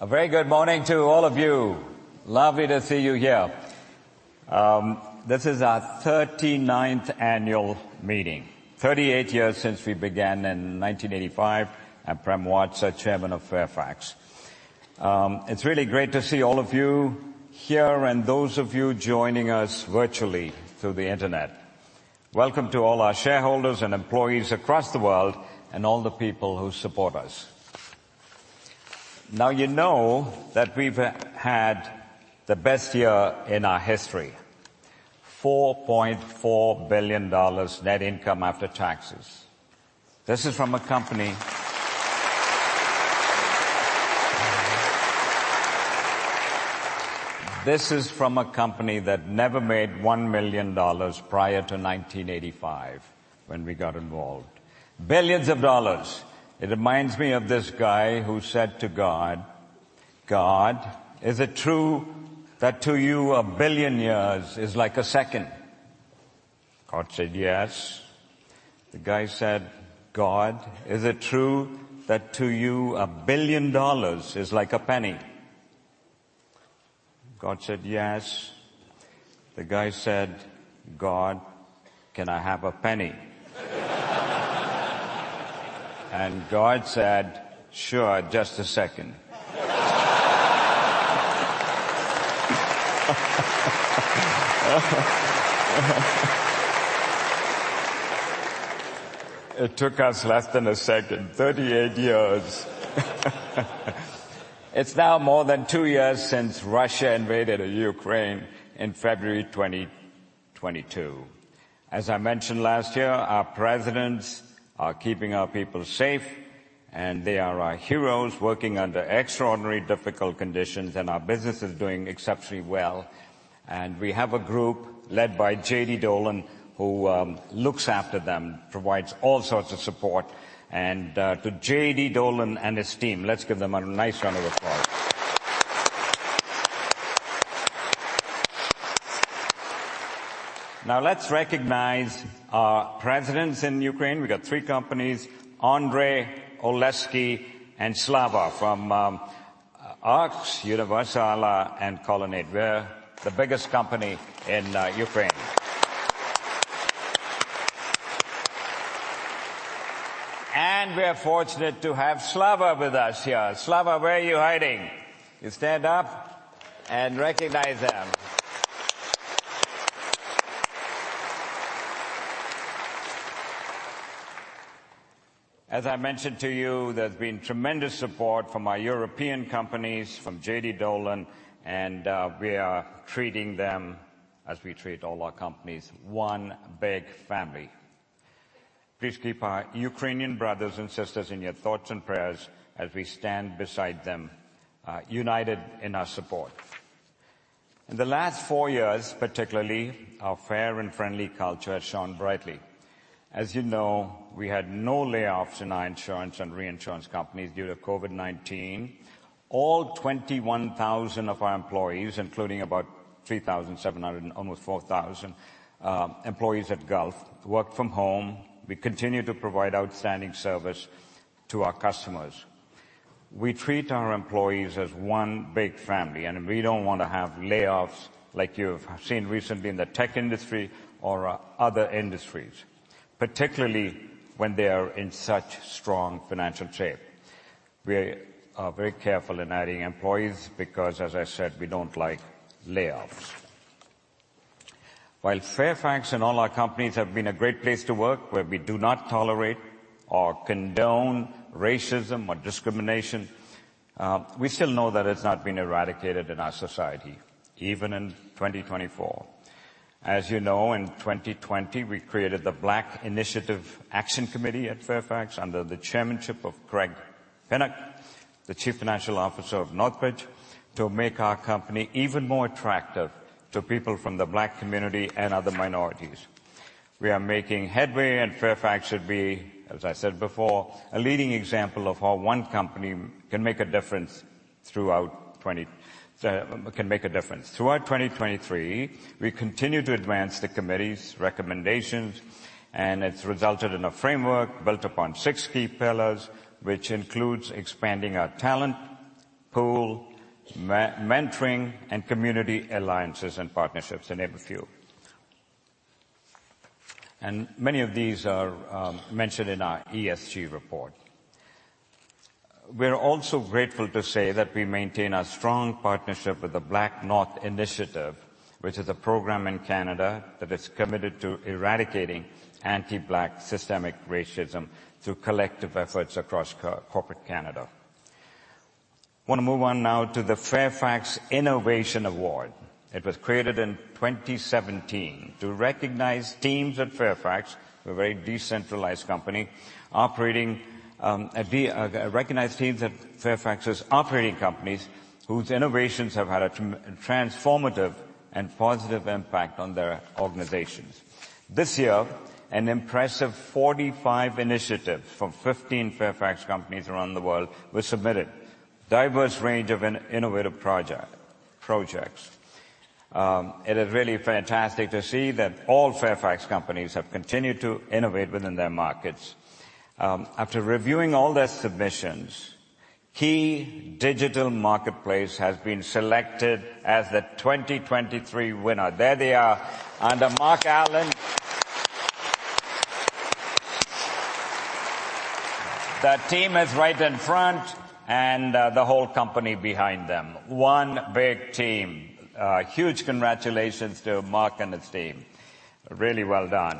A very good morning to all of you. Lovely to see you here. This is our 39th annual meeting. 38 years since we began in 1985. I'm Prem Watsa, Chairman of Fairfax. It's really great to see all of you here and those of you joining us virtually through the internet. Welcome to all our shareholders and employees across the world, and all the people who support us. Now, you know that we've had the best year in our history, $4.4 billion net income after taxes. This is from a company that never made $1 million prior to 1985, when we got involved. $Billions. It reminds me of this guy who said to God, "God, is it true that to you, a billion years is like a second?" God said, "Yes." The guy said, "God, is it true that to you, a billion dollars is like a penny?" God said, "Yes." The guy said, "God, can I have a penny?" And God said, "Sure, just a second." It took us less than a second, 38 years. It's now more than 2 years since Russia invaded Ukraine in February 2022. As I mentioned last year, our presidents are keeping our people safe, and they are our heroes working under extraordinary, difficult conditions, and our business is doing exceptionally well. And we have a group led by Jean Cloutier, who looks after them, provides all sorts of support. And to Jean Cloutier and his team, let's give them a nice round of applause. Now, let's recognize our presidents in Ukraine. We got three companies, Andriy, Oleksiy, and Slava from ARX, Universalna, and Colonnade. We're the biggest company in Ukraine. We are fortunate to have Slava with us here. Slava, where are you hiding? You stand up and recognize them. As I mentioned to you, there's been tremendous support from our European companies, from Jean Cloutier, and we are treating them as we treat all our companies, one big family. Please keep our Ukrainian brothers and sisters in your thoughts and prayers as we stand beside them, united in our support. In the last four years, particularly, our fair and friendly culture has shone brightly. As you know, we had no layoffs in our insurance and reinsurance companies due to COVID-19. All 21,000 of our employees, including about 3,700 and almost 4,000 employees at Gulf, worked from home. We continued to provide outstanding service to our customers. We treat our employees as one big family, and we don't want to have layoffs like you've seen recently in the tech industry or other industries, particularly when they are in such strong financial shape. We are very careful in adding employees because, as I said, we don't like layoffs. While Fairfax and all our companies have been a great place to work, where we do not tolerate or condone racism or discrimination, we still know that it's not been eradicated in our society, even in 2024. As you know, in 2020, we created the Black Initiative Action Committee at Fairfax, under the chairmanship of Craig Pinnock, the Chief Financial Officer of Northbridge, to make our company even more attractive to people from the black community and other minorities. We are making headway, and Fairfax should be, as I said before, a leading example of how one company can make a difference. Throughout 2023, we continued to advance the committee's recommendations, and it's resulted in a framework built upon six key pillars, which includes expanding our talent pool, mentoring, and community alliances and partnerships in every field. Many of these are mentioned in our ESG report. We're also grateful to say that we maintain a strong partnership with the BlackNorth Initiative, which is a program in Canada that is committed to eradicating anti-black systemic racism through collective efforts across corporate Canada. Want to move on now to the Fairfax Innovation Award. It was created in 2017 to recognize teams at Fairfax, a very decentralized company, recognize teams at Fairfax's operating companies whose innovations have had a transformative and positive impact on their organizations. This year, an impressive 45 initiatives from 15 Fairfax companies around the world were submitted. Diverse range of innovative projects. It is really fantastic to see that all Fairfax companies have continued to innovate within their markets. After reviewing all their submissions, Ki Digital Marketplace has been selected as the 2023 winner. There they are under Mark Allan. The team is right in front and, the whole company behind them. One big team. Huge congratulations to Mark and his team. Really well done.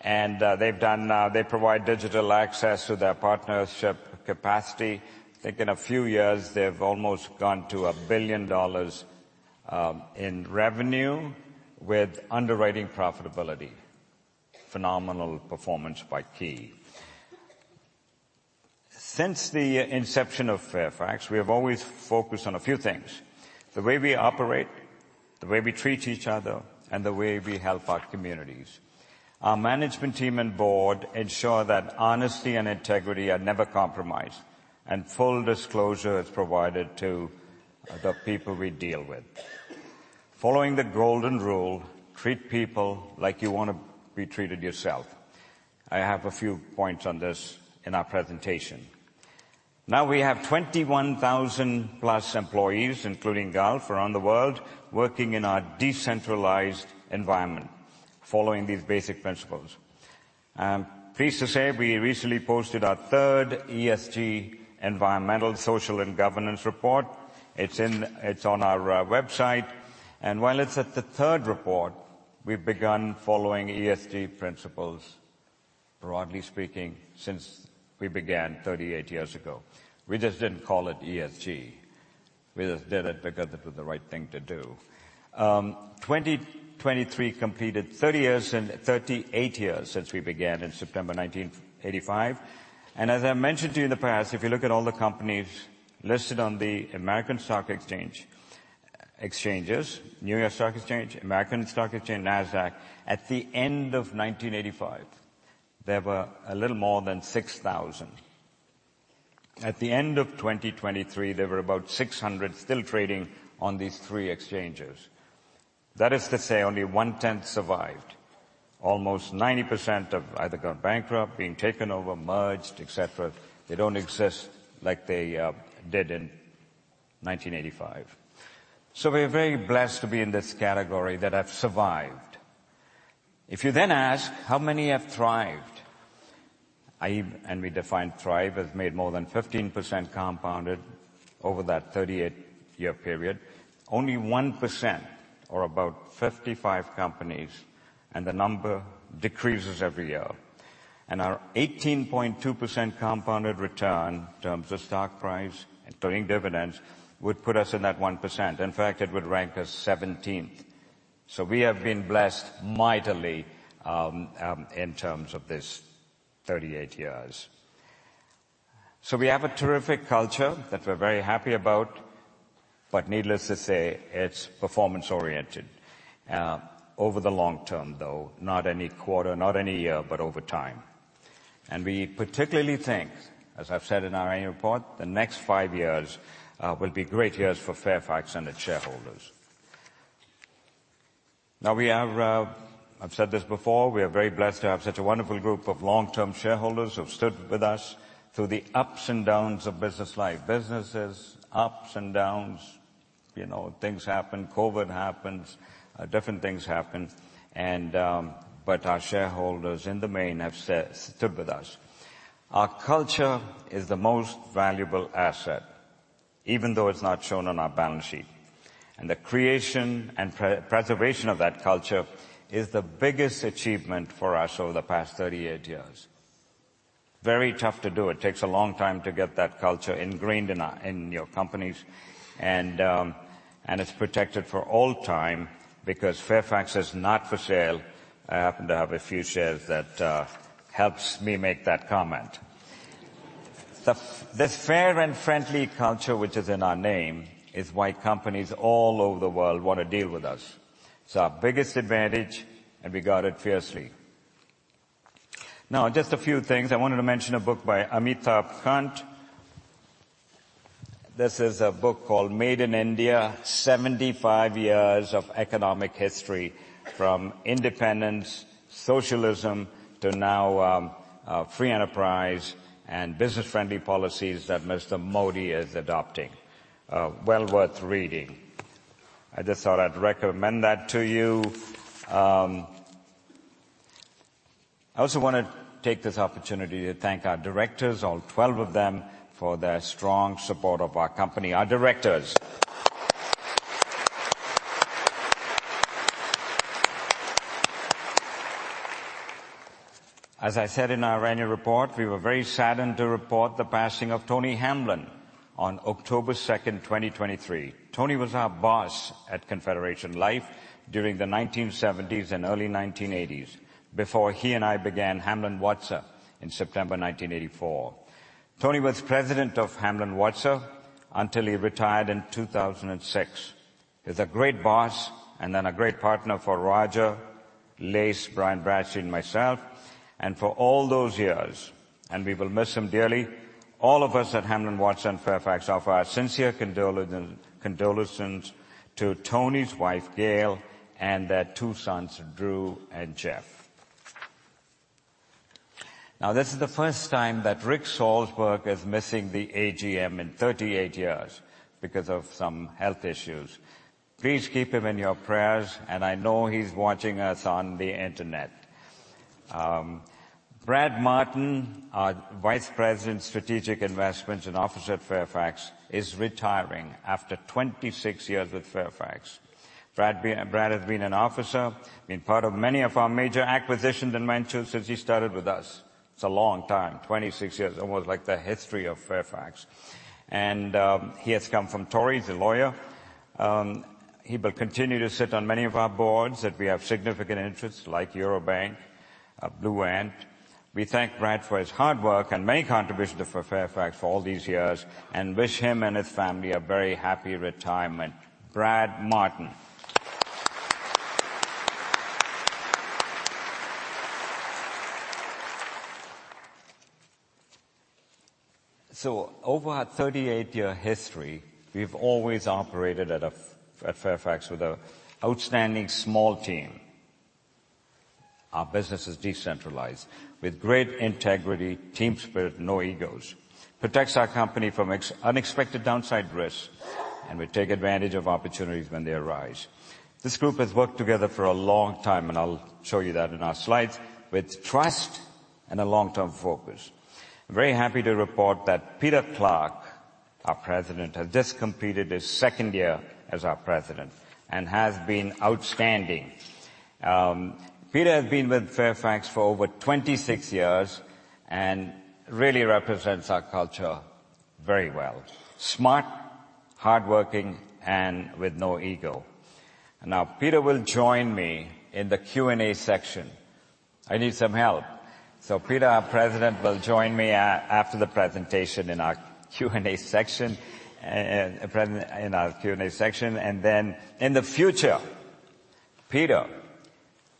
And, they've done, they provide digital access to their partnership capacity. I think in a few years, they've almost gone to $1 billion in revenue with underwriting profitability. Phenomenal performance by Ki. Since the inception of Fairfax, we have always focused on a few things: the way we operate, the way we treat each other, and the way we help our communities. Our management team and board ensure that honesty and integrity are never compromised, and full disclosure is provided to the people we deal with. Following the Golden Rule, treat people like you wanna be treated yourself. I have a few points on this in our presentation. Now, we have 21,000+ employees, including Gulf, around the world, working in our decentralized environment, following these basic principles. I'm pleased to say we recently posted our third ESG, Environmental, Social, and Governance report. It's on our website, and while it's at the third report, we've begun following ESG principles, broadly speaking, since we began 38 years ago. We just didn't call it ESG. We just did it because it was the right thing to do. 2023 completed 30 years and 38 years since we began in September 1985. As I mentioned to you in the past, if you look at all the companies listed on the American Stock Exchange, Exchanges, New York Stock Exchange, American Stock Exchange, NASDAQ. At the end of 1985, there were a little more than 6,000. At the end of 2023, there were about 600 still trading on these three exchanges. That is to say, only 1/10 survived. Almost 90% of either gone bankrupt, being taken over, merged, et cetera. They don't exist like they did in 1985. So we're very blessed to be in this category that have survived. If you then ask, how many have thrived? I, and we define thrive, as made more than 15% compounded over that 38-year period, only 1% or about 55 companies, and the number decreases every year. And our 18.2% compounded return in terms of stock price, including dividends, would put us in that 1%. In fact, it would rank us 17th. So we have been blessed mightily in terms of this 38 years. So we have a terrific culture that we're very happy about, but needless to say, it's performance-oriented over the long term, though, not any quarter, not any year, but over time. And we particularly think, as I've said in our annual report, the next five years will be great years for Fairfax and its shareholders. Now, we have... I've said this before, we are very blessed to have such a wonderful group of long-term shareholders who have stood with us through the ups and downs of business life. Businesses, ups and downs, you know, things happen, COVID happens, different things happen and, but our shareholders, in the main, have stood with us. Our culture is the most valuable asset, even though it's not shown on our balance sheet, and the creation and pre-preservation of that culture is the biggest achievement for us over the past 38 years. Very tough to do. It takes a long time to get that culture ingrained in our, in your companies, and and it's protected for all time because Fairfax is not for sale. I happen to have a few shares that helps me make that comment. The, this fair and friendly culture, which is in our name, is why companies all over the world want to deal with us. It's our biggest advantage, and we guard it fiercely. Now, just a few things. I wanted to mention a book by Amitabh Kant. This is a book called Made in India: 75 Years of Economic History, from independence, socialism, to now, free enterprise and business-friendly policies that Mr. Modi is adopting. Well worth reading. I just thought I'd recommend that to you. I also wanna take this opportunity to thank our directors, all 12 of them, for their strong support of our company, our directors. As I said in our annual report, we were very saddened to report the passing of Tony Hamblin on October 2, 2023. Tony was our boss at Confederation Life during the 1970s and early 1980s, before he and I began Hamblin Watsa in September 1984. Tony was president of Hamblin Watsa until he retired in 2006. He's a great boss and then a great partner for Roger Lace, Brian Bradstreet, and myself, and for all those years, and we will miss him dearly. All of us at Hamblin Watsa and Fairfax offer our sincere condolences to Tony's wife, Gail, and their two sons, Drew and Jeff. Now, this is the first time that Rick Salsberg is missing the AGM in 38 years because of some health issues. Please keep him in your prayers, and I know he's watching us on the internet. Brad Martin, our Vice President, Strategic Investments and officer at Fairfax, is retiring after 26 years with Fairfax. Brad has been an officer, been part of many of our major acquisitions and ventures since he started with us. It's a long time, 26 years, almost like the history of Fairfax. He has come from Torys, he's a lawyer. He will continue to sit on many of our boards, that we have significant interests, like Eurobank, Blue Ant. We thank Brad for his hard work and many contributions to Fairfax for all these years, and wish him and his family a very happy retirement. Brad Martin. So over our 38-year history, we've always operated at a, at Fairfax with an outstanding small team. Our business is decentralized with great integrity, team spirit, no egos. It protects our company from unexpected downside risks, and we take advantage of opportunities when they arise. This group has worked together for a long time, and I'll show you that in our slides, with trust and a long-term focus. I'm very happy to report that Peter Clarke, our President, has just completed his second year as our President and has been outstanding. Peter has been with Fairfax for over 26 years and really represents our culture very well. Smart, hardworking, and with no ego. Now, Peter will join me in the Q&A section. I need some help. So Peter, our President, will join me after the presentation in our Q&A section, and then in the future, Peter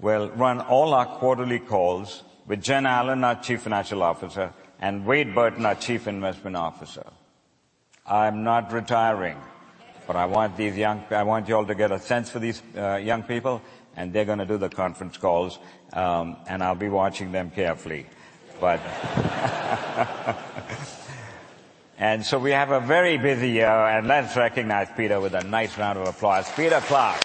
will run all our quarterly calls with Jen Allen, our Chief Financial Officer, and Wade Burton, our Chief Investment Officer. I'm not retiring, but I want you all to get a sense for these young people, and they're gonna do the conference calls, and I'll be watching them carefully. We have a very busy year, and let's recognize Peter with a nice round of applause. Peter Clarke.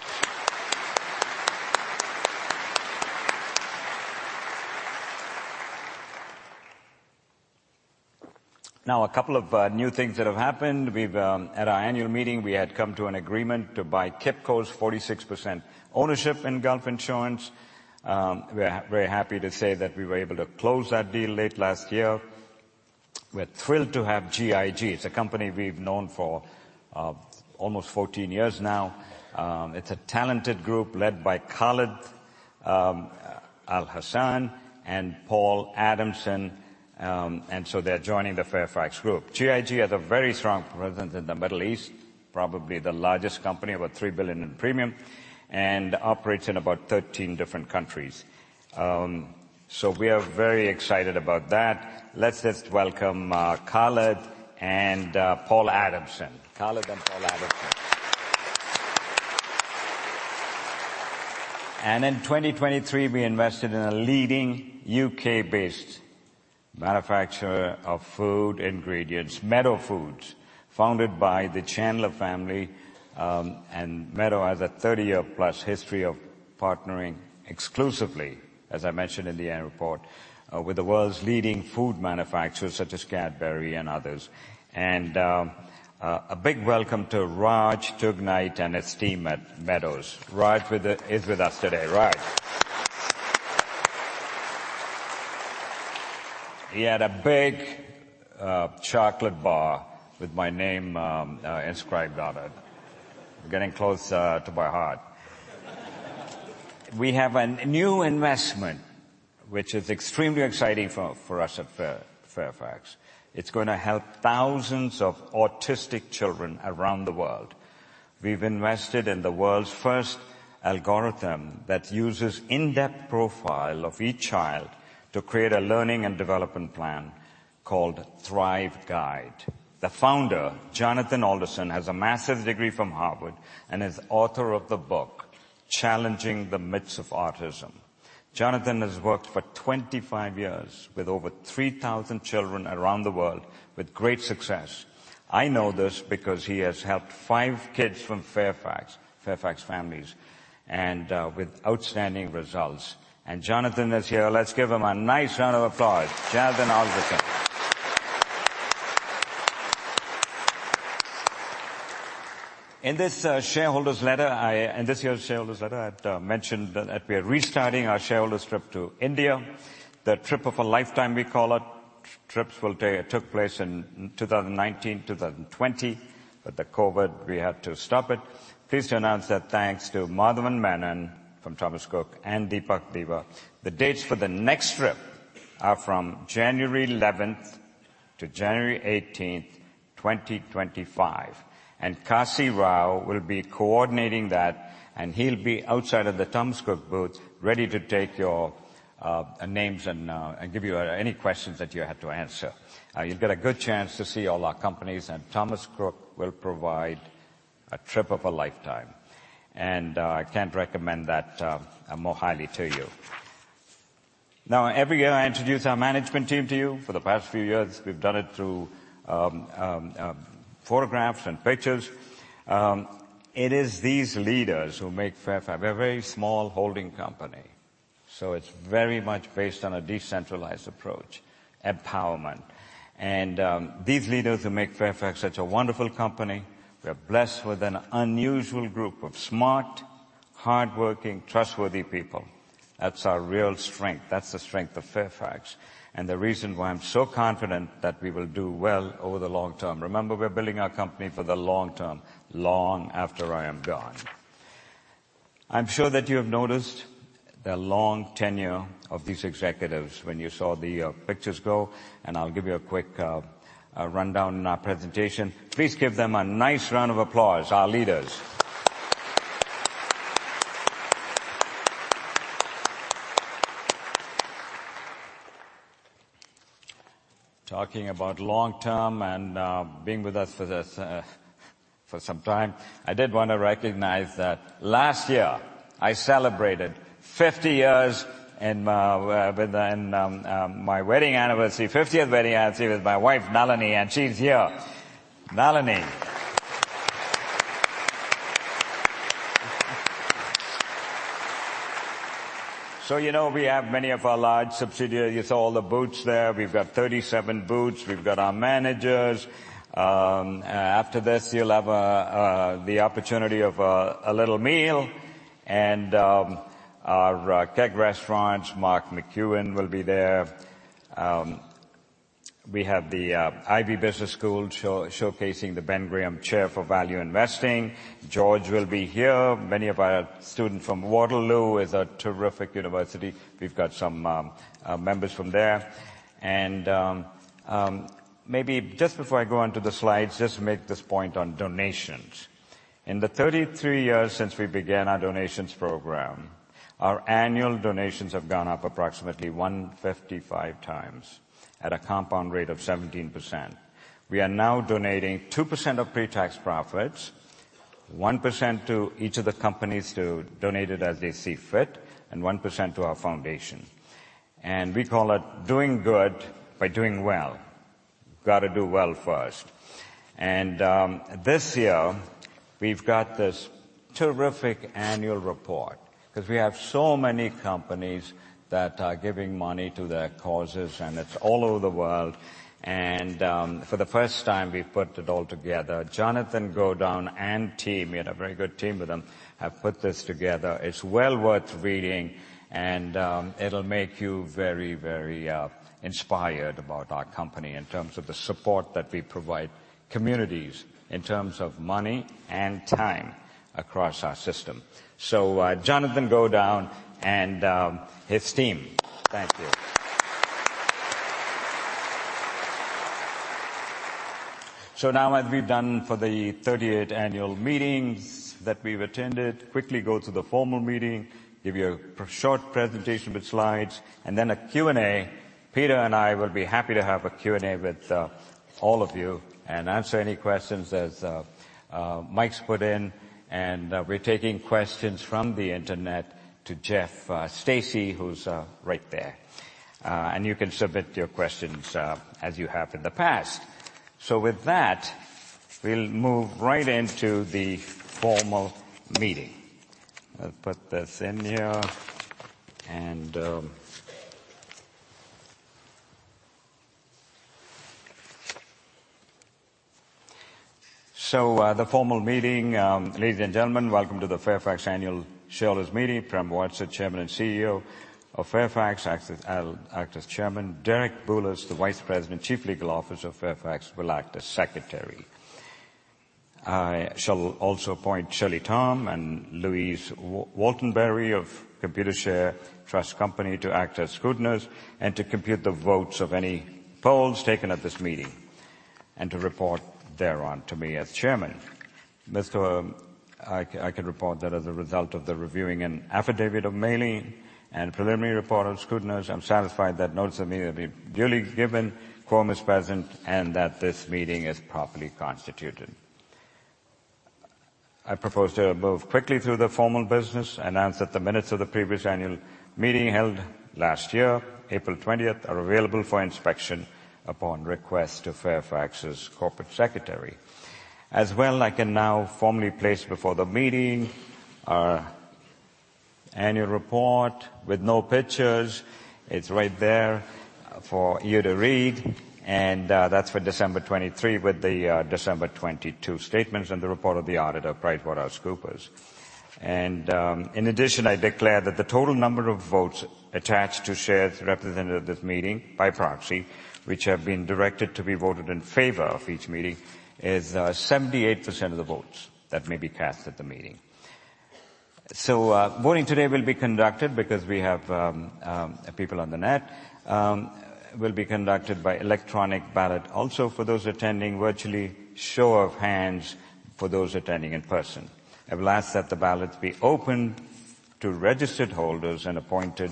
Now, a couple of new things that have happened. We've at our annual meeting come to an agreement to buy KIPCO 46% ownership in Gulf Insurance. We are very happy to say that we were able to close that deal late last year. We're thrilled to have GIG. It's a company we've known for almost 14 years now. It's a talented group led by Khalid Al-Hassan and Paul Adamson, and so they're joining the Fairfax group. GIG has a very strong presence in the Middle East, probably the largest company, about $3 billion in premium, and operates in about 13 different countries. So we are very excited about that. Let's just welcome Khalid and Paul Adamson. Khalid and Paul Adamson. In 2023, we invested in a leading UK-based manufacturer of food ingredients, Meadow Foods, founded by the Chandler family. Meadow Foods has a 30-year-plus history of partnering exclusively, as I mentioned in the annual report, with the world's leading food manufacturers such as Cadbury and others. A big welcome to Raj Tugnait and his team at Meadow Foods. Raj is with us today. Raj. He had a big chocolate bar with my name inscribed on it. Getting close to my heart. We have a new investment which is extremely exciting for us at Fairfax. It's going to help thousands of autistic children around the world. We've invested in the world's first algorithm that uses in-depth profile of each child to create a learning and development plan called Thrive Guide. The founder, Jonathan Alderson, has a master's degree from Harvard and is author of the book, Challenging the Myths of Autism. Jonathan has worked for 25 years with over 3,000 children around the world with great success. I know this because he has helped 5 kids from Fairfax, Fairfax families, and with outstanding results. And Jonathan is here. Let's give him a nice round of applause. Jonathan Alderson. In this year's shareholders' letter, I'd mentioned that we are restarting our shareholders trip to India. The trip of a lifetime we call it. Trips will take--took place in 2019 to 2020, but the COVID, we had to stop it. Pleased to announce that thanks to Madhavan Menon from Thomas Cook and Deepak Deva, the dates for the next trip are from January eleventh-... to January 18th, 2025, and Kasi Rao will be coordinating that, and he'll be outside of the Thomas Cook booth, ready to take your names and give you any questions that you have to answer. You'll get a good chance to see all our companies, and Thomas Cook will provide a trip of a lifetime. And, I can't recommend that more highly to you. Now, every year I introduce our management team to you. For the past few years, we've done it through photographs and pictures. It is these leaders who make Fairfax a very small holding company, so it's very much based on a decentralized approach, empowerment. And, these leaders who make Fairfax such a wonderful company, we're blessed with an unusual group of smart, hardworking, trustworthy people. That's our real strength. That's the strength of Fairfax and the reason why I'm so confident that we will do well over the long term. Remember, we're building our company for the long term, long after I am gone. I'm sure that you have noticed the long tenure of these executives when you saw the pictures go, and I'll give you a quick rundown in our presentation. Please give them a nice round of applause, our leaders. Talking about long term and being with us for this for some time, I did wanna recognize that last year I celebrated 50 years in my with my wedding anniversary, 50th wedding anniversary with my wife, Melanie, and she's here. Melanie. So you know, we have many of our large subsidiaries. You saw all the booths there. We've got 37 booths. We've got our managers. After this, you'll have the opportunity of a little meal and our KEG Restaurants, Mark McEwan, will be there. We have the Ivey Business School showcasing the Ben Graham Chair for Value Investing. George will be here. Many of our students from Waterloo. It's a terrific university. We've got some members from there. Maybe just before I go on to the slides, just make this point on donations. In the 33 years since we began our donations program, our annual donations have gone up approximately 155 times at a compound rate of 17%. We are now donating 2% of pre-tax profits, 1% to each of the companies to donate it as they see fit, and 1% to our foundation, and we call it doing good by doing well. Gotta do well first. And, this year, we've got this terrific annual report 'cause we have so many companies that are giving money to their causes, and it's all over the world. And, for the first time, we've put it all together. Jonathan Godown and team, he had a very good team with him, have put this together. It's well worth reading and, it'll make you very, very, inspired about our company in terms of the support that we provide communities in terms of money and time across our system. So, Jonathan Godown and, his team. Thank you. So now, as we've done for the 38th annual meetings that we've attended, quickly go through the formal meeting, give you a short presentation with slides, and then a Q&A. Peter and I will be happy to have a Q&A with all of you and answer any questions as Mike's put in, and we're taking questions from the internet to Jeff Stacy, who's right there. You can submit your questions as you have in the past. With that, we'll move right into the formal meeting. I'll put this in here, and... So, the formal meeting. Ladies and gentlemen, welcome to the Fairfax Annual Shareholders Meeting. Prem Watsa, Chairman and CEO of Fairfax, acts as, I'll act as Chairman. Derek Bulas, the Vice President, Chief Legal Officer of Fairfax, will act as Secretary. I shall also appoint Shelley Tom and Louise Waltenbury of Computershare to act as scrutineers and to compute the votes of any polls taken at this meeting, and to report thereon to me as Chairman. I can report that as a result of the review of an affidavit of mailing and preliminary report of scrutineers, I'm satisfied that notices have been duly given, quorum is present, and that this meeting is properly constituted. I propose to move quickly through the formal business, announce that the minutes of the previous annual meeting held last year, April twentieth, are available for inspection upon request to Fairfax's Corporate Secretary. As well, I can now formally place before the meeting our annual report with no pictures. It's right there for you to read, and that's for December 2023, with the December 2022 statements and the report of the auditor, PricewaterhouseCoopers. In addition, I declare that the total number of votes attached to shares represented at this meeting by proxy, which have been directed to be voted in favor of each meeting, is 78% of the votes that may be cast at the meeting. So, voting today will be conducted, because we have people on the net, will be conducted by electronic ballot also for those attending virtually, show of hands for those attending in person. I will ask that the ballots be open to registered holders and appointed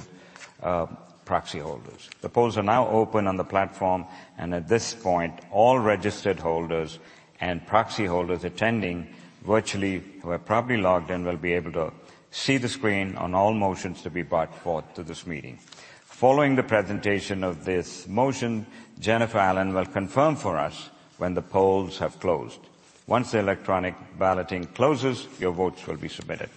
proxy holders. The polls are now open on the platform, and at this point, all registered holders and proxy holders attending virtually, who are properly logged in, will be able to see the screen on all motions to be brought forth to this meeting. Following the presentation of this motion, Jennifer Allen will confirm for us when the polls have closed. Once the electronic balloting closes, your votes will be submitted.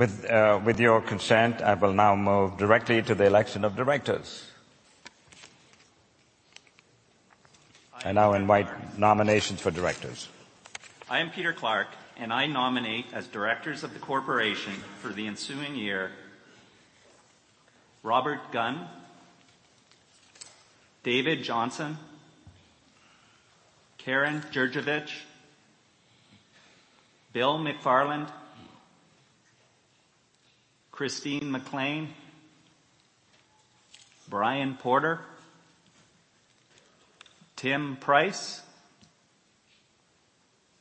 With your consent, I will now move directly to the election of directors. I now invite nominations for directors. I am Peter Clarke, and I nominate as directors of the corporation for the ensuing year: Robert Gunn, David Johnston, Karen Jurjevich, Bill McFarland, Christine McLean, Brian Porter, Tim Price,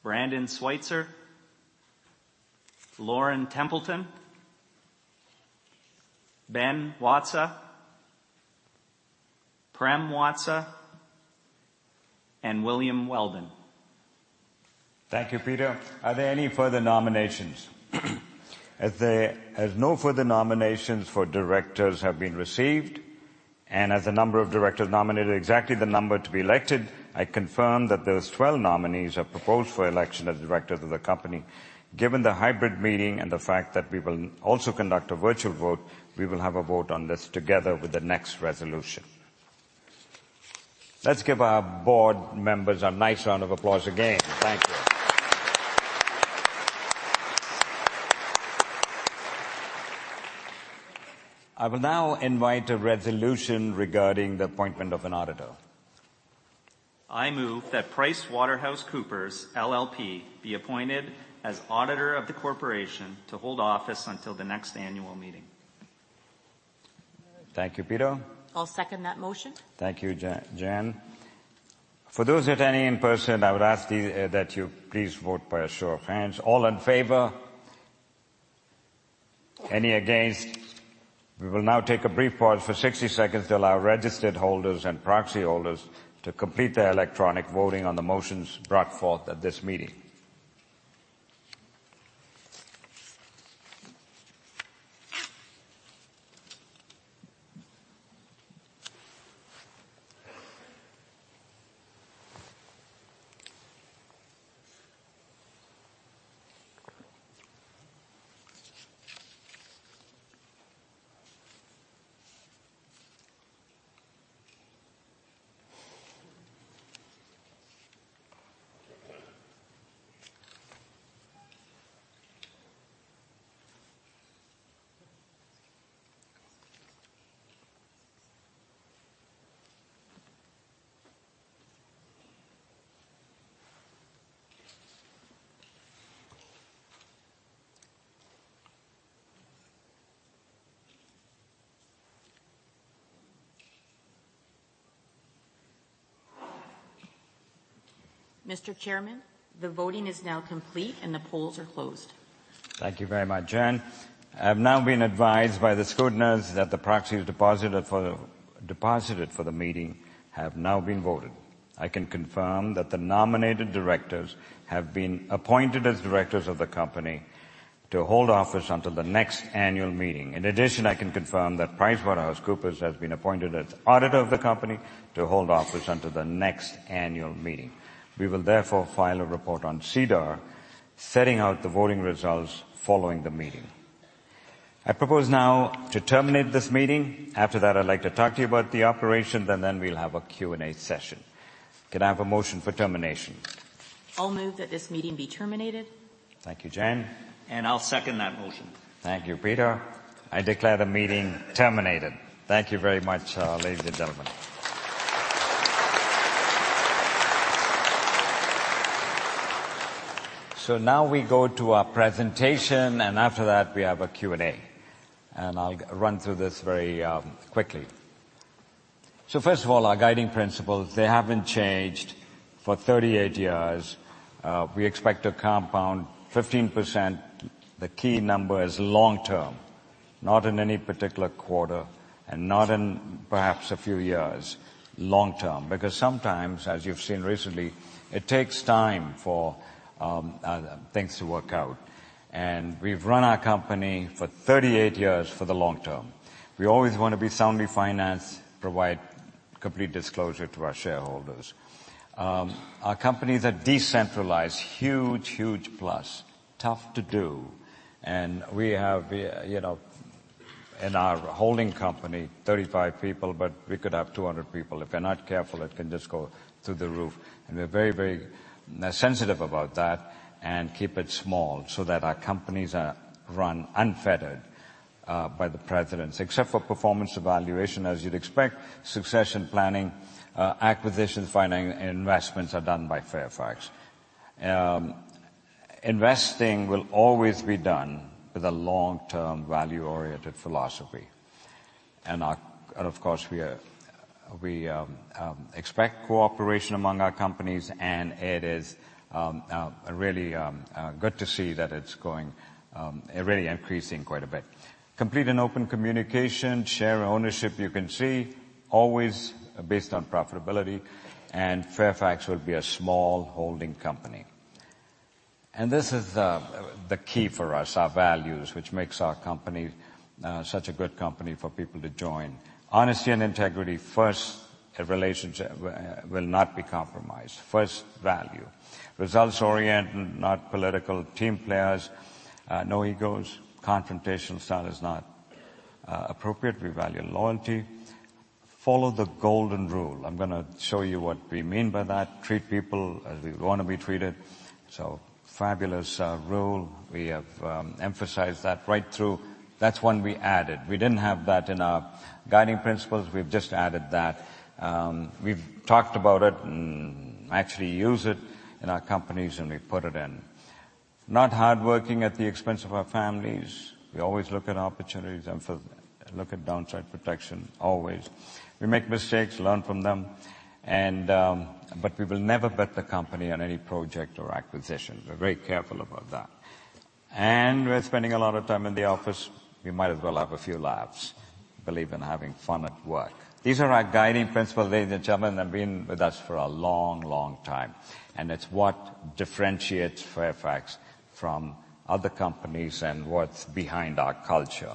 Brandon Sweitzer, Lauren Templeton, Ben Watsa, Prem Watsa, and William Weldon. Thank you, Peter. Are there any further nominations? As no further nominations for directors have been received, and as the number of directors nominated are exactly the number to be elected, I confirm that those 12 nominees are proposed for election as directors of the company. Given the hybrid meeting and the fact that we will also conduct a virtual vote, we will have a vote on this together with the next resolution. Let's give our board members a nice round of applause again. Thank you. I will now invite a resolution regarding the appointment of an auditor. I move that PricewaterhouseCoopers LLP be appointed as auditor of the corporation to hold office until the next annual meeting. Thank you, Peter. I'll second that motion. Thank you, Jen. For those attending in person, I would ask that you please vote by a show of hands. All in favor? Any against? We will now take a brief pause for 60 seconds to allow registered holders and proxy holders to complete their electronic voting on the motions brought forth at this meeting. Mr. Chairman, the voting is now complete, and the polls are closed. Thank you very much, Jen. I've now been advised by the scrutineers that the proxies deposited for the meeting have now been voted. I can confirm that the nominated directors have been appointed as directors of the company to hold office until the next annual meeting. In addition, I can confirm that PricewaterhouseCoopers has been appointed as auditor of the company to hold office until the next annual meeting. We will therefore file a report on SEDAR, setting out the voting results following the meeting. I propose now to terminate this meeting. After that, I'd like to talk to you about the operation, and then we'll have a Q&A session. Can I have a motion for termination? I'll move that this meeting be terminated. Thank you, Jen. I'll second that motion. Thank you, Peter. I declare the meeting terminated. Thank you very much, ladies and gentlemen. So now we go to our presentation, and after that, we have a Q&A, and I'll run through this very quickly. So first of all, our guiding principles, they haven't changed for 38 years. We expect to compound 15%. The key number is long term, not in any particular quarter and not in perhaps a few years, long term, because sometimes, as you've seen recently, it takes time for things to work out. And we've run our company for 38 years for the long term. We always want to be soundly financed, provide complete disclosure to our shareholders. Our company is a decentralized, huge, huge plus. Tough to do, and we have, you know, in our holding company, 35 people, but we could have 200 people. If we're not careful, it can just go through the roof, and we're very, very sensitive about that and keep it small so that our companies are run unfettered by the precedents, except for performance evaluation, as you'd expect. Succession planning, acquisitions, financing, and investments are done by Fairfax. Investing will always be done with a long-term, value-oriented philosophy. And of course, we expect cooperation among our companies, and it is really good to see that it's going really increasing quite a bit. Complete and open communication, share ownership, you can see, always based on profitability, and Fairfax will be a small holding company. And this is the key for us, our values, which makes our company such a good company for people to join. Honesty and integrity first, a relationship will, will not be compromised. First, value. Results-oriented, not political. Team players, no egos. Confrontational style is not appropriate. We value loyalty. Follow the golden rule. I'm gonna show you what we mean by that. Treat people as we wanna be treated. So fabulous rule. We have emphasized that right through. That's one we added. We didn't have that in our guiding principles; we've just added that. We've talked about it and actually use it in our companies, and we put it in. Not hardworking at the expense of our families. We always look at opportunities and look at downside protection, always. We make mistakes, learn from them, and, but we will never bet the company on any project or acquisition. We're very careful about that. We're spending a lot of time in the office, we might as well have a few laughs. Believe in having fun at work. These are our guiding principles, ladies and gentlemen, have been with us for a long, long time, and it's what differentiates Fairfax from other companies and what's behind our culture.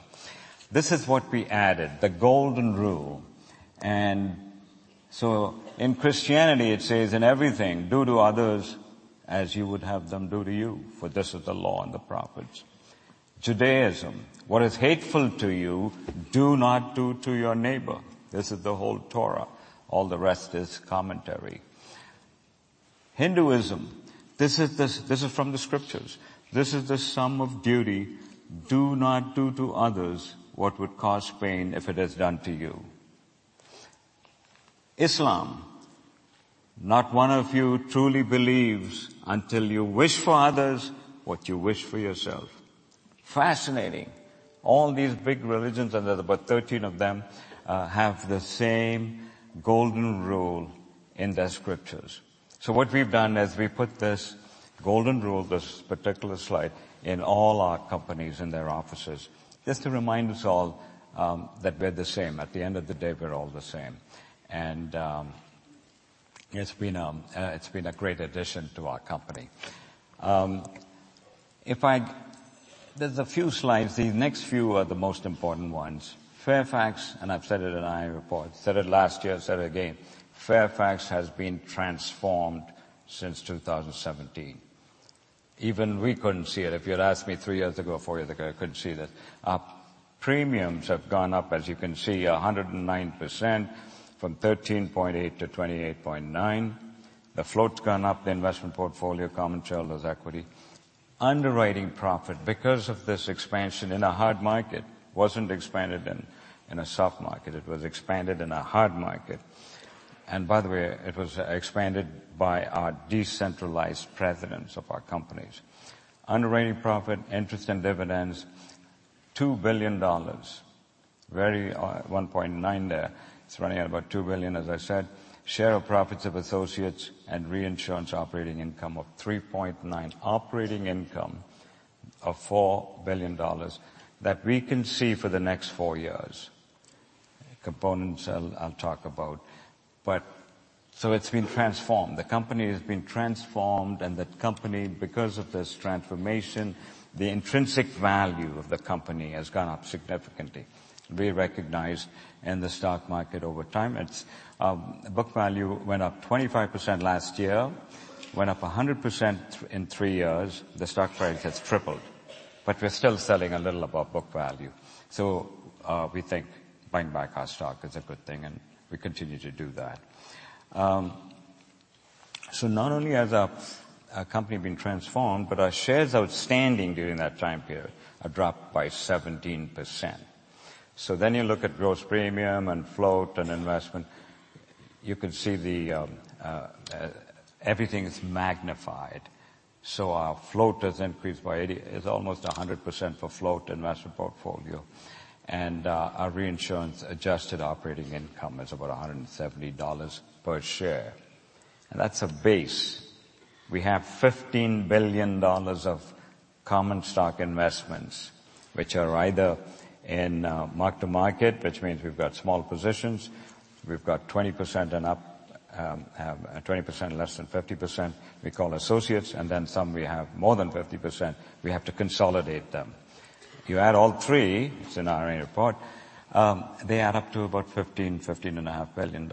This is what we added, the Golden Rule. And so in Christianity, it says, "In everything, do to others as you would have them do to you, for this is the law and the prophets." Judaism: "What is hateful to you, do not do to your neighbor. This is the whole Torah, all the rest is commentary." Hinduism, this is from the scriptures: "This is the sum of duty: Do not do to others what would cause pain if it is done to you." Islam: "Not one of you truly believes until you wish for others what you wish for yourself." Fascinating. All these big religions, and there's about 13 of them, have the same golden rule in their scriptures. So what we've done is we put this golden rule, this particular slide, in all our companies, in their offices, just to remind us all that we're the same. At the end of the day, we're all the same. It's been a great addition to our company. There's a few slides. The next few are the most important ones. Fairfax, and I've said it in our report, said it last year, I'll say it again, Fairfax has been transformed since 2017. Even we couldn't see it. If you'd asked me three years ago, four years ago, I couldn't see this. Our premiums have gone up, as you can see, 109%, from $13.8 billion to $28.9 billion. The float's gone up, the investment portfolio, common shareholders' equity. Underwriting profit, because of this expansion in a hard market, wasn't expanded in, in a soft market, it was expanded in a hard market. And by the way, it was expanded by our decentralized presidents of our companies. Underwriting profit, interest and dividends, $2 billion. Very, 1.9 there. It's running at about $2 billion, as I said. Share of profits of associates and reinsurance operating income of $3.9 billion. Operating income of $4 billion that we can see for the next four years. Components I'll talk about. But it's been transformed. The company has been transformed, and the company, because of this transformation, the intrinsic value of the company has gone up significantly, re-recognized in the stock market over time. Its book value went up 25% last year, went up 100% in three years. The stock price has tripled, but we're still selling a little above book value. So we think buying back our stock is a good thing, and we continue to do that. So not only has our company been transformed, but our shares outstanding during that time period have dropped by 17%. So then you look at gross premium and float and investment, you can see the everything is magnified. So our float has increased by 80. It's almost 100% for float investment portfolio, and our reinsurance adjusted operating income is about $170 per share, and that's a base. We have $15 billion of common stock investments, which are either in mark to market, which means we've got small positions. We've got 20% and up, 20%, less than 50% we call associates, and then some we have more than 50%, we have to consolidate them. You add all three, it's in our annual report, they add up to about $15-$15.5 billion.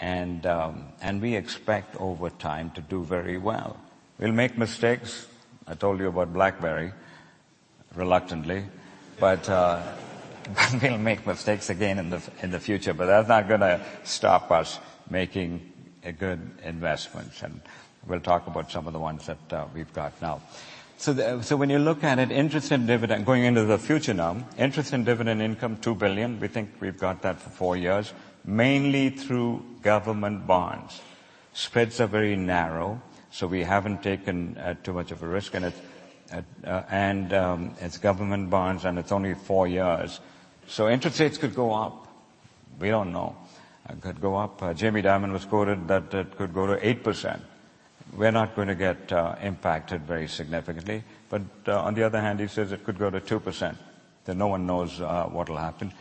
And we expect over time to do very well. We'll make mistakes. I told you about BlackBerry, reluctantly, but, we'll make mistakes again in the, in the future, but that's not gonna stop us making a good investment, and we'll talk about some of the ones that we've got now. So when you look at it, interest and dividend going into the future now, interest and dividend income, $2 billion. We think we've got that for four years, mainly through government bonds. Spreads are very narrow, so we haven't taken too much of a risk in it. And, and, it's government bonds, and it's only four years. So interest rates could go up, we don't know. It could go up. Jamie Dimon was quoted that it could go to 8%. We're not going to get impacted very significantly, but on the other hand, he says it could go to 2%, that no one knows what will happen.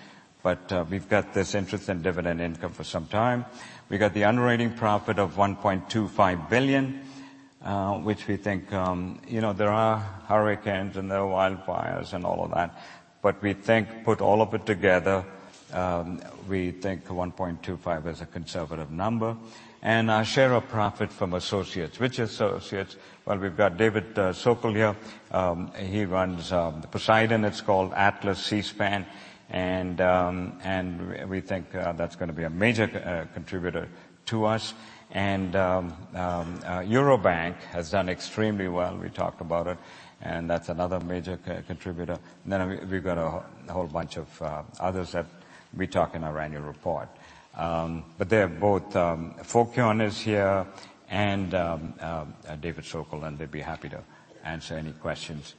But we've got this interest and dividend income for some time. We've got the underwriting profit of $1.25 billion, which we think, you know, there are hurricanes, and there are wildfires and all of that, but we think put all of it together, we think $1.25 billion is a conservative number. And our share of profit from associates. Which associates? Well, we've got David Sokol here. He runs the Poseidon, it's called Atlas Corp / Seaspan, and and we think that's gonna be a major contributor to us. And Eurobank has done extremely well. We talked about it, and that's another major co-contributor. Then we, we've got a whole bunch of others that we talk in our annual report. But they're both, Fokion is here and David Sokol, and they'd be happy to answer any questions.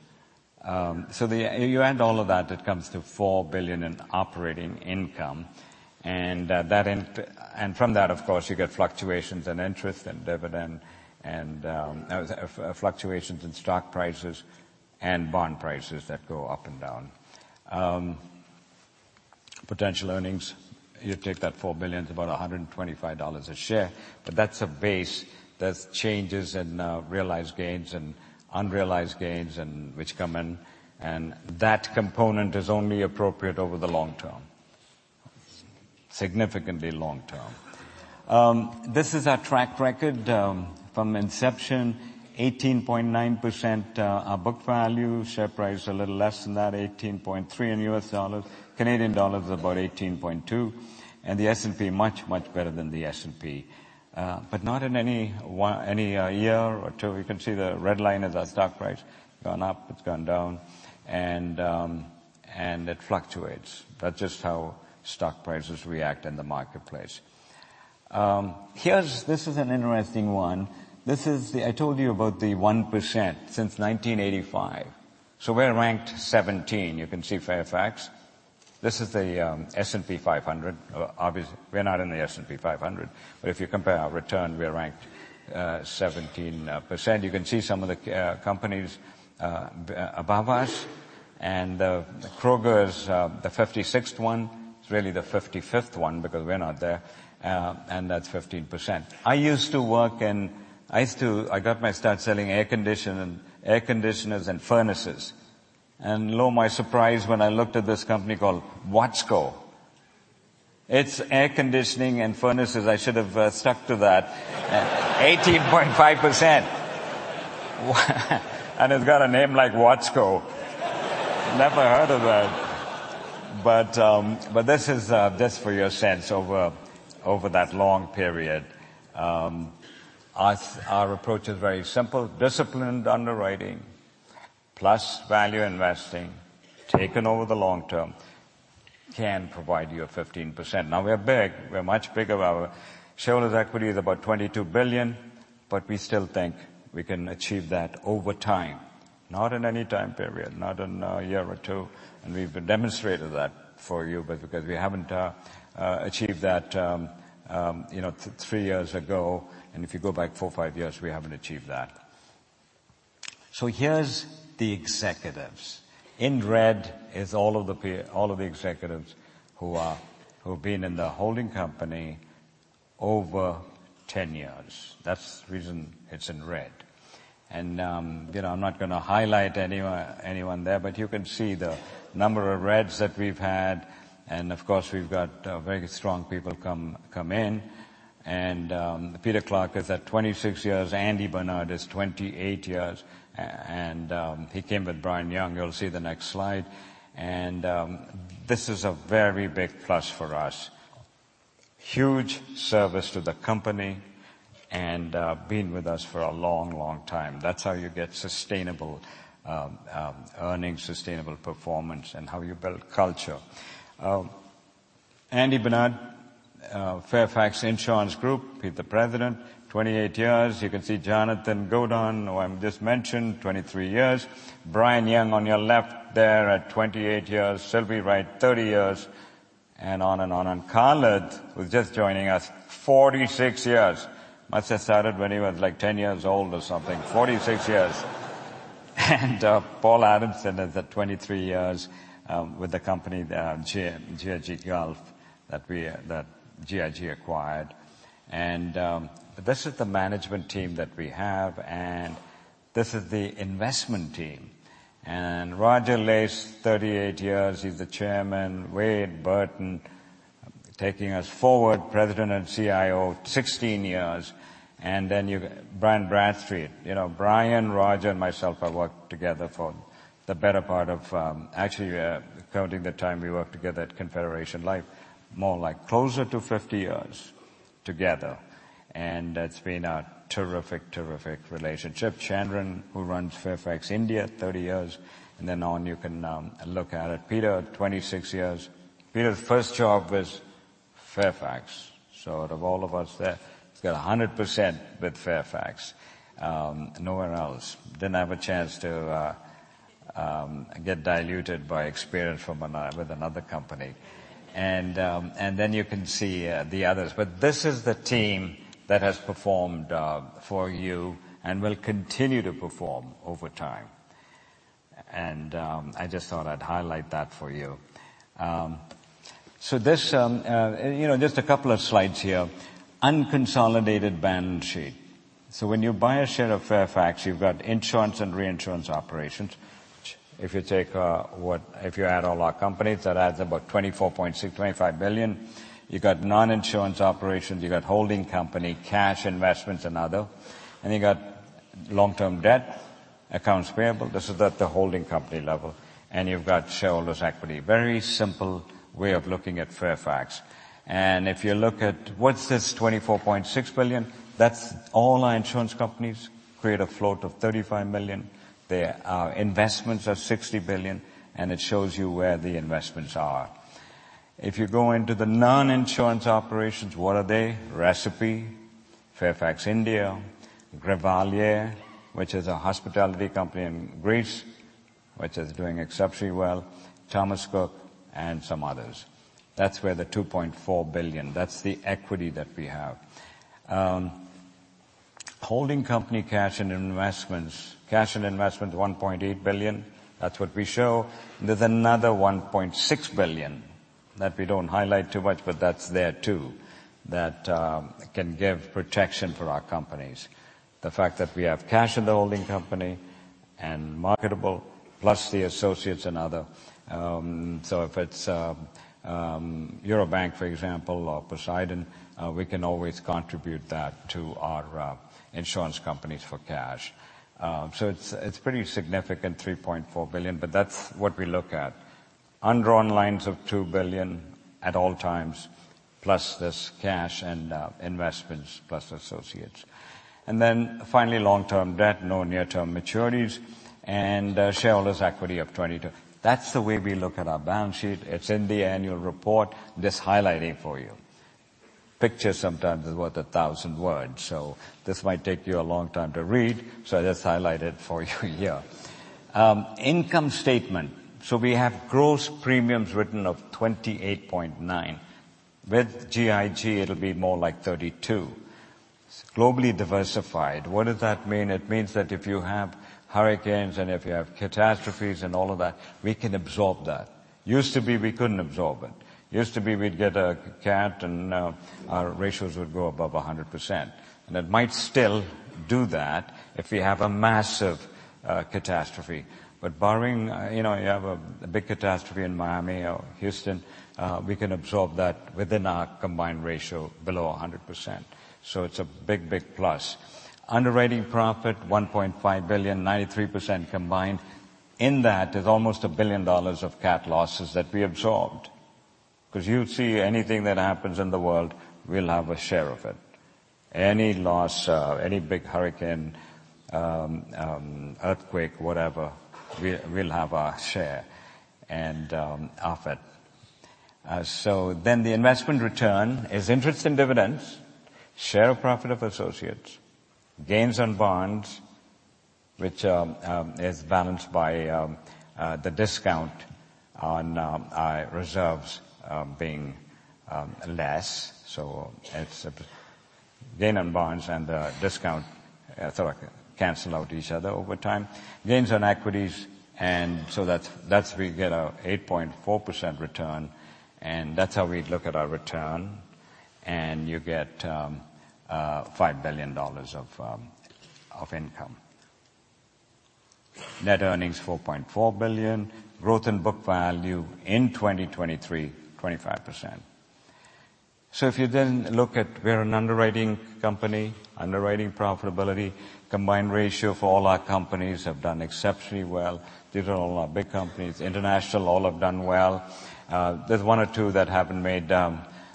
So the... You add all of that, it comes to $4 billion in operating income, and that and from that, of course, you get fluctuations in interest and dividend and fluctuations in stock prices and bond prices that go up and down. Potential earnings, you take that $4 billion to about $125 a share, but that's a base. There's changes in realized gains and unrealized gains and which come in, and that component is only appropriate over the long term. Significantly long term. This is our track record from inception, 18.9% our book value. Share price is a little less than that, 18.3 in US dollars, Canadian dollars, about 18.2, and the S&P much, much better than the S&P. But not in any one, any, year or two. You can see the red line is our stock price, gone up, it's gone down, and it fluctuates. That's just how stock prices react in the marketplace. Here's this is an interesting one. This is the one I told you about the one percent since 1985. So we're ranked 17. You can see Fairfax. This is the S&P 500. Obviously, we're not in the S&P 500, but if you compare our return, we are ranked 17 percent. You can see some of the companies above us, and Kroger is the 56th one. It's really the 55th one because we're not there, and that's 15%. I used to get my start selling air conditioners and furnaces, and lo, my surprise, when I looked at this company called Watsco. It's air conditioning and furnaces, I should have stuck to that. 18.5%. And it's got a name like Watsco. Never heard of that. But this is just for your sense over that long period. Our approach is very simple: disciplined underwriting plus value investing, taken over the long term, can provide you a 15%. Now, we're big. We're much bigger. Our shareholders' equity is about $22 billion, but we still think we can achieve that over time. Not in any time period, not in a year or two, and we've demonstrated that for you because we haven't achieved that, you know, three years ago, and if you go back four, five years, we haven't achieved that. So here's the executives. In red is all of the all of the executives who are, who've been in the holding company over 10 years. That's the reason it's in red. And, you know, I'm not gonna highlight anyone, anyone there, but you can see the number of reds that we've had, and of course, we've got very strong people come, come in. And, Peter Clarke is at 26 years. Andy Barnard is 28 years, and, he came with Brian Young. You'll see the next slide. And, this is a very big plus for us. Huge service to the company and, been with us for a long, long time. That's how you get sustainable, earnings, sustainable performance, and how you build culture. Andy Barnard, Fairfax Insurance Group, he's the President, 28 years. You can see Jonathan Godown, who I've just mentioned, 23 years. Brian Young on your left there at 28 years. Silvy Wright, 30 years, and on and on and on. Khalid, who's just joining us, 46 years. Must have started when he was like 10 years old or something. 46 years. And, Paul Adamson is at 23 years, with the company, GIG Gulf, that we, that GIG acquired. And, this is the management team that we have, and-... This is the investment team, and Roger Lace, 38 years, he's the Chairman. Wade Burton, taking us forward, President and CIO, 16 years, and then you've Brian Bradstreet. You know, Brian, Roger, and myself have worked together for the better part of, actually, counting the time we worked together at Confederation Life, more like closer to 50 years together, and it's been a terrific, terrific relationship. Chandran, who runs Fairfax India, 30 years, and then on, you can, look at it. Peter, 26 years. Peter's first job was Fairfax. So out of all of us there, he's got a 100% with Fairfax, nowhere else. Didn't have a chance to, get diluted by experience from another- with another company. Then you can see the others, but this is the team that has performed for you and will continue to perform over time. I just thought I'd highlight that for you. So this, you know, just a couple of slides here. Unconsolidated balance sheet. So when you buy a share of Fairfax, you've got insurance and reinsurance operations. If you add all our companies, that adds about $24.6-$25 billion. You got non-insurance operations, you got holding company, cash, investments and other, and you got long-term debt, accounts payable. This is at the holding company level, and you've got shareholders' equity. Very simple way of looking at Fairfax. And if you look at what's this $24.6 billion, that's all our insurance companies create a float of $35 billion. Their investments are $60 billion, and it shows you where the investments are. If you go into the non-insurance operations, what are they? Recipe, Fairfax India, Grivalia, which is a hospitality company in Greece, which is doing exceptionally well, Thomas Cook, and some others. That's where the $2.4 billion, that's the equity that we have. Holding company cash and investments. Cash and investment, $1.8 billion. That's what we show. There's another $1.6 billion that we don't highlight too much, but that's there, too, that can give protection for our companies. The fact that we have cash in the holding company and marketable, plus the associates and other, so if it's, Eurobank, for example, or Poseidon, we can always contribute that to our insurance companies for cash. So it's pretty significant, $3.4 billion, but that's what we look at. Undrawn lines of $2 billion at all times, plus this cash and investments, plus associates. And then finally, long-term debt, no near-term maturities, and shareholders' equity of $22 billion. That's the way we look at our balance sheet. It's in the annual report, just highlighting for you. Picture sometimes is worth 1,000 words, so this might take you a long time to read, so I just highlight it for you here. Income statement. So we have gross premiums written of $28.9 billion. With GIG, it'll be more like $32 billion. Globally diversified. What does that mean? It means that if you have hurricanes, and if you have catastrophes and all of that, we can absorb that. Used to be, we couldn't absorb it. Used to be, we'd get a cat, and our ratios would go above 100%, and it might still do that if we have a massive catastrophe. But barring you know you have a big catastrophe in Miami or Houston, we can absorb that within our combined ratio below 100%. So it's a big, big plus. Underwriting profit, $1.5 billion, 93% combined. In that is almost $1 billion of cat losses that we absorbed. 'Cause you'll see anything that happens in the world, we'll have a share of it. Any loss, any big hurricane, earthquake, whatever, we'll have our share of it. So then the investment return is interest and dividends, share of profit of associates, gains on bonds, which is balanced by the discount on reserves being less. So it's gain on bonds and the discount sort of cancel out each other over time. Gains on equities, and so that's, that's we get a 8.4% return, and that's how we'd look at our return, and you get $5 billion of income. Net earnings, $4.4 billion. Growth in book value in 2023, 25%. So if you then look at we're an underwriting company, underwriting profitability, combined ratio for all our companies have done exceptionally well. These are all our big companies. International, all have done well. There's one or two that haven't made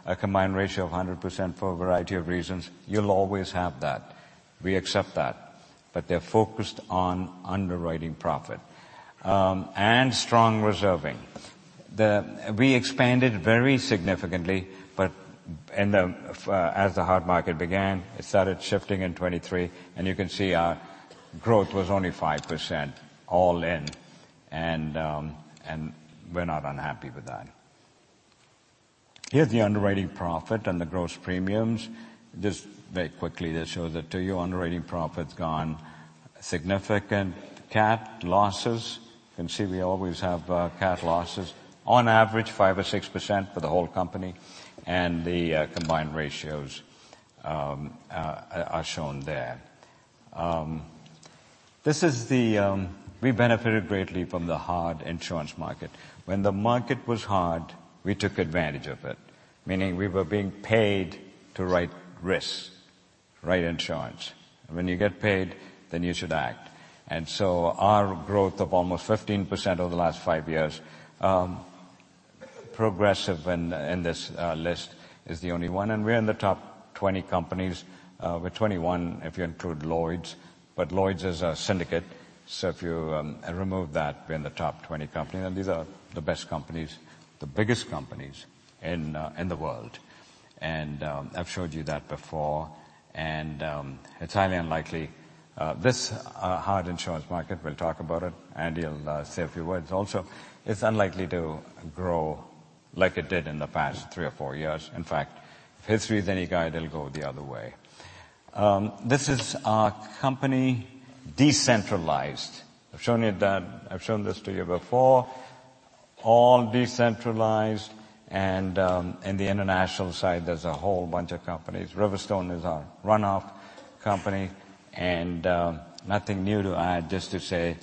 a combined ratio of 100% for a variety of reasons. You'll always have that. We accept that, but they're focused on underwriting profit and strong reserving. We expanded very significantly, but in the as the hard market began, it started shifting in 2023, and you can see our growth was only 5% all in, and we're not unhappy with that. Here's the underwriting profit and the gross premiums. Just very quickly, this shows it to you. Underwriting profit's gone, significant cat losses. You can see we always have cat losses, on average, 5%-6% for the whole company, and the combined ratios are shown there. This is the. We benefited greatly from the hard insurance market. When the market was hard, we took advantage of it, meaning we were being paid to write risks, write insurance. When you get paid, then you should act. So our growth of almost 15% over the last 5 years, Progressive in this list is the only one, and we're in the top 20 companies. We're 21, if you include Lloyd's. But Lloyd's is a syndicate, so if you remove that, we're in the top 20 companies, and these are the best companies, the biggest companies in the world. I've showed you that before, and it's highly unlikely. This hard insurance market, we'll talk about it, and he'll say a few words. Also, it's unlikely to grow like it did in the past 3 or 4 years. In fact, if history is any guide, it'll go the other way. This is our company, decentralized. I've shown you that. I've shown this to you before. All decentralized, and in the international side, there's a whole bunch of companies. RiverStone is our runoff company, and nothing new to add, just to say,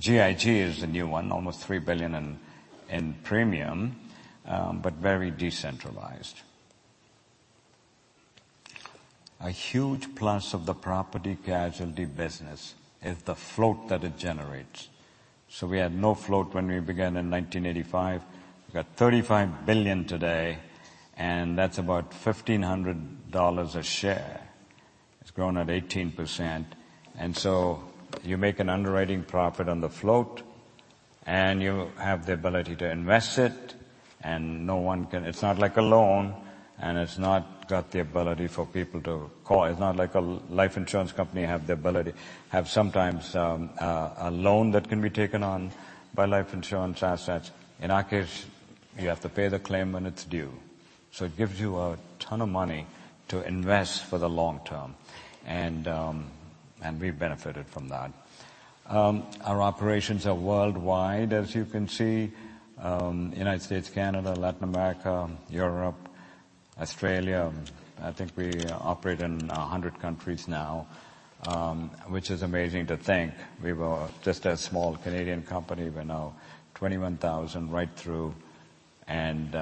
GIG is the new one, almost $3 billion in premium, but very decentralized. A huge plus of the property casualty business is the float that it generates. So we had no float when we began in 1985. We got $35 billion today, and that's about $1,500 a share. It's grown at 18%, and so you make an underwriting profit on the float, and you have the ability to invest it, and no one can... It's not like a loan, and it's not got the ability for people to call. It's not like a life insurance company have the ability to have sometimes a loan that can be taken on by life insurance assets. In our case, you have to pay the claim when it's due. So it gives you a ton of money to invest for the long term, and we've benefited from that. Our operations are worldwide, as you can see, United States, Canada, Latin America, Europe, Australia. I think we operate in 100 countries now, which is amazing to think. We were just a small Canadian company. We're now 21,000 right through, and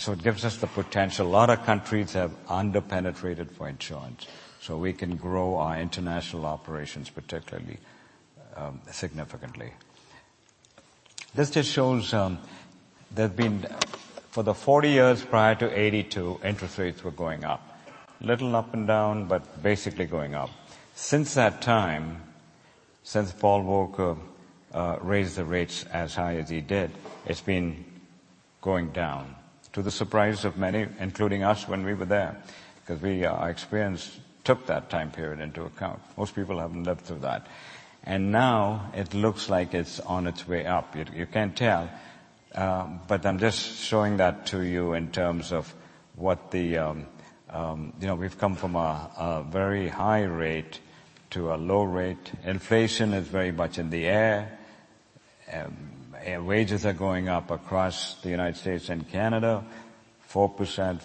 so it gives us the potential. A lot of countries have underpenetrated for insurance, so we can grow our international operations, particularly significantly. This just shows, there's been—for the 40 years prior to 1982, interest rates were going up. Little up and down, but basically going up. Since that time, since Paul Volcker raised the rates as high as he did, it's been going down to the surprise of many, including us when we were there, 'cause we, our experience took that time period into account. Most people haven't lived through that. And now it looks like it's on its way up. You can't tell, but I'm just showing that to you in terms of what the... You know, we've come from a very high rate to a low rate. Inflation is very much in the air, and wages are going up across the United States and Canada, 4%,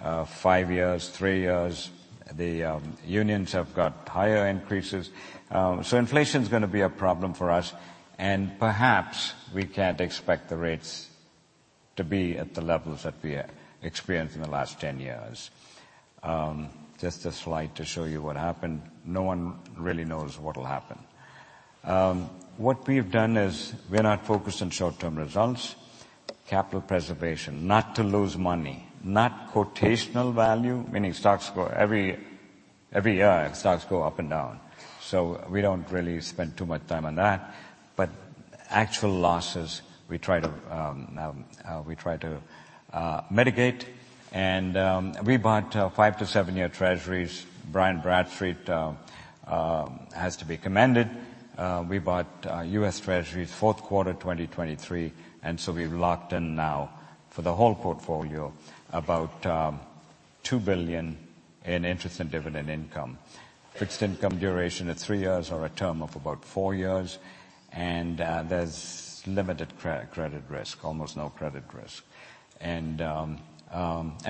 5%, 5 years, 3 years. The unions have got higher increases. So inflation's gonna be a problem for us, and perhaps we can't expect the rates to be at the levels that we experienced in the last 10 years. Just a slide to show you what happened. No one really knows what will happen. What we've done is we're not focused on short-term results, capital preservation, not to lose money, not notional value, meaning stocks go every year, stocks go up and down. So we don't really spend too much time on that. But actual losses, we try to mitigate, and we bought 5- to 7-year Treasuries. Brian Bradstreet has to be commended. We bought US Treasuries, fourth quarter, 2023, and so we've locked in now for the whole portfolio about $2 billion in interest and dividend income. Fixed income duration at 3 years or a term of about 4 years, and there's limited credit risk, almost no credit risk. And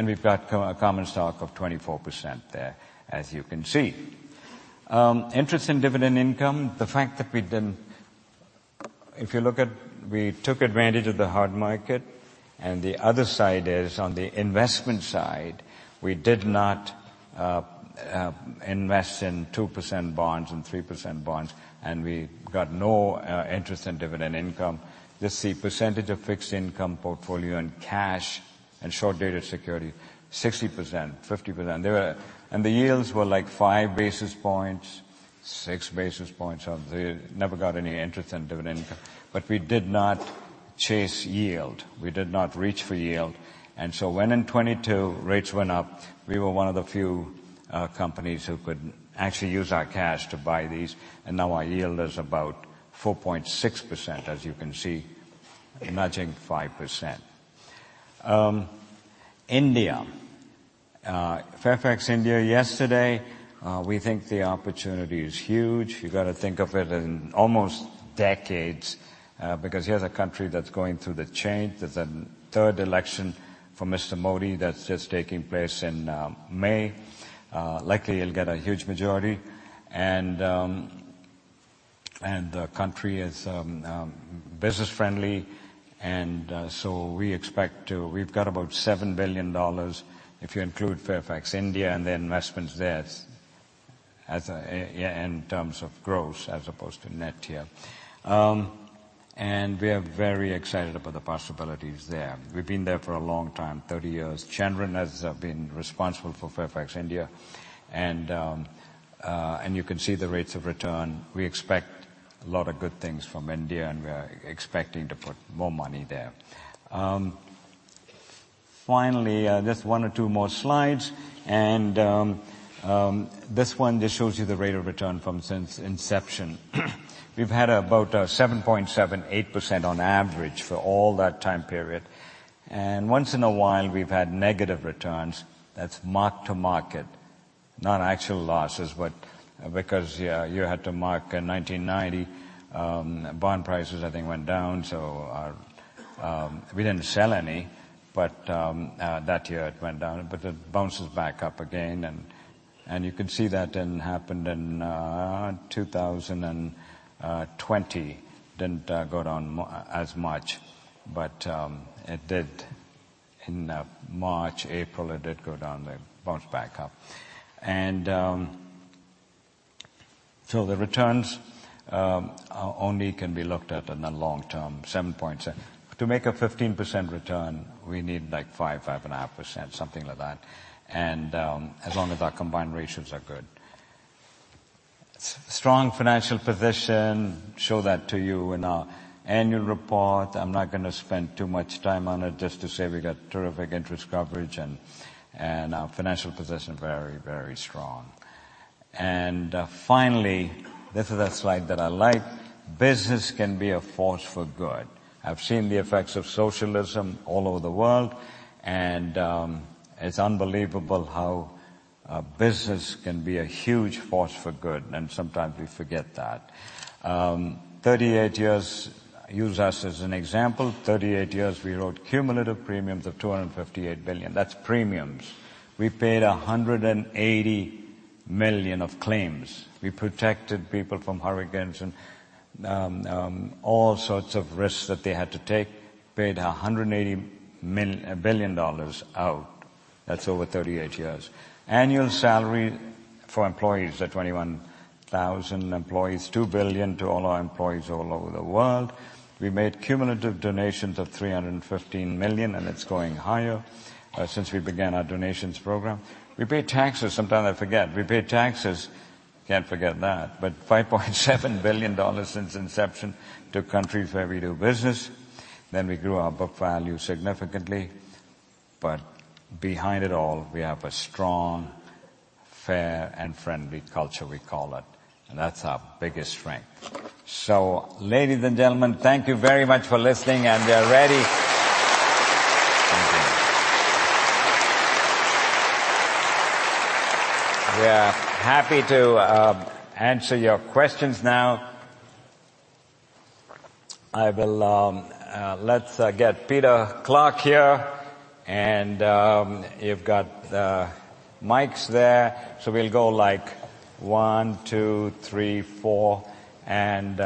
we've got common stock of 24% there, as you can see. Interest and dividend income, the fact that we didn't... If you look at, we took advantage of the hard market, and the other side is, on the investment side, we did not invest in 2% bonds and 3% bonds, and we got no interest and dividend income. You see percentage of fixed income portfolio and cash and short-dated security, 60%, 50%. And the yields were like 5 basis points, 6 basis points, so they never got any interest in dividend income. But we did not chase yield. We did not reach for yield. And so when in 2022 rates went up, we were one of the few, companies who could actually use our cash to buy these, and now our yield is about 4.6%, as you can see, nudging 5%.... India. Fairfax India yesterday, we think the opportunity is huge. You've got to think of it in almost decades, because here's a country that's going through the change. There's a third election for Mr. Modi that's just taking place in, May. Likely, he'll get a huge majority, and the country is business friendly, and so we expect to. We've got about $7 billion, if you include Fairfax India and the investments there as a, yeah, in terms of gross as opposed to net here. And we are very excited about the possibilities there. We've been there for a long time, 30 years. Chandran has been responsible for Fairfax India, and you can see the rates of return. We expect a lot of good things from India, and we are expecting to put more money there. Finally, just one or two more slides, and this one just shows you the rate of return from since inception. We've had about a 7.7-8% on average for all that time period, and once in a while, we've had negative returns. That's mark to market, not actual losses, but because, yeah, you had to mark. In 1990, bond prices, I think, went down, so our... We didn't sell any, but, that year it went down, but it bounces back up again, and, and you can see that then happened in, two thousand and, twenty. Didn't, go down m-- as much, but, it did in, March, April, it did go down then bounced back up. And, so the returns, are only can be looked at in the long term, 7.7. To make a 15% return, we need, like, 5-5.5%, something like that, and as long as our combined ratios are good. Strong financial position, show that to you in our annual report. I'm not gonna spend too much time on it, just to say we got terrific interest coverage and our financial position very, very strong. And finally, this is that slide that I like. Business can be a force for good. I've seen the effects of socialism all over the world, and it's unbelievable how a business can be a huge force for good, and sometimes we forget that. 38 years, use us as an example, 38 years, we wrote cumulative premiums of $258 billion. That's premiums. We paid $180 million of claims. We protected people from hurricanes and all sorts of risks that they had to take. Paid $180 billion out. That's over 38 years. Annual salary for employees at 21,000 employees, $2 billion to all our employees all over the world. We made cumulative donations of $315 million, and it's going higher, since we began our donations program. We pay taxes. Sometimes I forget. We pay taxes. Can't forget that, but $5.7 billion since inception to countries where we do business, then we grew our book value significantly. But behind it all, we have a strong, fair, and friendly culture, we call it, and that's our biggest strength. So ladies and gentlemen, thank you very much for listening, and we are ready. Thank you. We are happy to answer your questions now. I will. Let's get Peter Clarke here, and you've got the mics there. So we'll go, like, one, two, three, four, and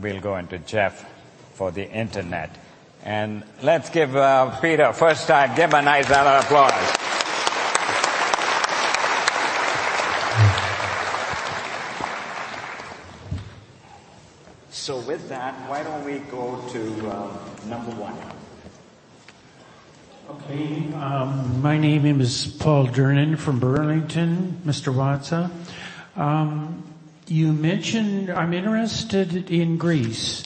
we'll go into Jeff for the Internet. And let's give Peter a first time. Give him a nice round of applause. So with that, why don't we go to number one? Okay, my name is Paul Durnan from Burlington, Mr. Watsa. You mentioned. I'm interested in Greece.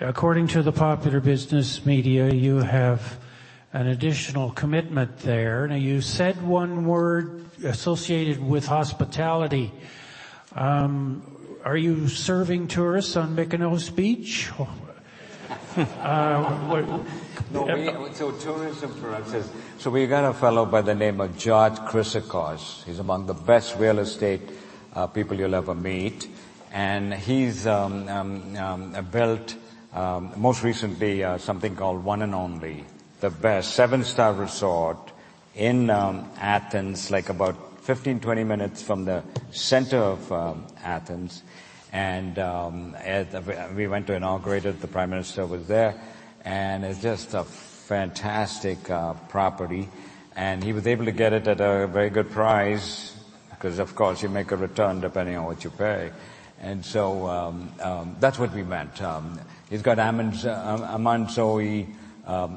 According to the popular business media, you have an additional commitment there. Now, you said one word associated with hospitality. Are you serving tourists on Mykonos Beach? What- No, we so tourism for us is so we got a fellow by the name of George Chryssikos. He's among the best real estate people you'll ever meet, and he's built, most recently, something called One & Only, the best seven-star resort in Athens, like about 15-20 minutes from the center of Athens. And we went to inaugurate it, the Prime Minister was there, and it's just a fantastic property. And he was able to get it at a very good price because, of course, you make a return depending on what you pay. And so that's what we meant. He's got Amanzoe,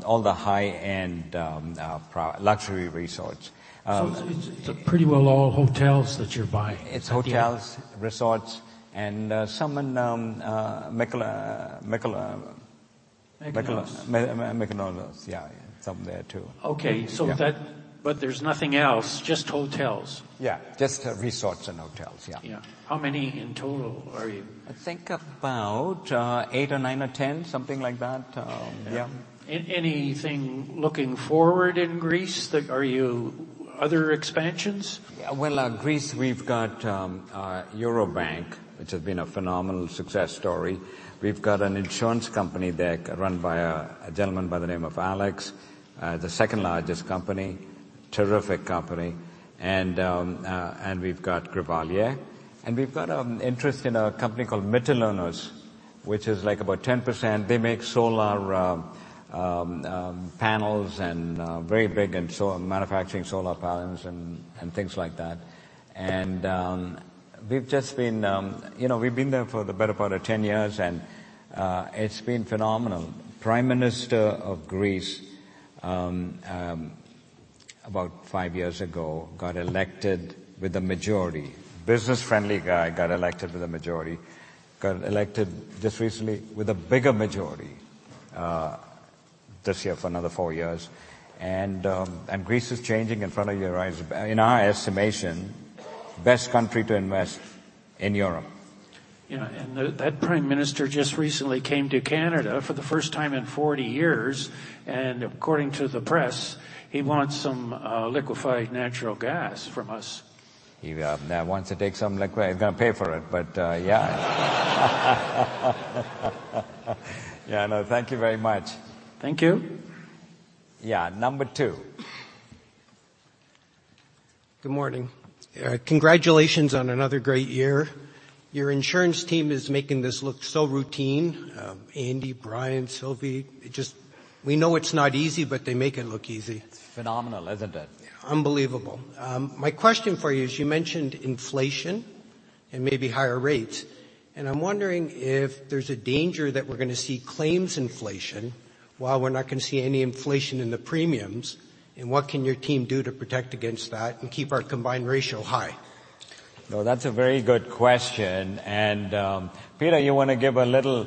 all the high-end luxury resorts. So it's pretty well all hotels that you're buying? It's hotels, resorts, and some in Mykonos-... McDonald's. McDonald's, yeah, yeah, something there, too. Okay, so that Yeah. But there's nothing else, just hotels? Yeah, just resorts and hotels, yeah. Yeah. How many in total are you? I think about 8 or 9 or 10, something like that, yeah. Anything looking forward in Greece that... Are you other expansions? Well, Greece, we've got Eurobank, which has been a phenomenal success story. We've got an insurance company there run by a gentleman by the name of Alex, the second-largest company, terrific company, and we've got Grivalia. And we've got an interest in a company called Mytilineos, which is, like, about 10%. They make solar panels and very big, and so manufacturing solar panels and things like that. And we've just been, you know, we've been there for the better part of 10 years, and it's been phenomenal. Prime Minister of Greece, about 5 years ago, got elected with the majority. Business-friendly guy, got elected with a majority. Got elected just recently with a bigger majority, this year for another four years, and Greece is changing in front of your eyes. In our estimation, best country to invest in Europe. Yeah, and that prime minister just recently came to Canada for the first time in 40 years, and according to the press, he wants some liquefied natural gas from us. He now wants to take some liquid. He's gonna pay for it, but yeah. Yeah, no, thank you very much. Thank you. Yeah. Number two. Good morning. Congratulations on another great year. Your insurance team is making this look so routine, Andy, Brian, Silvy, it just... We know it's not easy, but they make it look easy. It's phenomenal, isn't it? Unbelievable. My question for you is, you mentioned inflation and maybe higher rates, and I'm wondering if there's a danger that we're gonna see claims inflation while we're not gonna see any inflation in the premiums, and what can your team do to protect against that and keep our combined ratio high? No, that's a very good question, and, Peter, you want to give a little...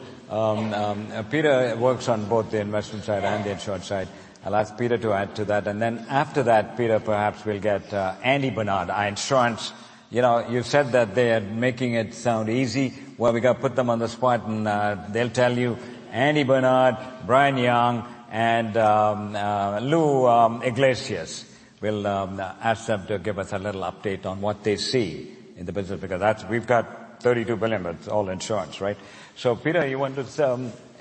Peter works on both the investment side and the insurance side. I'll ask Peter to add to that, and then after that, Peter, perhaps we'll get, Andy Barnard, our insurance. You know, you said that they're making it sound easy. Well, we gotta put them on the spot, and, they'll tell you. Andy Barnard, Brian Young, and Lou Iglesias. We'll ask them to give us a little update on what they see in the business, because that's—we've got $32 billion, but it's all insurance, right? So, Peter, you want to just,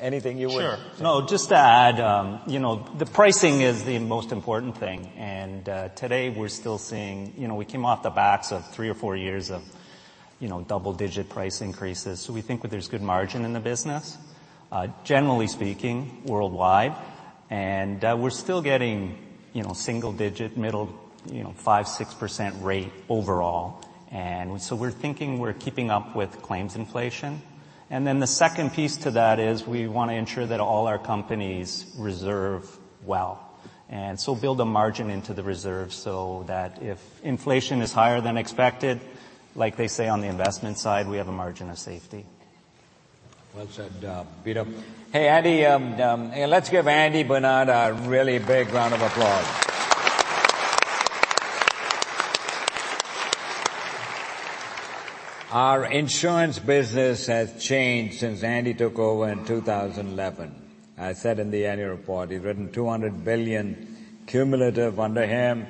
anything you would- Sure. No, just to add, you know, the pricing is the most important thing, and today we're still seeing... You know, we came off the backs of three or four years of, you know, double-digit price increases, so we think that there's good margin in the business, generally speaking, worldwide. And we're still getting, you know, single digit, middle, you know, 5, 6% rate overall, and so we're thinking we're keeping up with claims inflation. And then the second piece to that is we want to ensure that all our companies reserve well, and so build a margin into the reserves so that if inflation is higher than expected, like they say on the investment side, we have a margin of safety. Well said, Peter. Hey, Andy, let's give Andy Barnard a really big round of applause. Our insurance business has changed since Andy took over in 2011. I said in the annual report, we've written $200 billion cumulative under him,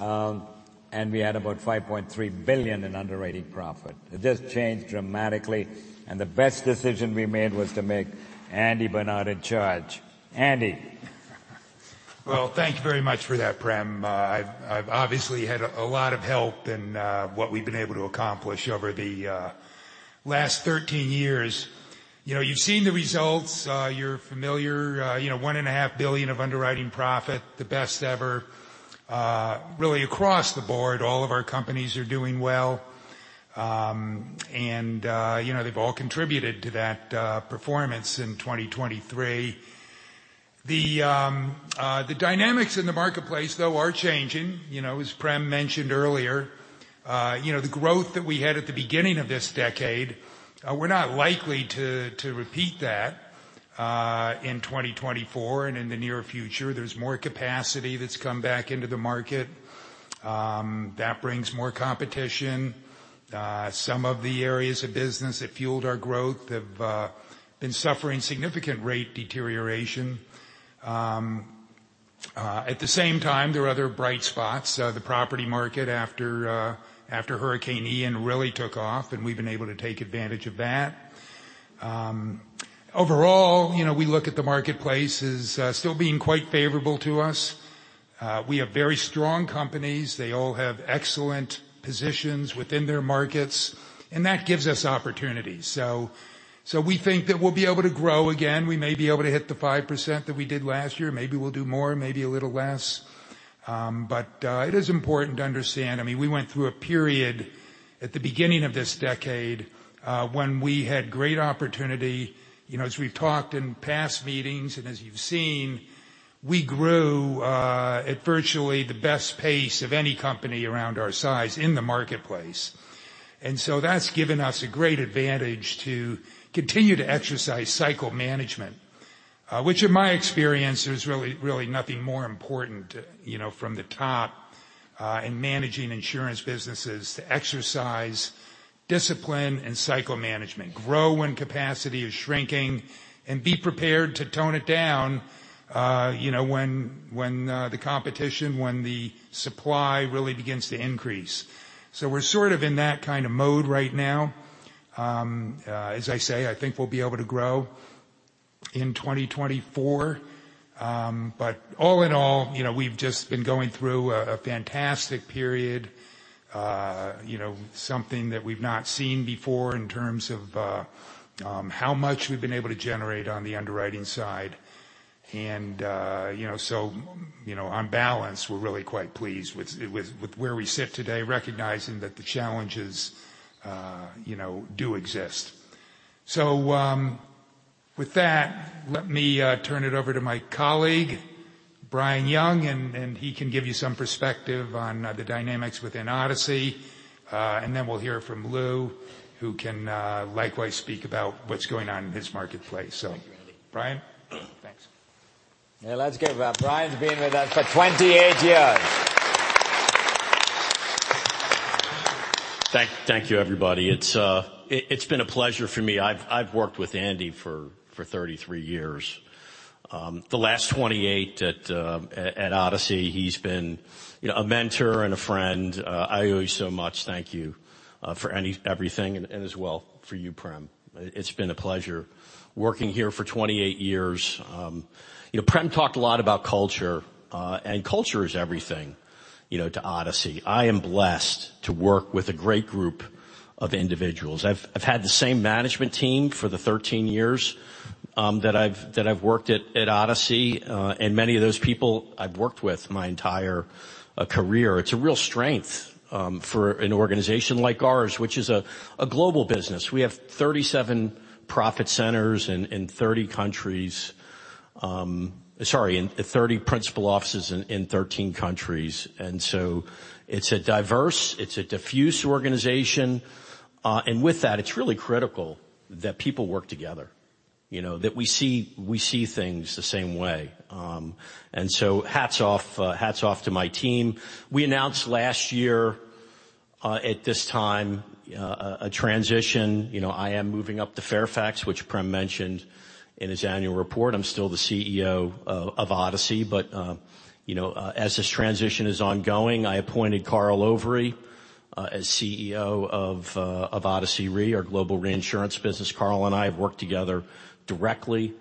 and we had about $5.3 billion in underwriting profit. It just changed dramatically, and the best decision we made was to make Andy Barnard in charge. Andy? Well, thank you very much for that, Prem. I've obviously had a lot of help in what we've been able to accomplish over the last 13 years. You know, you've seen the results. You're familiar. You know, $1.5 billion of underwriting profit, the best ever. Really across the board, all of our companies are doing well, and you know, they've all contributed to that performance in 2023. The dynamics in the marketplace, though, are changing. You know, as Prem mentioned earlier, you know, the growth that we had at the beginning of this decade, we're not likely to repeat that in 2024 and in the near future. There's more capacity that's come back into the market. That brings more competition. Some of the areas of business that fueled our growth have been suffering significant rate deterioration. At the same time, there are other bright spots. The property market after Hurricane Ian really took off, and we've been able to take advantage of that. Overall, you know, we look at the marketplace as still being quite favorable to us. We have very strong companies. They all have excellent positions within their markets, and that gives us opportunities. So we think that we'll be able to grow again. We may be able to hit the 5% that we did last year. Maybe we'll do more, maybe a little less. But it is important to understand, I mean, we went through a period at the beginning of this decade, when we had great opportunity. You know, as we've talked in past meetings and as you've seen. We grew at virtually the best pace of any company around our size in the marketplace. And so that's given us a great advantage to continue to exercise cycle management, which in my experience, there's really, really nothing more important, you know, from the top, in managing insurance businesses, to exercise discipline and cycle management. Grow when capacity is shrinking, and be prepared to tone it down, you know, when, when, the competition, when the supply really begins to increase. So we're sort of in that kind of mode right now. As I say, I think we'll be able to grow in 2024. But all in all, you know, we've just been going through a fantastic period, you know, something that we've not seen before in terms of how much we've been able to generate on the underwriting side. And, you know, so, you know, on balance, we're really quite pleased with where we sit today, recognizing that the challenges, you know, do exist. So, with that, let me turn it over to my colleague, Brian Young, and he can give you some perspective on the dynamics within Odyssey. And then we'll hear from Lou, who can likewise speak about what's going on in his marketplace. So Brian? Thanks. Yeah, let's give it up. Brian's been with us for 28 years. Thank you, everybody. It's been a pleasure for me. I've worked with Andy for 33 years, the last 28 at Odyssey. He's been, you know, a mentor and a friend. I owe you so much. Thank you for everything, and as well for you, Prem. It's been a pleasure working here for 28 years. You know, Prem talked a lot about culture, and culture is everything, you know, to Odyssey. I am blessed to work with a great group of individuals. I've had the same management team for the 13 years that I've worked at Odyssey, and many of those people I've worked with my entire career. It's a real strength for an organization like ours, which is a global business. We have 37 profit centers in 30 countries. Sorry, in 30 principal offices in 13 countries. And so it's a diverse, it's a diffuse organization, and with that, it's really critical that people work together. You know, that we see, we see things the same way. And so hats off to my team. We announced last year at this time a transition. You know, I am moving up to Fairfax, which Prem mentioned in his annual report. I'm still the CEO of Odyssey, but you know, as this transition is ongoing, I appointed Carl Overy as CEO of Odyssey Re, our global reinsurance business. Carl and I have worked together directly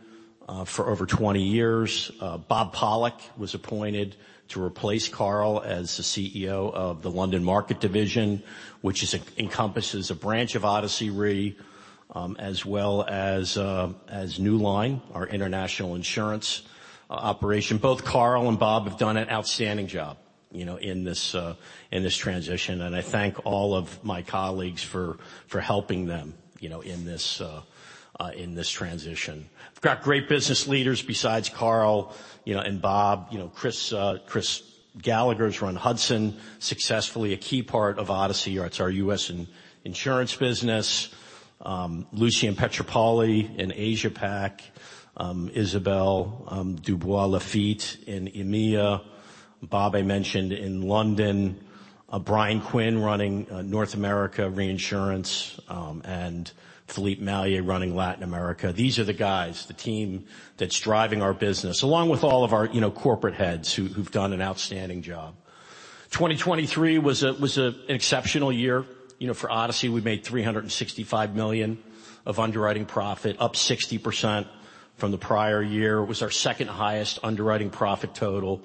for over 20 years. Bob Pollack was appointed to replace Carl as the CEO of the London Market Division, which encompasses a branch of Odyssey Re, as well as Newline, our international insurance operation. Both Carl and Bob have done an outstanding job, you know, in this transition, and I thank all of my colleagues for helping them, you know, in this transition. We've got great business leaders besides Carl, you know, and Bob. You know, Chris Gallagher's run Hudson successfully, a key part of Odyssey, it's our US insurance business. Lucien Pietropoli in Asia Pac, Isabelle Dubois-Lafitte in EMEA. Bob, I mentioned in London, Brian Quinn running North America Reinsurance, and Philippe Mallier running Latin America. These are the guys, the team that's driving our business, along with all of our, you know, corporate heads who've done an outstanding job. 2023 was an exceptional year. You know, for Odyssey, we made $365 million of underwriting profit, up 60% from the prior year. It was our second highest underwriting profit total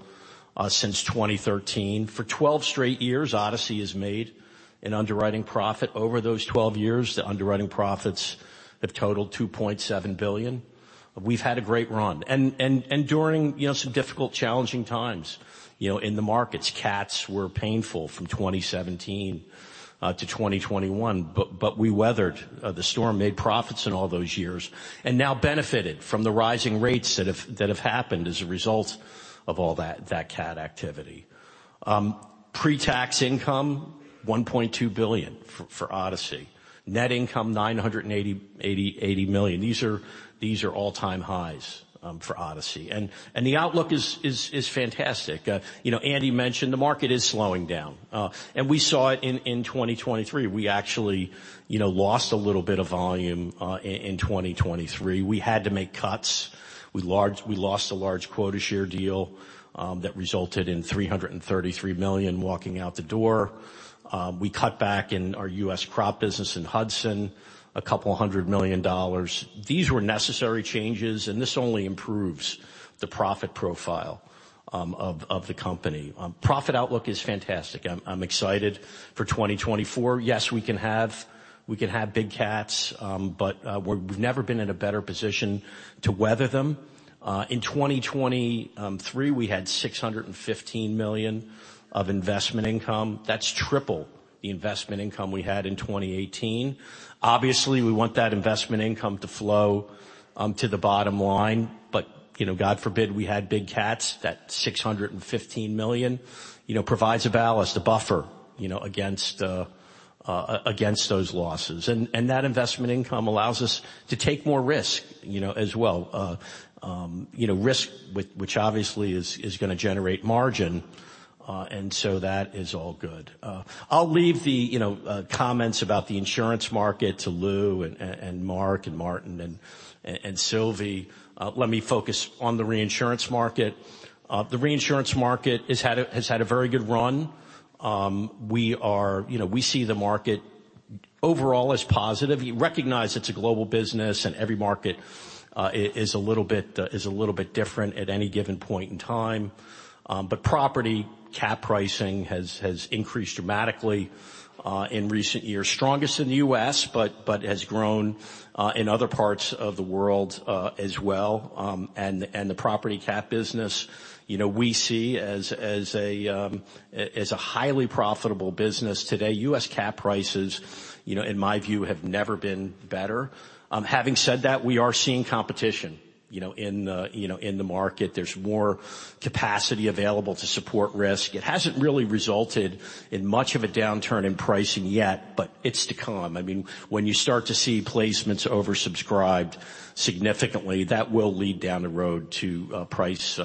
since 2013. For 12 straight years, Odyssey has made an underwriting profit. Over those 12 years, the underwriting profits have totaled $2.7 billion. We've had a great run and during, you know, some difficult, challenging times, you know, in the markets. CATs were painful from 2017 to 2021, but we weathered the storm, made profits in all those years, and now benefited from the rising rates that have happened as a result of all that CAT activity. Pre-tax income, $1.2 billion for Odyssey. Net income, $980 million. These are all-time highs for Odyssey, and the outlook is fantastic. You know, Andy mentioned the market is slowing down, and we saw it in 2023. We actually lost a little bit of volume in 2023. We had to make cuts. We lost a large quota share deal that resulted in $333 million walking out the door. We cut back in our US crop business in Hudson, $200 million. These were necessary changes, and this only improves the profit profile of the company. Profit outlook is fantastic. I'm excited for 2024. Yes, we can have big CATs, but we've never been in a better position to weather them. In 2023, we had $615 million of investment income. That's triple the investment income we had in 2018. Obviously, we want that investment income to flow to the bottom line, but, you know, God forbid, we had big CATs. That $615 million, you know, provides a ballast, a buffer, you know, against those losses. And that investment income allows us to take more risk, you know, as well. You know, risk which obviously is gonna generate margin, and so that is all good. I'll leave the, you know, comments about the insurance market to Lou and Mark, and Martin and Sylvie. Let me focus on the reinsurance market. The reinsurance market has had a very good run. You know, we see the market overall as positive. You recognize it's a global business, and every market is a little bit different at any given point in time. But property cat pricing has increased dramatically in recent years. Strongest in the U.S., but has grown in other parts of the world as well. The property cat business, you know, we see as a highly profitable business today. US cat prices, you know, in my view, have never been better. Having said that, we are seeing competition, you know, in the market. There's more capacity available to support risk. It hasn't really resulted in much of a downturn in pricing yet, but it's to come. I mean, when you start to see placements oversubscribed significantly, that will lead down the road to price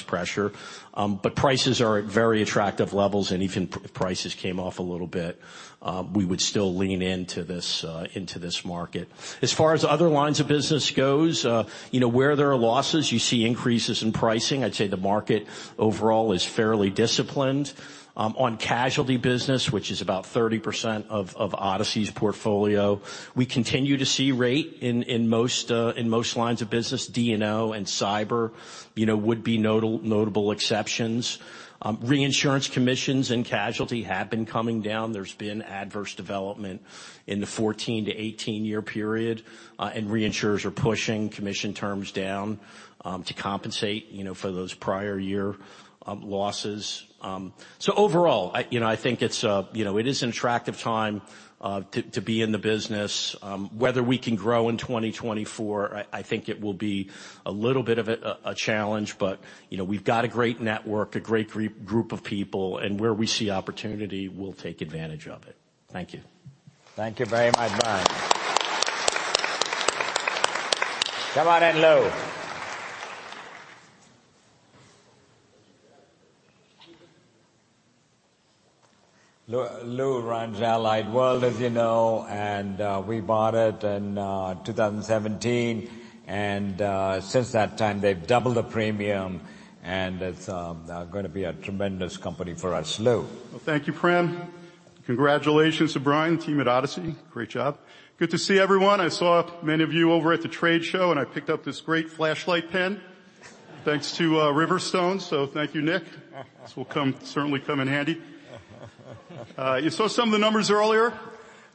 pressure. But prices are at very attractive levels, and even if prices came off a little bit, we would still lean into this market. As far as other lines of business goes, you know, where there are losses, you see increases in pricing. I'd say the market overall is fairly disciplined. On casualty business, which is about 30% of Odyssey's portfolio, we continue to see rate in most lines of business. D&O and cyber, you know, would be notable exceptions. Reinsurance commissions and casualty have been coming down. There's been adverse development in the 14-18-year period, and reinsurers are pushing commission terms down to compensate, you know, for those prior year losses. So overall, I, you know, I think it's, you know, it is an attractive time to be in the business. Whether we can grow in 2024, I think it will be a little bit of a challenge, but, you know, we've got a great network, a great group of people, and where we see opportunity, we'll take advantage of it. Thank you. Thank you very much, Brian. Come on in, Lou. Lou runs Allied World, as you know, and we bought it in 2017, and since that time, they've doubled the premium, and it's gonna be a tremendous company for us. Lou? Well, thank you, Prem. Congratulations to Brian, team at Odyssey. Great job. Good to see everyone. I saw many of you over at the trade show, and I picked up this great flashlight pen, thanks to RiverStone. So thank you, Nick. This will certainly come in handy. You saw some of the numbers earlier.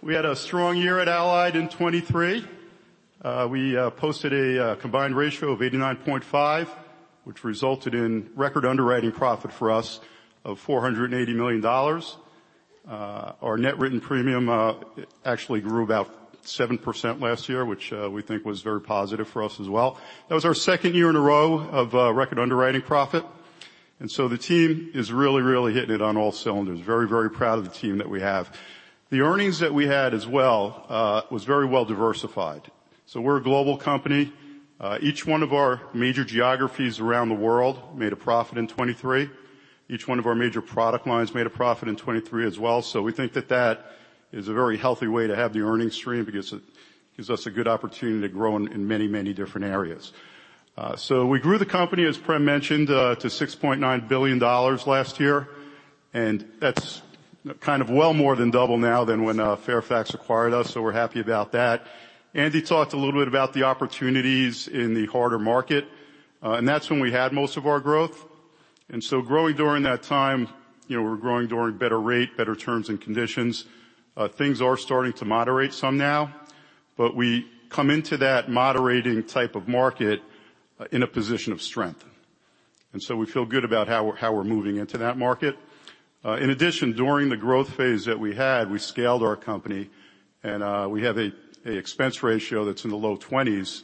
We had a strong year at Allied in 2023. We posted a combined ratio of 89.5, which resulted in record underwriting profit for us of $480 million. Our net written premium actually grew about 7% last year, which we think was very positive for us as well. That was our second year in a row of record underwriting profit, and so the team is really, really hitting it on all cylinders. Very, very proud of the team that we have. The earnings that we had as well was very well-diversified. So we're a global company. Each one of our major geographies around the world made a profit in 2023. Each one of our major product lines made a profit in 2023 as well. So we think that that is a very healthy way to have the earnings stream because it gives us a good opportunity to grow in, in many, many different areas. So we grew the company, as Prem mentioned, to $6.9 billion last year, and that's kind of well more than double now than when Fairfax acquired us, so we're happy about that. Andy talked a little bit about the opportunities in the hard market, and that's when we had most of our growth. Growing during that time, you know, we're growing during better rate, better terms and conditions. Things are starting to moderate some now, but we come into that moderating type of market in a position of strength, and so we feel good about how we're moving into that market. In addition, during the growth phase that we had, we scaled our company, and we have a expense ratio that's in the low 20s,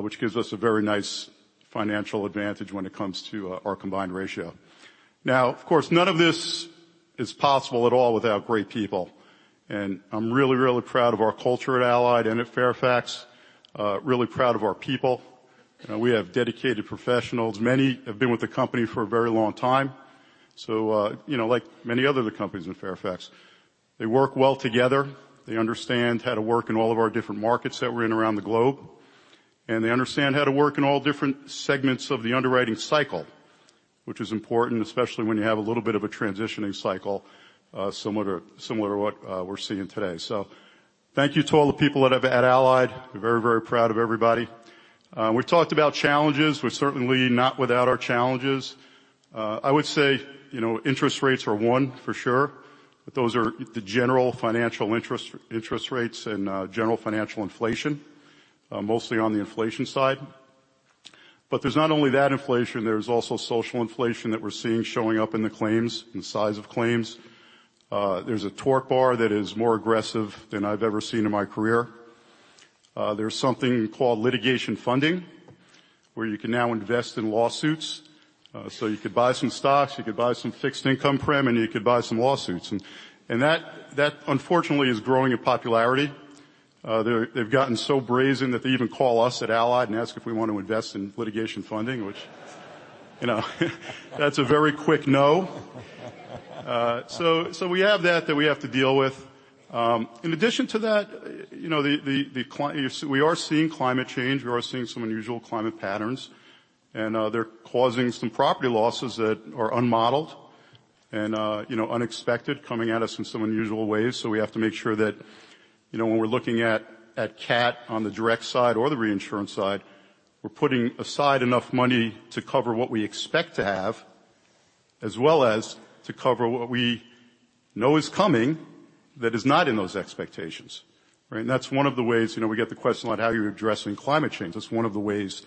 which gives us a very nice financial advantage when it comes to our combined ratio. Now, of course, none of this is possible at all without great people, and I'm really, really proud of our culture at Allied and at Fairfax, really proud of our people. We have dedicated professionals. Many have been with the company for a very long time. So, you know, like many other of the companies in Fairfax, they work well together. They understand how to work in all of our different markets that we're in around the globe, and they understand how to work in all different segments of the underwriting cycle, which is important, especially when you have a little bit of a transitioning cycle, similar, similar to what we're seeing today. So thank you to all the people that are at Allied. We're very, very proud of everybody. We've talked about challenges. We're certainly not without our challenges. I would say, you know, interest rates are one for sure, but those are the general financial interest rates and general financial inflation, mostly on the inflation side. But there's not only that inflation, there's also social inflation that we're seeing showing up in the claims and size of claims. There's a tort bar that is more aggressive than I've ever seen in my career. There's something called litigation funding, where you can now invest in lawsuits. So you could buy some stocks, you could buy some fixed income, Prem, and you could buy some lawsuits. And that unfortunately is growing in popularity. They've gotten so brazen that they even call us at Allied and ask if we want to invest in litigation funding, which you know, that's a very quick no. So we have that we have to deal with. In addition to that, you know, the climate change we are seeing. We are seeing some unusual climate patterns, and they're causing some property losses that are unmodeled and, you know, unexpected, coming at us in some unusual ways. So we have to make sure that, you know, when we're looking at, at cat on the direct side or the reinsurance side, we're putting aside enough money to cover what we expect to have, as well as to cover what we know is coming that is not in those expectations, right? And that's one of the ways, you know, we get the question about how you're addressing climate change. That's one of the ways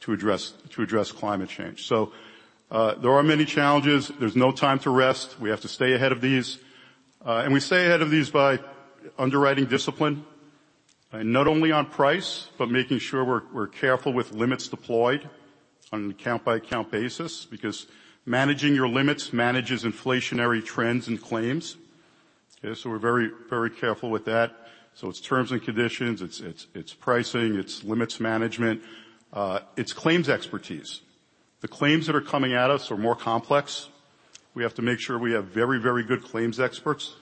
to address, to address climate change. So there are many challenges. There's no time to rest. We have to stay ahead of these. And we stay ahead of these by underwriting discipline, and not only on price, but making sure we're, we're careful with limits deployed on an account-by-account basis, because managing your limits manages inflationary trends and claims. Okay, so we're very, very careful with that. So it's terms and conditions, it's, it's, it's pricing, it's limits management, it's claims expertise. The claims that are coming at us are more complex. We have to make sure we have very, very good claims experts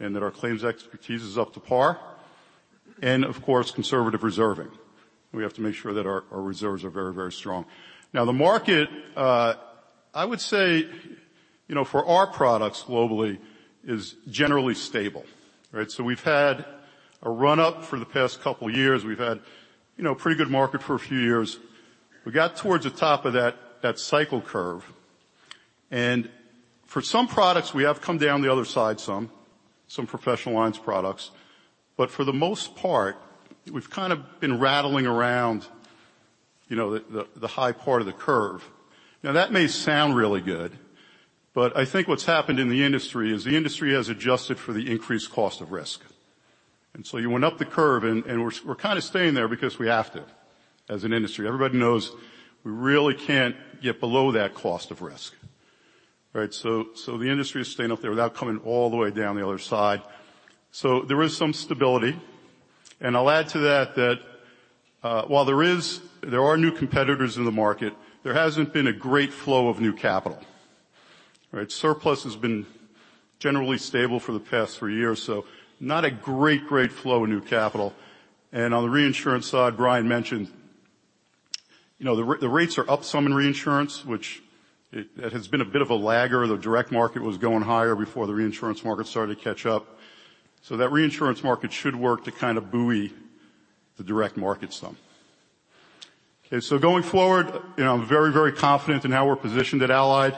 and that our claims expertise is up to par and, of course, conservative reserving. We have to make sure that our, our reserves are very, very strong. Now, the market, I would say, you know, for our products globally, is generally stable, right? So we've had a run-up for the past couple of years. We've had, you know, pretty good market for a few years. We got towards the top of that cycle curve, and for some products, we have come down the other side some professional lines products, but for the most part, we've kind of been rattling around, you know, the high part of the curve. Now, that may sound really good, but I think what's happened in the industry is the industry has adjusted for the increased cost of risk. And so you went up the curve, and we're kind of staying there because we have to, as an industry. Everybody knows we really can't get below that cost of risk, right? So the industry is staying up there without coming all the way down the other side. So there is some stability, and I'll add to that, that while there are new competitors in the market, there hasn't been a great flow of new capital, right? Surplus has been generally stable for the past three years, so not a great, great flow of new capital. And on the reinsurance side, Brian mentioned, you know, the rates are up some in reinsurance, which it, it has been a bit of a lagger. The direct market was going higher before the reinsurance market started to catch up. So that reinsurance market should work to kind of buoy the direct market some. Okay, so going forward, you know, I'm very, very confident in how we're positioned at Allied,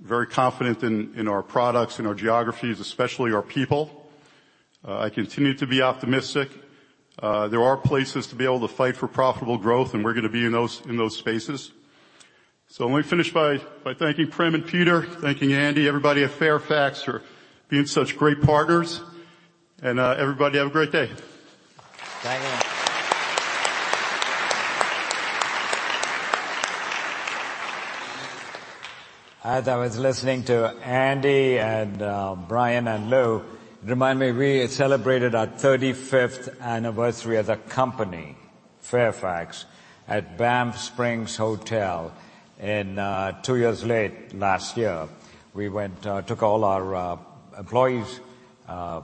very confident in, in our products, in our geographies, especially our people. I continue to be optimistic. There are places to be able to fight for profitable growth, and we're gonna be in those, in those spaces. So let me finish by, by thanking Prem and Peter, thanking Andy, everybody at Fairfax, for being such great partners. And, everybody, have a great day. Thank you. As I was listening to Andy and Brian and Lou, it remind me, we celebrated our 35th anniversary as a company, Fairfax, at Banff Springs Hotel in two years late, last year. We went, took all our employees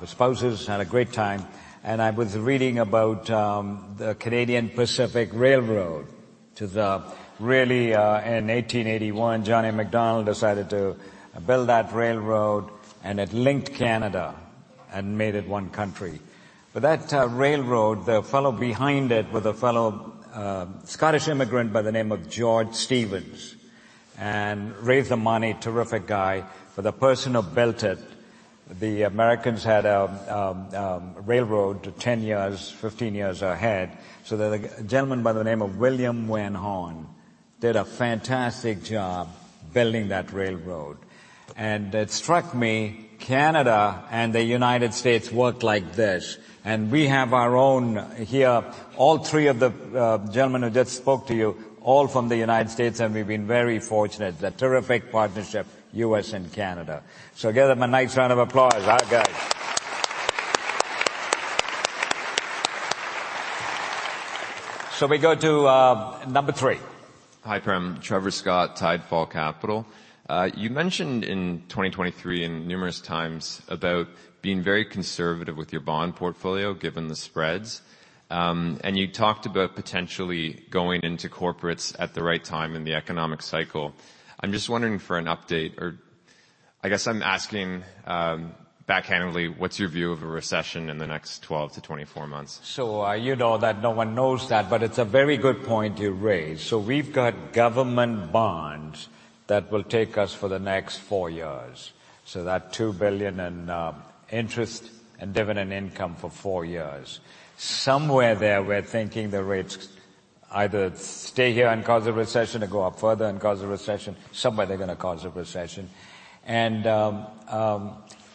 with spouses, had a great time. And I was reading about the Canadian Pacific Railroad to the really in 1881, John A. Macdonald decided to build that railroad, and it linked Canada and made it one country. But that railroad, the fellow behind it was a fellow, Scottish immigrant by the name of George Stephen, and raised the money. Terrific guy. But the person who built it, the Americans had railroad 10 years, 15 years ahead. So then a gentleman by the name of William Van Horne did a fantastic job building that railroad. It struck me, Canada and the United States worked like this, and we have our own here. All three of the gentlemen who just spoke to you, all from the United States, and we've been very fortunate. The terrific partnership, U.S. and Canada. Give them a nice round of applause, our guys. We go to number three. Hi, Prem. Trevor Scott, Tidefall Capital. You mentioned in 2023 and numerous times about being very conservative with your bond portfolio, given the spreads, and you talked about potentially going into corporates at the right time in the economic cycle. I'm just wondering for an update or I guess I'm asking, backhandedly, what's your view of a recession in the next 12-24 months? So you know that no one knows that, but it's a very good point you raised. So we've got government bonds that will take us for the next 4 years. So that $2 billion in interest and dividend income for 4 years. Somewhere there, we're thinking the rates either stay here and cause a recession or go up further and cause a recession, somewhere they're gonna cause a recession. And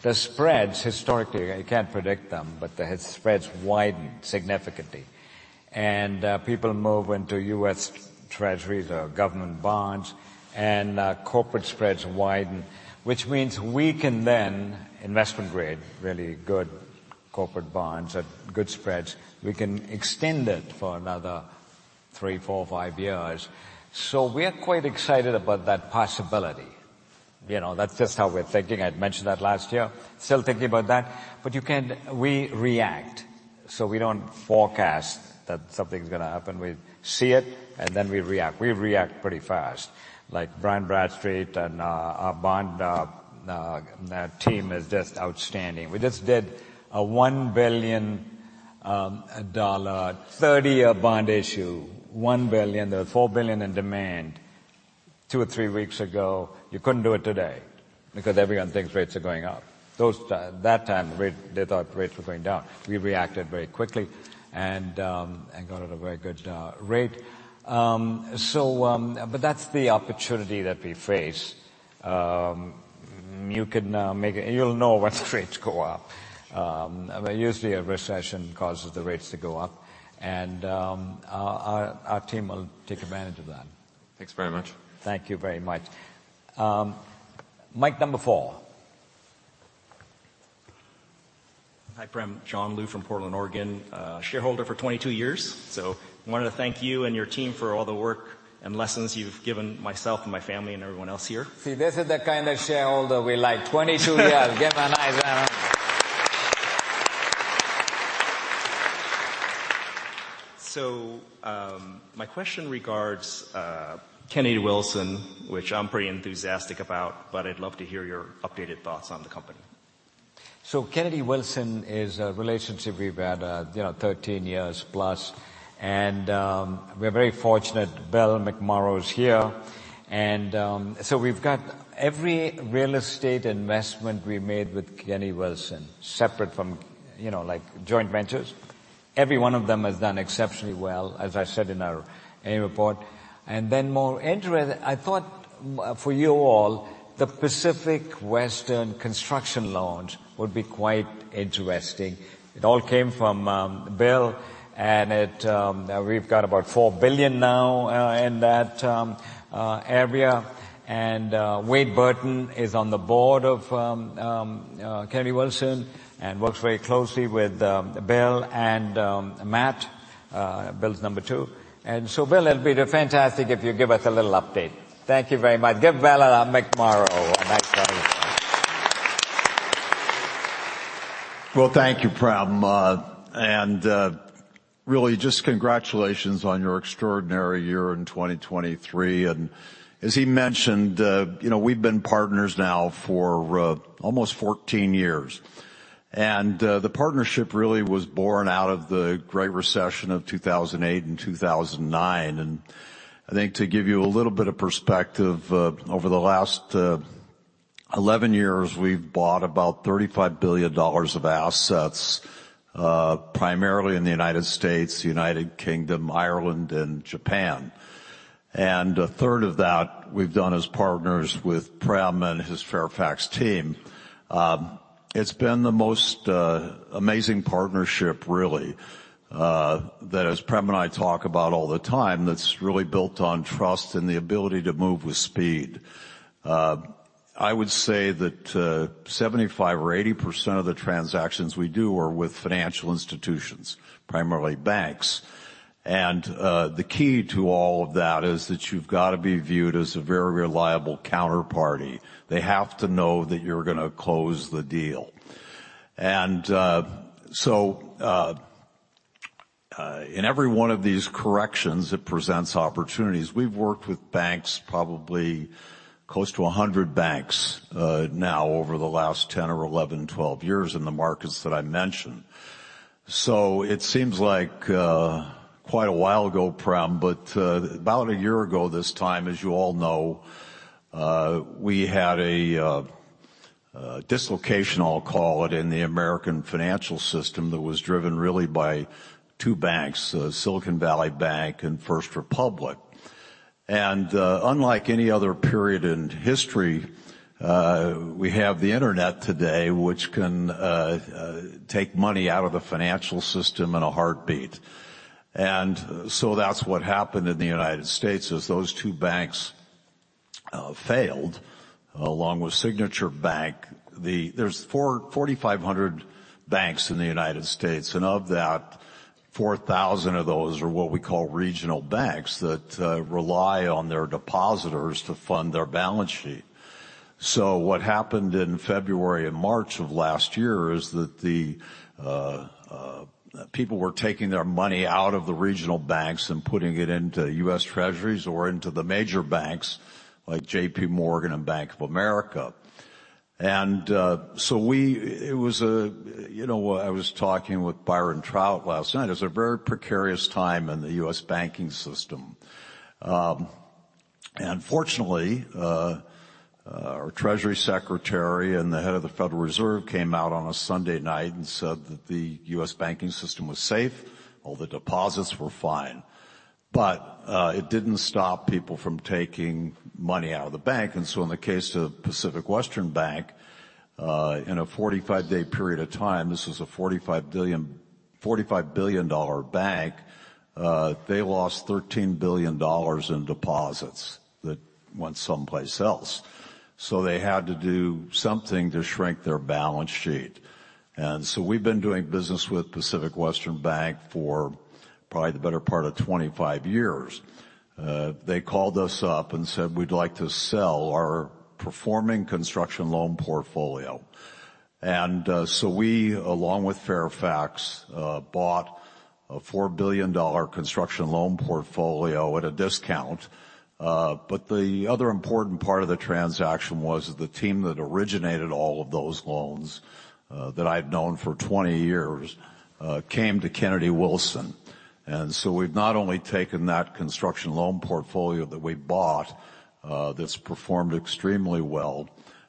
the spreads historically, I can't predict them, but the spreads widened significantly. And people move into US Treasuries or government bonds, and corporate spreads widen, which means we can then investment grade, really good corporate bonds at good spreads. We can extend it for another 3, 4, 5 years. So we are quite excited about that possibility. You know, that's just how we're thinking. I'd mentioned that last year. Still thinking about that, but you can't. We react, so we don't forecast that something's gonna happen. We see it, and then we react. We react pretty fast, like Dun & Bradstreet and our bond team is just outstanding. We just did a $1 billion 30-year bond issue. $1 billion. There was $4 billion in demand two or three weeks ago. You couldn't do it today because everyone thinks rates are going up. That time, rate, they thought rates were going down. We reacted very quickly and got it a very good rate. So, but that's the opportunity that we face. You can you'll know when the rates go up. Usually a recession causes the rates to go up, and our team will take advantage of that. Thanks very much. Thank you very much. Mic number four. Hi, Prem. John Lu from Portland, Oregon. Shareholder for 22 years, so I wanted to thank you and your team for all the work and lessons you've given myself and my family and everyone else here. See, this is the kind of shareholder we like. 22 years. Give him a nice hand. My question regards Kennedy Wilson, which I'm pretty enthusiastic about, but I'd love to hear your updated thoughts on the company. So Kennedy Wilson is a relationship we've had, you know, 13 years plus, and we're very fortunate Bill McMorrow is here. And we've got every real estate investment we made with Kennedy Wilson, separate from, you know, like, joint ventures. Every one of them has done exceptionally well, as I said in our annual report. And then more interesting, I thought for you all, the Pacific Western Construction loans would be quite interesting. It all came from Bill, and it... We've got about $4 billion now in that area. And Wade Burton is on the board of Kennedy Wilson and works very closely with Bill and Matt, Bill's number two. And so, Bill, it'd be fantastic if you give us a little update. Thank you very much. Give Bill McMorrow a nice round of applause. Well, thank you, Prem. And, really, just congratulations on your extraordinary year in 2023. And as he mentioned, you know, we've been partners now for almost 14 years. And, the partnership really was born out of the Great Recession of 2008 and 2009. And I think to give you a little bit of perspective, over the last 11 years, we've bought about $35 billion of assets, primarily in the United States, United Kingdom, Ireland, and Japan. And a third of that we've done as partners with Prem and his Fairfax team. It's been the most amazing partnership really, that as Prem and I talk about all the time, that's really built on trust and the ability to move with speed. I would say that 75%-80% of the transactions we do are with financial institutions, primarily banks. The key to all of that is that you've got to be viewed as a very reliable counterparty. They have to know that you're gonna close the deal. In every one of these corrections, it presents opportunities. We've worked with banks, probably close to 100 banks, now over the last 10 or 11, 12 years in the markets that I mentioned. It seems like quite a while ago, Prem, but about a year ago, this time, as you all know, we had a dislocation, I'll call it, in the American financial system that was driven really by two banks, Silicon Valley Bank and First Republic. Unlike any other period in history, we have the internet today, which can take money out of the financial system in a heartbeat. And so that's what happened in the United States: those two banks failed, along with Signature Bank. There are 4,500 banks in the United States, and of that, 4,000 of those are what we call regional banks that rely on their depositors to fund their balance sheet. So what happened in February and March of last year is that the people were taking their money out of the regional banks and putting it into US Treasuries or into the major banks like J.P. Morgan and Bank of America. And, so we, it was a... You know what? I was talking with Byron Trott last night. It was a very precarious time in the U.S. banking system. Fortunately, our Treasury Secretary and the head of the Federal Reserve came out on a Sunday night and said that the U.S. banking system was safe, all the deposits were fine. But it didn't stop people from taking money out of the bank. And so in the case of Pacific Western Bank, in a 45-day period of time, this is a $45 billion, $45 billion dollar bank, they lost $13 billion in deposits that went someplace else. So they had to do something to shrink their balance sheet. And so we've been doing business with Pacific Western Bank for probably the better part of 25 years. They called us up and said, "We'd like to sell our performing construction loan portfolio." So we, along with Fairfax, bought a $4 billion construction loan portfolio at a discount. But the other important part of the transaction was the team that originated all of those loans, that I've known for 20 years, came to Kennedy Wilson. So we've not only taken that construction loan portfolio that we bought, that's performed extremely well,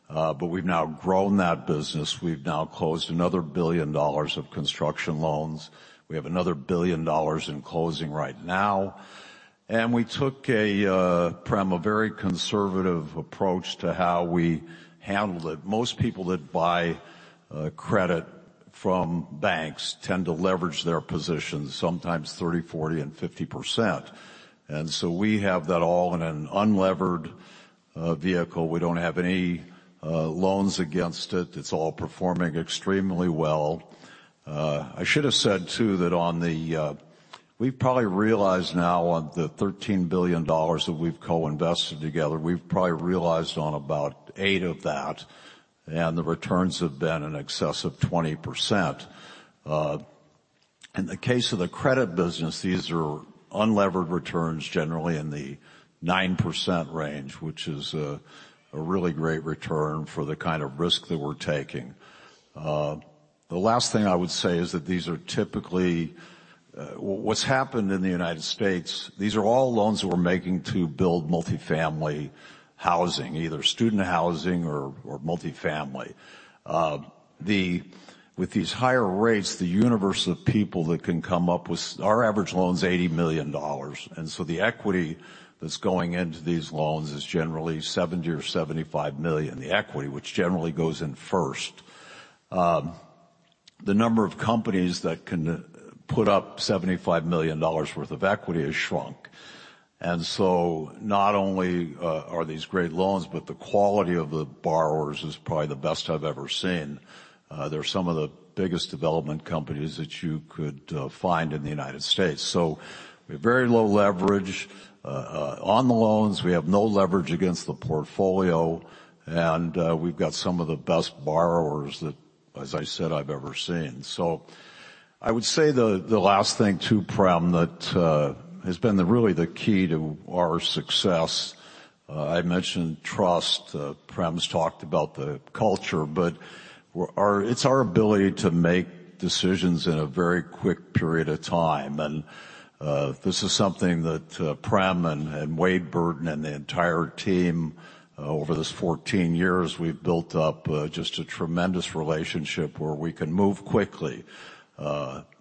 but we've now grown that business. We've now closed another $1 billion of construction loans. We have another $1 billion in closing right now, and we took a, Prem, a very conservative approach to how we handled it. Most people that buy credit from banks tend to leverage their positions, sometimes 30%, 40%, and 50%. And so we have that all in an unlevered vehicle. We don't have any loans against it. It's all performing extremely well. I should have said, too, that on the $13 billion that we've co-invested together, we've probably realized on about 8 of that, and the returns have been in excess of 20%. In the case of the credit business, these are unlevered returns, generally in the 9% range, which is a really great return for the kind of risk that we're taking. The last thing I would say is that these are typically... What's happened in the United States, these are all loans that we're making to build multifamily housing, either student housing or multifamily. With these higher rates, the universe of people that can come up with our average loan is $80 million, and so the equity that's going into these loans is generally $70 million or $75 million. The equity, which generally goes in first. The number of companies that can put up $75 million worth of equity has shrunk. And so not only are these great loans, but the quality of the borrowers is probably the best I've ever seen. They're some of the biggest development companies that you could find in the United States. So we have very low leverage on the loans. We have no leverage against the portfolio, and we've got some of the best borrowers that, as I said, I've ever seen. So I would say the last thing too, Prem, that has been really the key to our success, I mentioned trust. Prem's talked about the culture, but we're—it's our ability to make decisions in a very quick period of time. And this is something that Prem and Wade Burton and the entire team over this 14 years, we've built up just a tremendous relationship where we can move quickly.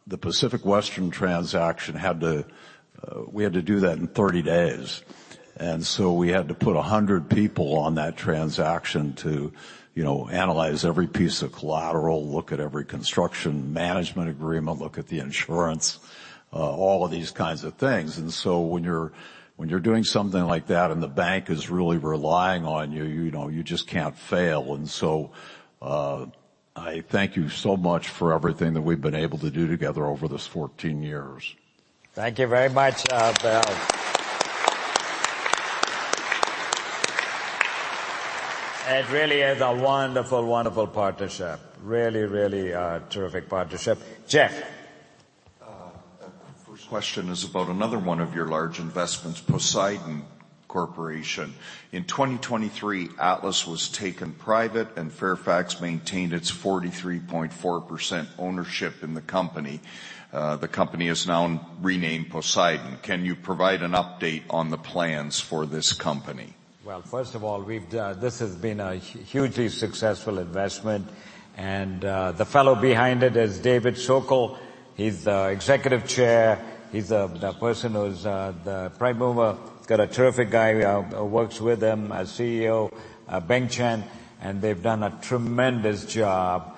The Pacific Western transaction had to—we had to do that in 30 days, and so we had to put 100 people on that transaction to, you know, analyze every piece of collateral, look at every construction management agreement, look at the insurance, all of these kinds of things. And so when you're doing something like that, and the bank is really relying on you, you know, you just can't fail. And so, I thank you so much for everything that we've been able to do together over this 14 years. Thank you very much, Bill. It really is a wonderful, wonderful partnership. Really, really, terrific partnership. Jeff? The first question is about another one of your large investments, Poseidon Corporation. In 2023, Atlas was taken private, and Fairfax maintained its 43.4% ownership in the company. The company is now renamed Poseidon. Can you provide an update on the plans for this company? Well, first of all, we've, this has been a hugely successful investment, and, the fellow behind it is David Sokol. He's the executive chair. He's the, the person who's, the prime mover. He's got a terrific guy, who works with him, a CEO, Bing Chan, and they've done a tremendous job.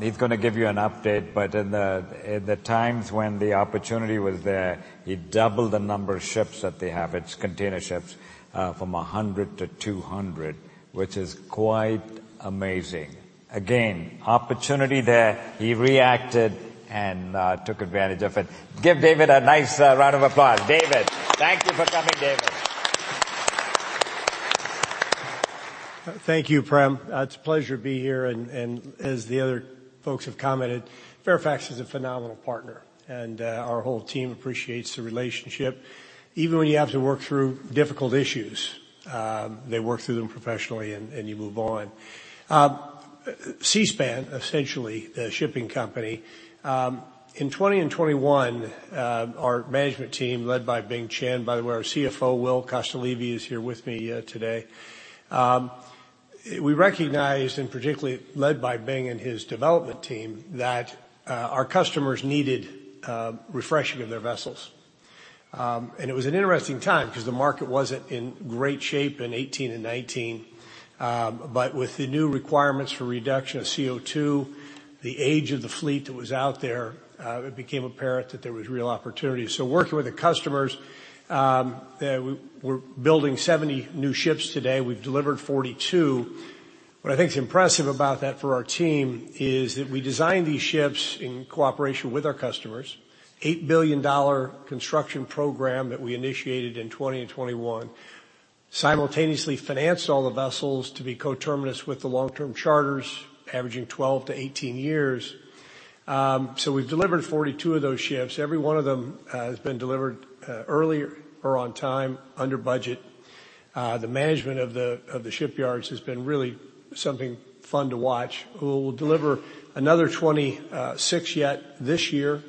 He's gonna give you an update, but in the, in the times when the opportunity was there, he doubled the number of ships that they have, it's container ships, from 100 to 200, which is quite amazing. Again, opportunity there, he reacted and, took advantage of it. Give David a nice round of applause. David. Thank you for coming, David. Thank you, Prem. It's a pleasure to be here, and as the other folks have commented, Fairfax is a phenomenal partner, and our whole team appreciates the relationship. Even when you have to work through difficult issues, they work through them professionally, and you move on. Seaspan, essentially the shipping company. In 2020 and 2021, our management team, led by Bing Chan, by the way, our CFO, Will Kostlevy, is here with me today. We recognized, and particularly led by Bing and his development team, that our customers needed refreshing of their vessels. And it was an interesting time because the market wasn't in great shape in 2018 and 2019. But with the new requirements for reduction of CO2, the age of the fleet that was out there, it became apparent that there was real opportunity. So working with the customers, we're building 70 new ships today. We've delivered 42. What I think is impressive about that for our team is that we designed these ships in cooperation with our customers. $8 billion construction program that we initiated in 2020 and 2021, simultaneously financed all the vessels to be coterminous with the long-term charters, averaging 12-18 years. So we've delivered 42 of those ships. Every one of them has been delivered early or on time, under budget. The management of the shipyards has been really something fun to watch. We will deliver another 20, six yet this year,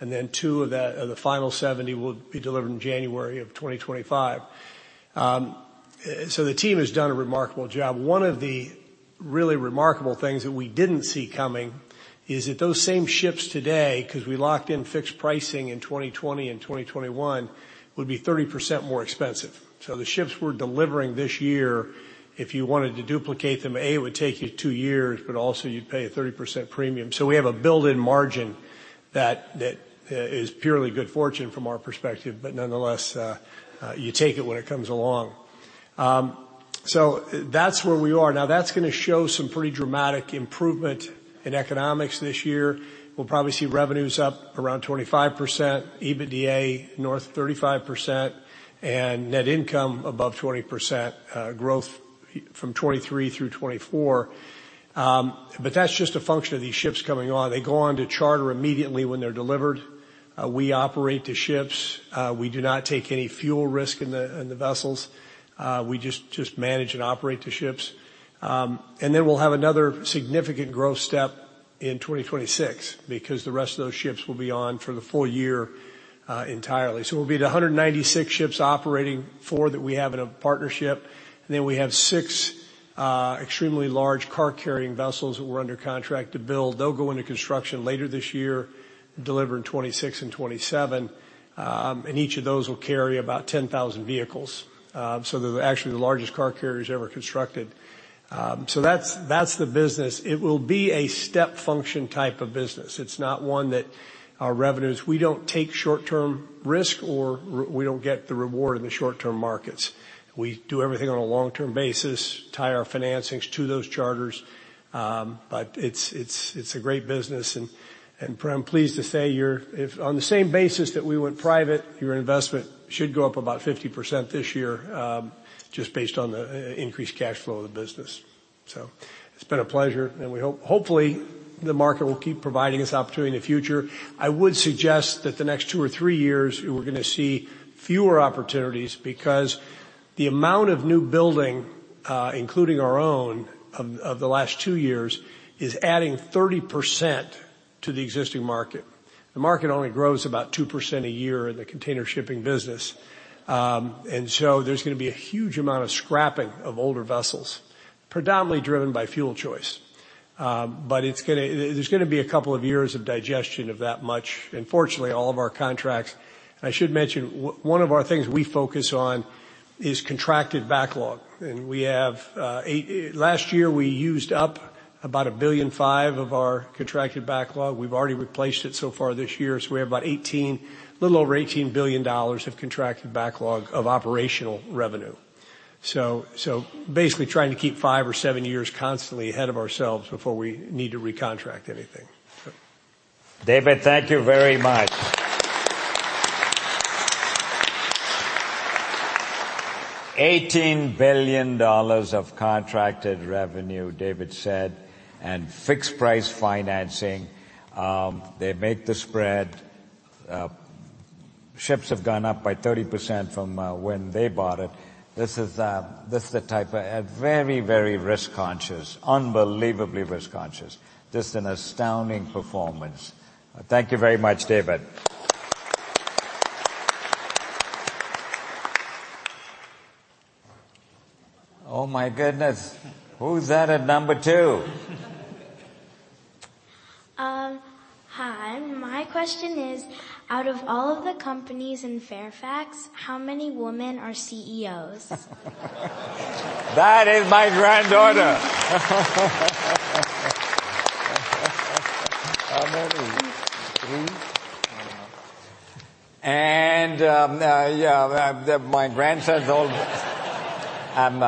and then two of the, of the final 70 will be delivered in January of 2025. So the team has done a remarkable job. One of the really remarkable things that we didn't see coming is that those same ships today, 'cause we locked in fixed pricing in 2020 and 2021, would be 30% more expensive. So the ships we're delivering this year, if you wanted to duplicate them, A, it would take you two years, but also you'd pay a 30% premium. So we have a built-in margin that, that, is purely good fortune from our perspective, but nonetheless, you take it when it comes along. So that's where we are. Now, that's gonna show some pretty dramatic improvement in economics this year. We'll probably see revenues up around 25%, EBITDA north of 35%, and net income above 20% growth from 2023 through 2024. But that's just a function of these ships coming on. They go on to charter immediately when they're delivered. We operate the ships. We do not take any fuel risk in the vessels. We just manage and operate the ships. And then we'll have another significant growth step in 2026, because the rest of those ships will be on for the full year entirely. So we'll be at 196 ships operating, four that we have in a partnership, and then we have six extremely large car-carrying vessels that we're under contract to build. They'll go into construction later this year, deliver in 2026 and 2027, and each of those will carry about 10,000 vehicles. So they're actually the largest car carriers ever constructed. So that's, that's the business. It will be a step function type of business. It's not one that our revenues... We don't take short-term risk, we don't get the reward in the short-term markets. We do everything on a long-term basis, tie our financings to those charters, but it's, it's, it's a great business, and, and I'm pleased to say your-- if on the same basis that we went private, your investment should go up about 50% this year, just based on the increased cash flow of the business. So it's been a pleasure, and we hope- hopefully, the market will keep providing this opportunity in the future. I would suggest that the next two or three years, we're gonna see fewer opportunities because the amount of new building, including our own, of the last two years, is adding 30% to the existing market. The market only grows about 2% a year in the container shipping business. And so there's gonna be a huge amount of scrapping of older vessels, predominantly driven by fuel choice. But it's gonna... There's gonna be a couple of years of digestion of that much. And fortunately, all of our contracts... And I should mention, one of our things we focus on is contracted backlog, and we have, eight... Last year, we used up about $1.5 billion of our contracted backlog. We've already replaced it so far this year, so we have about 18, a little over $18 billion of contracted backlog of operational revenue. So, so basically trying to keep 5 or 7 years constantly ahead of ourselves before we need to recontract anything. David, thank you very much. $18 billion of contracted revenue, David said, and fixed price financing. They make the spread. Ships have gone up by 30% from when they bought it. This is the type of a very, very risk-conscious, unbelievably risk-conscious. Just an astounding performance. Thank you very much, David. Oh, my goodness! Who's that at number two? Hi. My question is, out of all of the companies in Fairfax, how many women are CEOs? That is my granddaughter. How many? Three? And my grandson's old. I'm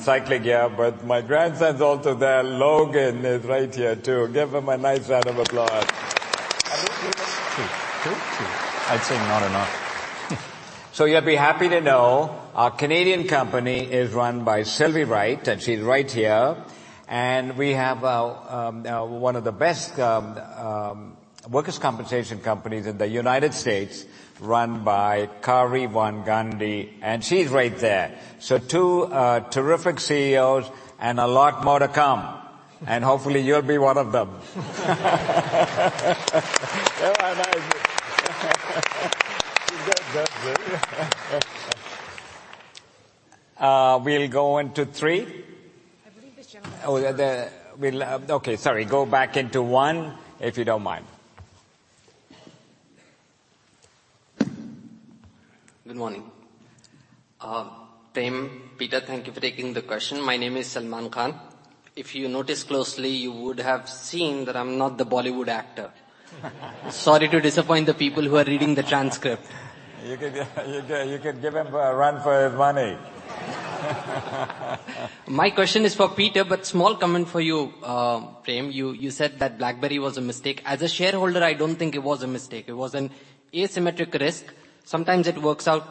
cycling here, but my grandson's also there. Logan is right here, too. Give him a nice round of applause. Two. Two? Two. I'd say not enough. So you'll be happy to know our Canadian company is run by Silvy Wright, and she's right here. We have one of the best workers' compensation companies in the United States, run by Kari Van Gundy, and she's right there. So 2 terrific CEOs, and a lot more to come, and hopefully, you'll be one of them. Oh, nice. That's good. We'll go into 3. I believe this gentleman- Oh... We'll, okay, sorry. Go back into one, if you don't mind. Good morning. Prem, Peter, thank you for taking the question. My name is Salman Khan. If you notice closely, you would have seen that I'm not the Bollywood actor. Sorry to disappoint the people who are reading the transcript. You could give him a run for his money. My question is for Peter, but small comment for you, Prem. You said that BlackBerry was a mistake. As a shareholder, I don't think it was a mistake. It was an asymmetric risk. Sometimes it works out,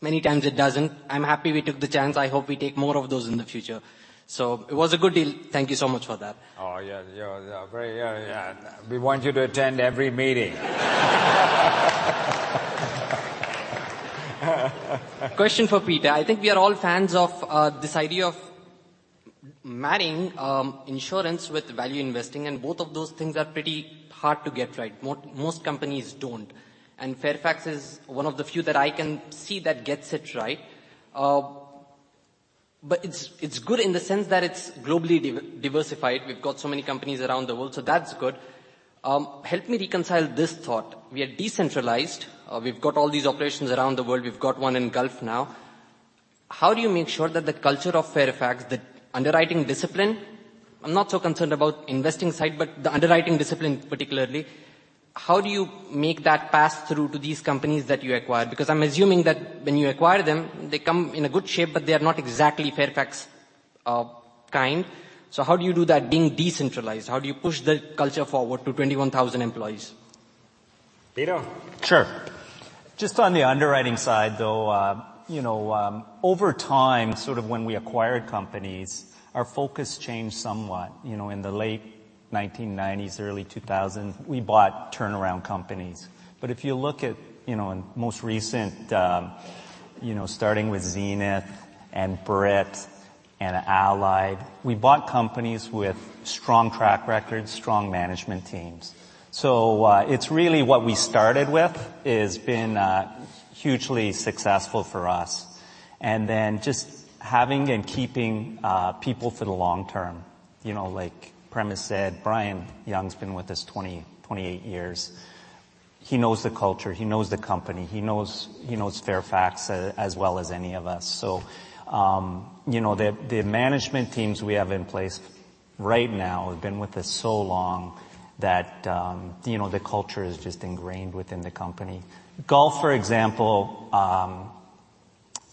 many times it doesn't. I'm happy we took the chance. I hope we take more of those in the future. So it was a good deal. Thank you so much for that. Oh, yeah, yeah. Very, yeah, yeah. We want you to attend every meeting. Question for Peter. I think we are all fans of this idea of marrying insurance with value investing, and both of those things are pretty hard to get right. Most companies don't, and Fairfax is one of the few that I can see that gets it right. But it's good in the sense that it's globally diversified. We've got so many companies around the world, so that's good. Help me reconcile this thought: We are decentralized, we've got all these operations around the world. We've got one in Gulf now. How do you make sure that the culture of Fairfax, the underwriting discipline... I'm not so concerned about investing side, but the underwriting discipline, particularly. How do you make that pass through to these companies that you acquire? Because I'm assuming that when you acquire them, they come in a good shape, but they are not exactly Fairfax kind. So how do you do that being decentralized? How do you push the culture forward to 21,000 employees? Peter? Sure. Just on the underwriting side, though, you know, over time, sort of when we acquired companies, our focus changed somewhat. You know, in the late 1990s, early 2000s, we bought turnaround companies. But if you look at, you know, in most recent, you know, starting with Zenith and Brit and Allied, we bought companies with strong track records, strong management teams. So it's really what we started with, is been, hugely successful for us. And then just having and keeping, people for the long term. You know, like Prem has said, Brian Young's been with us 28 years. He knows the culture, he knows the company, he knows, he knows Fairfax as well as any of us. So, you know, the management teams we have in place right now have been with us so long that, you know, the culture is just ingrained within the company. Gulf, for example,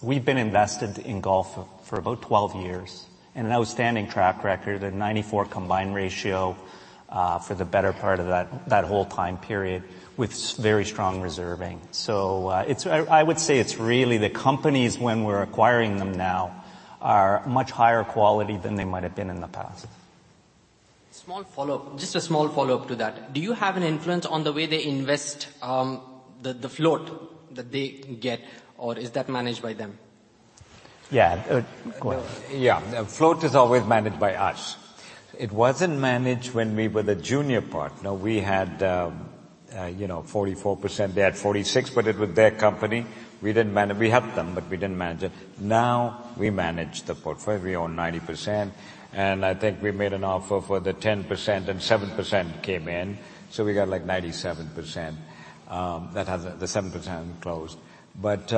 we've been invested in Gulf for about 12 years, and an outstanding track record, a 94 combined ratio, for the better part of that whole time period, with very strong reserving. So, it's. I would say it's really the companies, when we're acquiring them now, are much higher quality than they might have been in the past. Small follow-up. Just a small follow-up to that. Do you have an influence on the way they invest, the float that they get, or is that managed by them? Yeah, go on. Yeah, the float is always managed by us. It wasn't managed when we were the junior partner. We had you know, 44%, they had 46%, but it was their company. We didn't manage. We helped them, but we didn't manage it. Now, we manage the portfolio. We own 90%, and I think we made an offer for the 10% and 7% came in, so we got, like, 97%. That has the 7% closed. But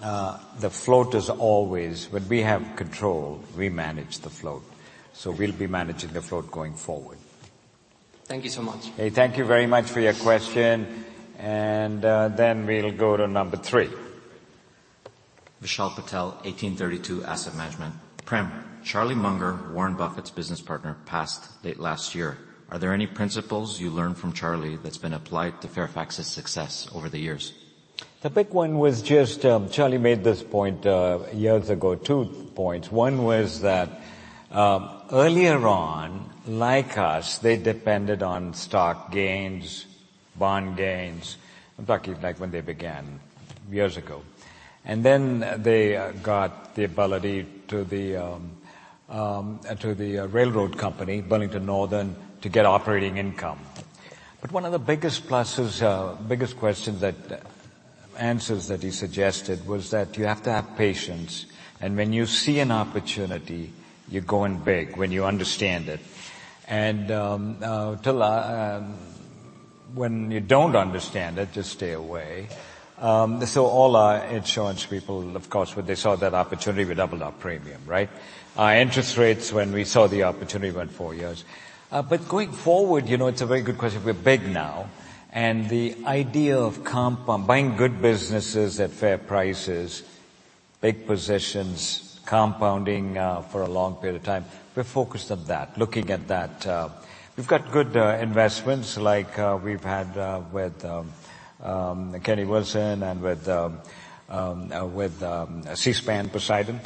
the float is always... When we have control, we manage the float, so we'll be managing the float going forward. Thank you so much. Hey, thank you very much for your question, and then we'll go to number three. Vishal Patel, 1832 Asset Management. Prem, Charlie Munger, Warren Buffett's business partner, passed late last year. Are there any principles you learned from Charlie that's been applied to Fairfax's success over the years? The big one was just, Charlie made this point years ago. Two points. One was that, earlier on, like us, they depended on stock gains, bond gains. I'm talking back when they began years ago. And then they got the ability to the railroad company, Burlington Northern, to get operating income. But one of the biggest pluses, biggest questions that answers that he suggested was that you have to have patience, and when you see an opportunity, you go in big when you understand it. And till when you don't understand it, just stay away. So all our insurance people, of course, when they saw that opportunity, we doubled our premium, right? Our interest rates, when we saw the opportunity, went four years. But going forward, you know, it's a very good question. We're big now, and the idea of buying good businesses at fair prices, big positions, compounding, for a long period of time, we're focused on that, looking at that. We've got good investments like we've had with Kennedy Wilson and with Seaspan Poseidon.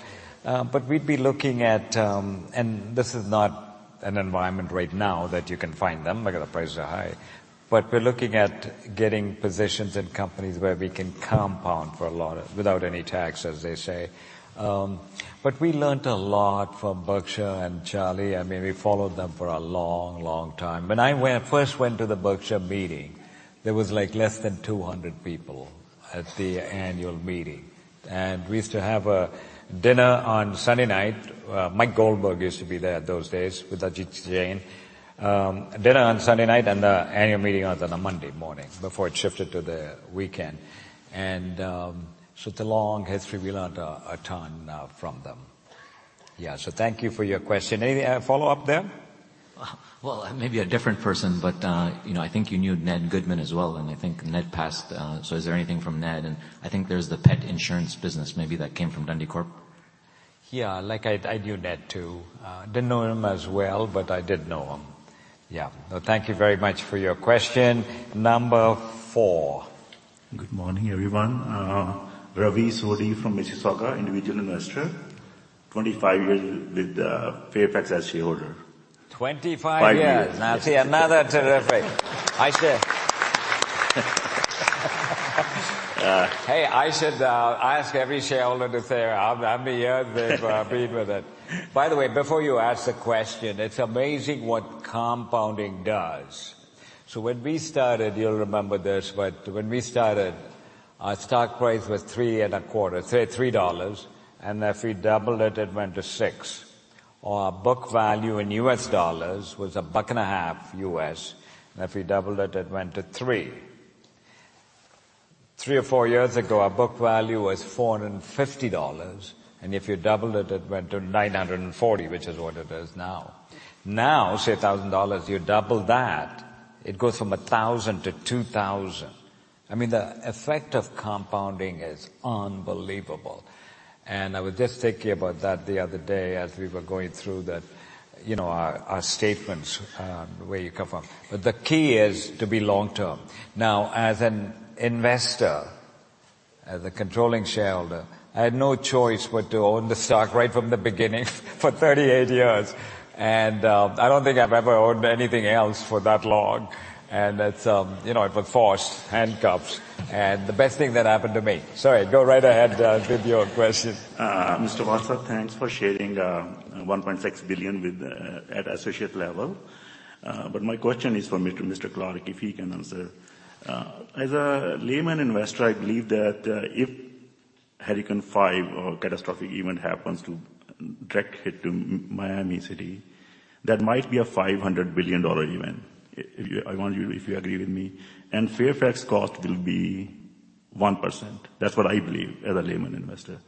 But we'd be looking at, and this is not an environment right now that you can find them because the prices are high. But we're looking at getting positions in companies where we can compound for a lot, without any tax, as they say. But we learned a lot from Berkshire and Charlie. I mean, we followed them for a long, long time. When I first went to the Berkshire meeting, there was, like, less than 200 people at the annual meeting, and we used to have a dinner on Sunday night. Mike Goldberg used to be there those days with Ajit Jain. Dinner on Sunday night, and the annual meeting was on a Monday morning before it shifted to the weekend. So through long history, we learned a ton now from them. Yeah. So thank you for your question. Any follow-up there? Well, maybe a different person, but, you know, I think you knew Ned Goodman as well, and I think Ned passed. So is there anything from Ned? I think there's the pet insurance business maybe that came from Dundee Corp. Yeah. Like, I knew Ned, too. Didn't know him as well, but I did know him. Yeah. Thank you very much for your question. Number four. Good morning, everyone. Ravi Sodi from Mississauga, individual investor, 25 years with Fairfax as shareholder. Twenty-five years. Five years. Now, see, another. Terrific. I said. Hey, I should ask every shareholder to say how many years they've been with it. By the way, before you ask the question, it's amazing what compounding does. So when we started, you'll remember this, but when we started, our stock price was $3.25, say, $3, and if we doubled it, it went to $6, or our book value in US dollars was $1.50, and if we doubled it, it went to $3. Three or four years ago, our book value was $450, and if you doubled it, it went to $940, which is what it is now. Now, say, $1,000, you double that, it goes from $1,000 to $2,000. I mean, the effect of compounding is unbelievable. I was just thinking about that the other day as we were going through the, you know, our, our statements, where you come from. But the key is to be long-term. Now, as an investor, as a controlling shareholder, I had no choice but to own the stock right from the beginning for 38 years, and I don't think I've ever owned anything else for that long. And that's, you know, it was forced, handcuffs, and the best thing that happened to me. Sorry, go right ahead with your question. Mr. Watsa, thanks for sharing $1.6 billion with at associate level. But my question is for Mr. Clarke, if he can answer. As a layman investor, I believe that if hurricane five or catastrophic event happens to direct hit to Miami, that might be a $500 billion event. I wonder if you agree with me, and Fairfax cost will be 1%. That's what I believe as a layman investor.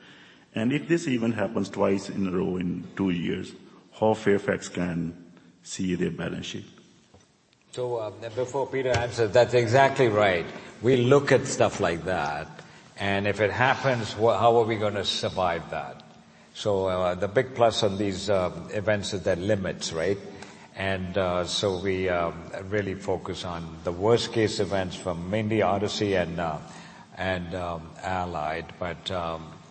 And if this event happens twice in a row in two years, how Fairfax can see their balance sheet? So, before Peter answers, that's exactly right. We look at stuff like that, and if it happens, well, how are we gonna survive that? So, the big plus of these events is their limits, right? And so we really focus on the worst-case events from mainly Odyssey and Allied. But,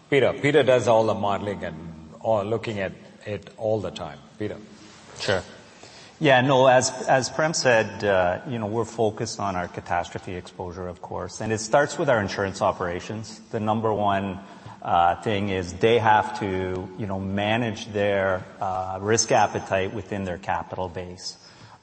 Peter, Peter does all the modeling and looking at it all the time. Peter? Sure. Yeah, no, as Prem said, you know, we're focused on our catastrophe exposure, of course, and it starts with our insurance operations. The number one thing is they have to, you know, manage their risk appetite within their capital base.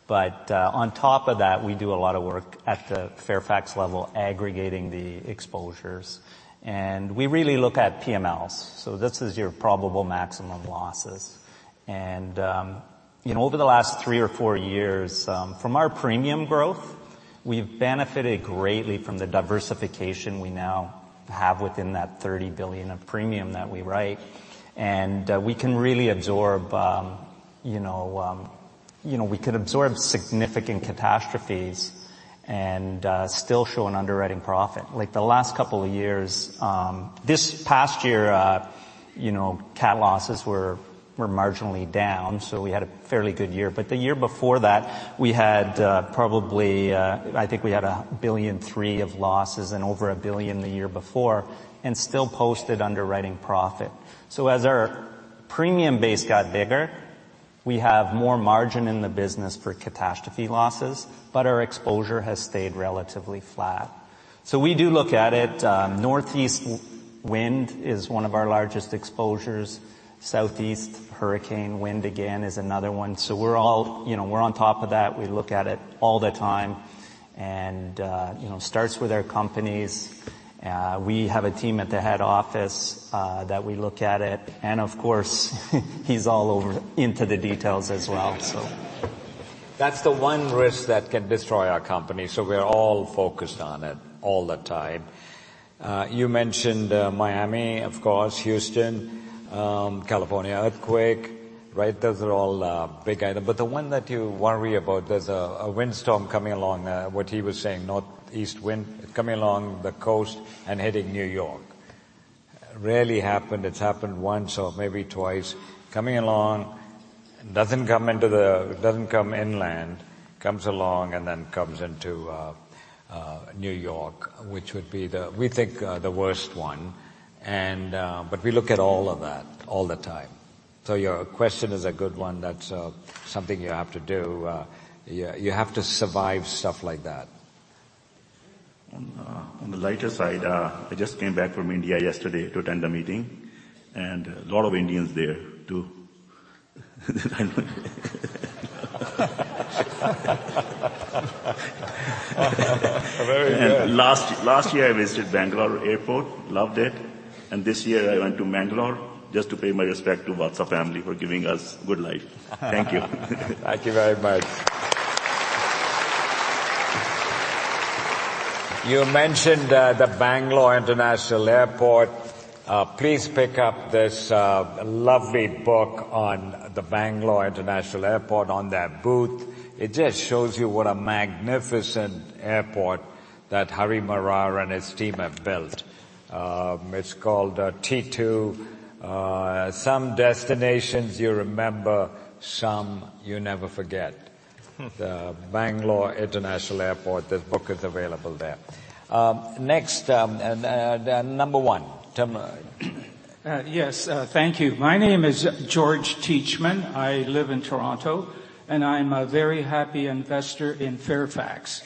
But, on top of that, we do a lot of work at the Fairfax level, aggregating the exposures, and we really look at PMLs. So this is your probable maximum losses. And, you know, over the last three or four years, from our premium growth, we've benefited greatly from the diversification we now have within that $30 billion of premium that we write. And, we can really absorb, you know, you know, we could absorb significant catastrophes and still show an underwriting profit. Like the last couple of years, this past year, you know, cat losses were marginally down, so we had a fairly good year. But the year before that, we had, probably, I think we had $1.3 billion of losses and over $1 billion the year before, and still posted underwriting profit. So as our premium base got bigger, we have more margin in the business for catastrophe losses, but our exposure has stayed relatively flat. So we do look at it. Northeast wind is one of our largest exposures. Southeast hurricane wind, again, is another one. So we're all, you know, we're on top of that. We look at it all the time, and, you know, starts with our companies. We have a team at the head office, that we look at it, and of course, he's all over into the details as well, so. That's the one risk that can destroy our company, so we're all focused on it all the time. You mentioned Miami, of course, Houston, California earthquake, right? Those are all big item. But the one that you worry about, there's a windstorm coming along, what he was saying, northeast wind coming along the coast and hitting New York. Rarely happened. It's happened once or maybe twice. Coming along, doesn't come into the- doesn't come inland, comes along and then comes into New York, which would be the... we think the worst one. But we look at all of that all the time. So your question is a good one. That's something you have to do. You have to survive stuff like that. On the lighter side, I just came back from India yesterday to attend a meeting, and a lot of Indians there, too. Very good. Last year, I visited Bangalore Airport, loved it. This year I went to Bangalore just to pay my respect to Watsa family for giving us good life. Thank you. Thank you very much. You mentioned the Bangalore International Airport. Please pick up this lovely book on the Bangalore International Airport on their booth. It just shows you what a magnificent airport that Hari Marar and his team have built. It's called T2: Some Destinations You Remember, Some You Never Forget. The Bangalore International Airport. This book is available there. Next, and the number one. Tell me. Yes, thank you. My name is George Teichman. I live in Toronto, and I'm a very happy investor in Fairfax.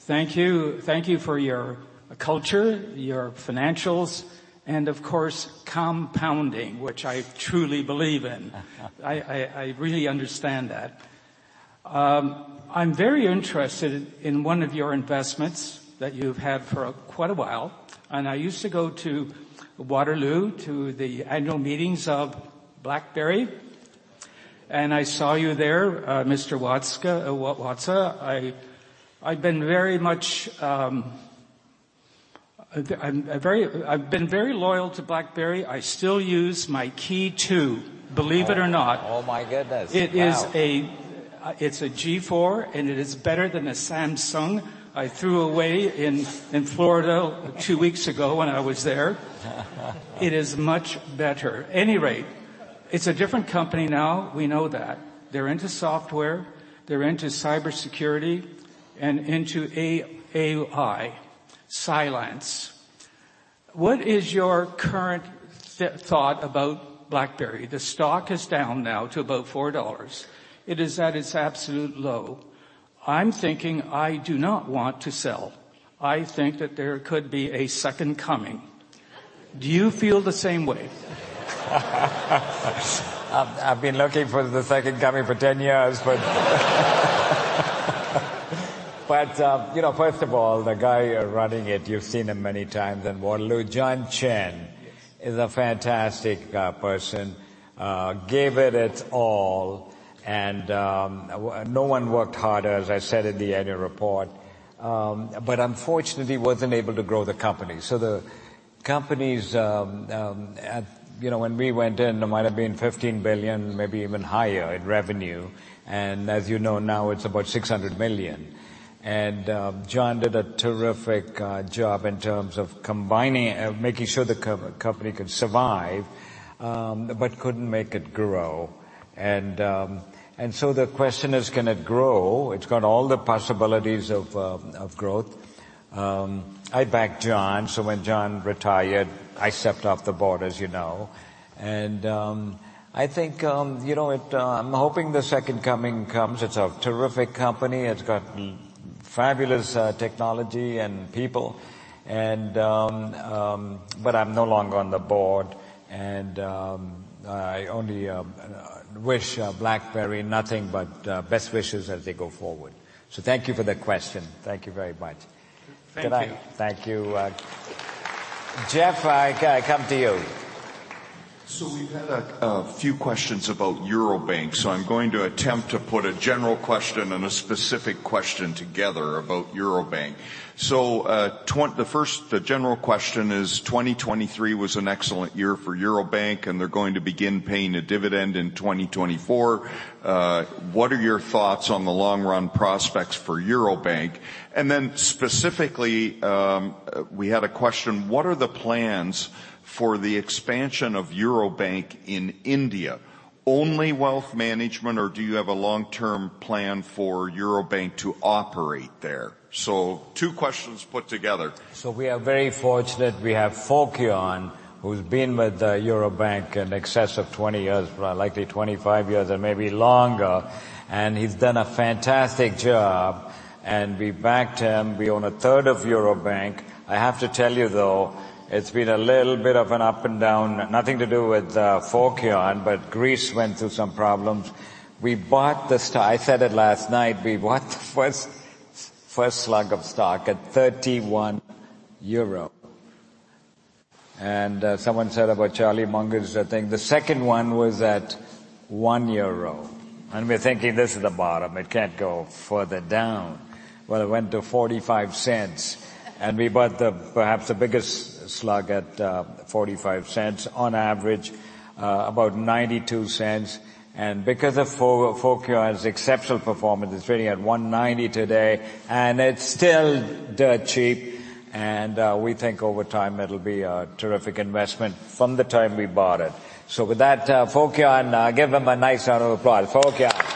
Thank you. Thank you for your culture, your financials, and of course, compounding, which I truly believe in. I really understand that. I'm very interested in one of your investments that you've had for quite a while, and I used to go to Waterloo to the annual meetings of BlackBerry, and I saw you there, Mr. Watsa. I've been very loyal to BlackBerry. I still use my Key2, believe it or not. Oh, my goodness! Wow. It is a G4, and it is better than a Samsung I threw away in Florida two weeks ago when I was there. It is much better. Anyway, it's a different company now, we know that. They're into software, they're into cybersecurity, and into AI. Cylance. What is your current thought about BlackBerry? The stock is down now to about $4. It is at its absolute low. I'm thinking I do not want to sell. I think that there could be a second coming. Do you feel the same way? I've been looking for the second coming for ten years, but you know, first of all, the guy running it, you've seen him many times in Waterloo, John Chen- Yes. is a fantastic person. Gave it its all, and no one worked harder, as I said in the annual report. But unfortunately, he wasn't able to grow the company. So the company's at... You know, when we went in, it might have been $15 billion, maybe even higher in revenue, and as you know, now it's about $600 million. And John did a terrific job in terms of combining and making sure the company could survive, but couldn't make it grow. And so the question is: can it grow? It's got all the possibilities of growth. I backed John, so when John retired, I stepped off the board, as you know. And I think, you know, it... I'm hoping the second coming comes. It's a terrific company. It's got fabulous technology and people, and but I'm no longer on the board, and I only wish BlackBerry nothing but best wishes as they go forward. So thank you for that question. Thank you very much. Thank you. Thank you. Jeff, can I come to you? So we've had a few questions about Eurobank, so I'm going to attempt to put a general question and a specific question together about Eurobank. So, the first, the general question is: 2023 was an excellent year for Eurobank, and they're going to begin paying a dividend in 2024. What are your thoughts on the long-run prospects for Eurobank? And then specifically, we had a question: What are the plans for the expansion of Eurobank in India? Only wealth management, or do you have a long-term plan for Eurobank to operate there? So two questions put together. So we are very fortunate. We have Fokion, who's been with Eurobank in excess of 20 years, but likely 25 years and maybe longer, and he's done a fantastic job, and we backed him. We own a third of Eurobank. I have to tell you, though, it's been a little bit of an up and down, nothing to do with Fokion, but Greece went through some problems. We bought. I said it last night, we bought the first, first slug of stock at 31 euro. And someone said about Charlie Munger's thing. The second one was at 1 euro, and we're thinking, "This is the bottom. It can't go further down." Well, it went to 0.45, and we bought perhaps the biggest slug at 0.45, on average about 0.92. Because of Fokion's exceptional performance, it's trading at 1.90 today, and it's still dirt cheap, and we think over time, it'll be a terrific investment from the time we bought it. So with that, Fokion, give him a nice round of applause. Fokion!...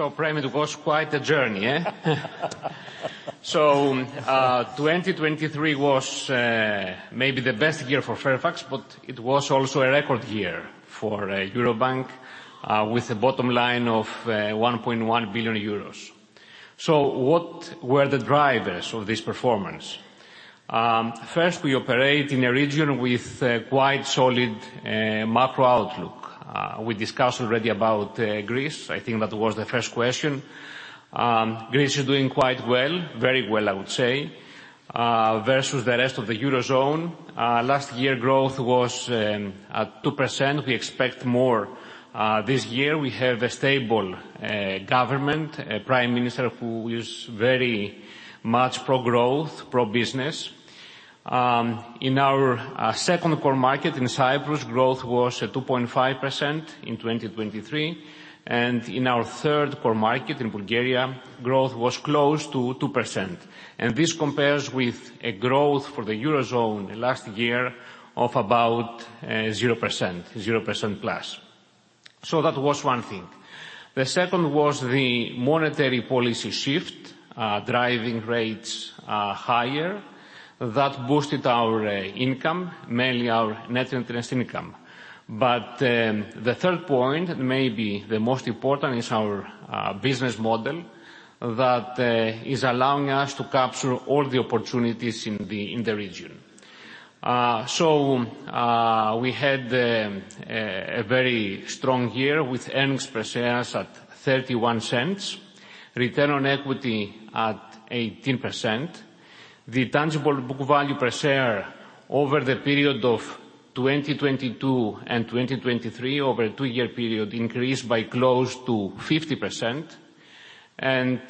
So, Prem, it was quite a journey, eh? So, 2023 was, maybe the best year for Fairfax, but it was also a record year for, Eurobank, with a bottom line of, 1.1 billion euros. So what were the drivers of this performance? First, we operate in a region with a quite solid, macro outlook. We discussed already about, Greece. I think that was the first question. Greece is doing quite well, very well, I would say, versus the rest of the Eurozone. Last year, growth was, at 2%. We expect more, this year. We have a stable, government, a prime minister who is very much pro-growth, pro-business. In our second core market in Cyprus, growth was at 2.5% in 2023, and in our third core market, in Bulgaria, growth was close to 2%. This compares with a growth for the Eurozone last year of about 0%, 0% plus. That was one thing. The second was the monetary policy shift driving rates higher. That boosted our income, mainly our net interest income. But the third point, maybe the most important, is our business model that is allowing us to capture all the opportunities in the region. We had a very strong year, with earnings per shares at $0.31, return on equity at 18%. The tangible book value per share over the period of 2022 and 2023, over a 2-year period, increased by close to 50%, and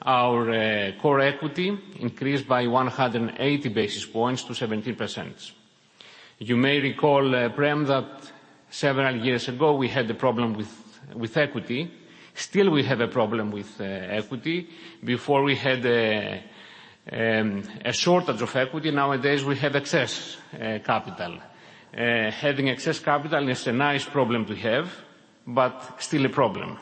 our core equity increased by 180 basis points to 17%. You may recall, Prem, that several years ago we had a problem with equity. Still, we have a problem with equity. Before we had a shortage of equity, nowadays we have excess capital. Having excess capital is a nice problem to have, but still a problem.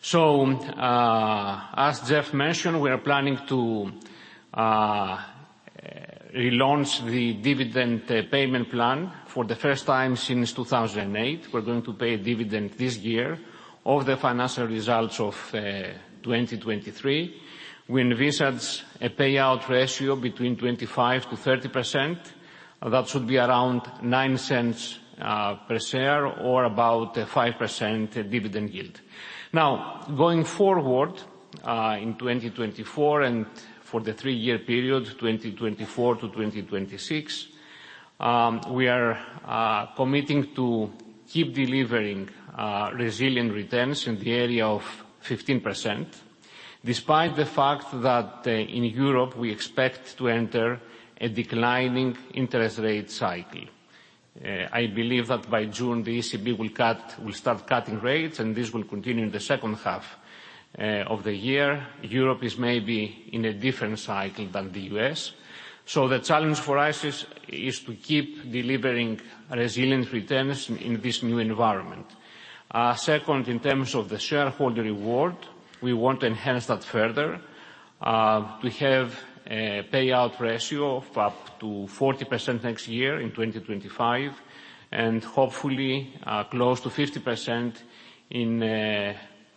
So, as Jeff mentioned, we are planning to relaunch the dividend payment plan for the first time since 2008. We're going to pay a dividend this year of the financial results of 2023. We envisage a payout ratio between 25%-30%. That should be around $0.09 per share or about a 5% dividend yield. Now, going forward, in 2024 and for the three-year period, 2024 to 2026, we are committing to keep delivering resilient returns in the area of 15%, despite the fact that in Europe, we expect to enter a declining interest rate cycle. I believe that by June, the ECB will start cutting rates, and this will continue in the second half of the year. Europe is maybe in a different cycle than the U.S. So the challenge for us is to keep delivering resilient returns in this new environment. Second, in terms of the shareholder reward, we want to enhance that further. We have a payout ratio of up to 40% next year in 2025, and hopefully, close to 50% in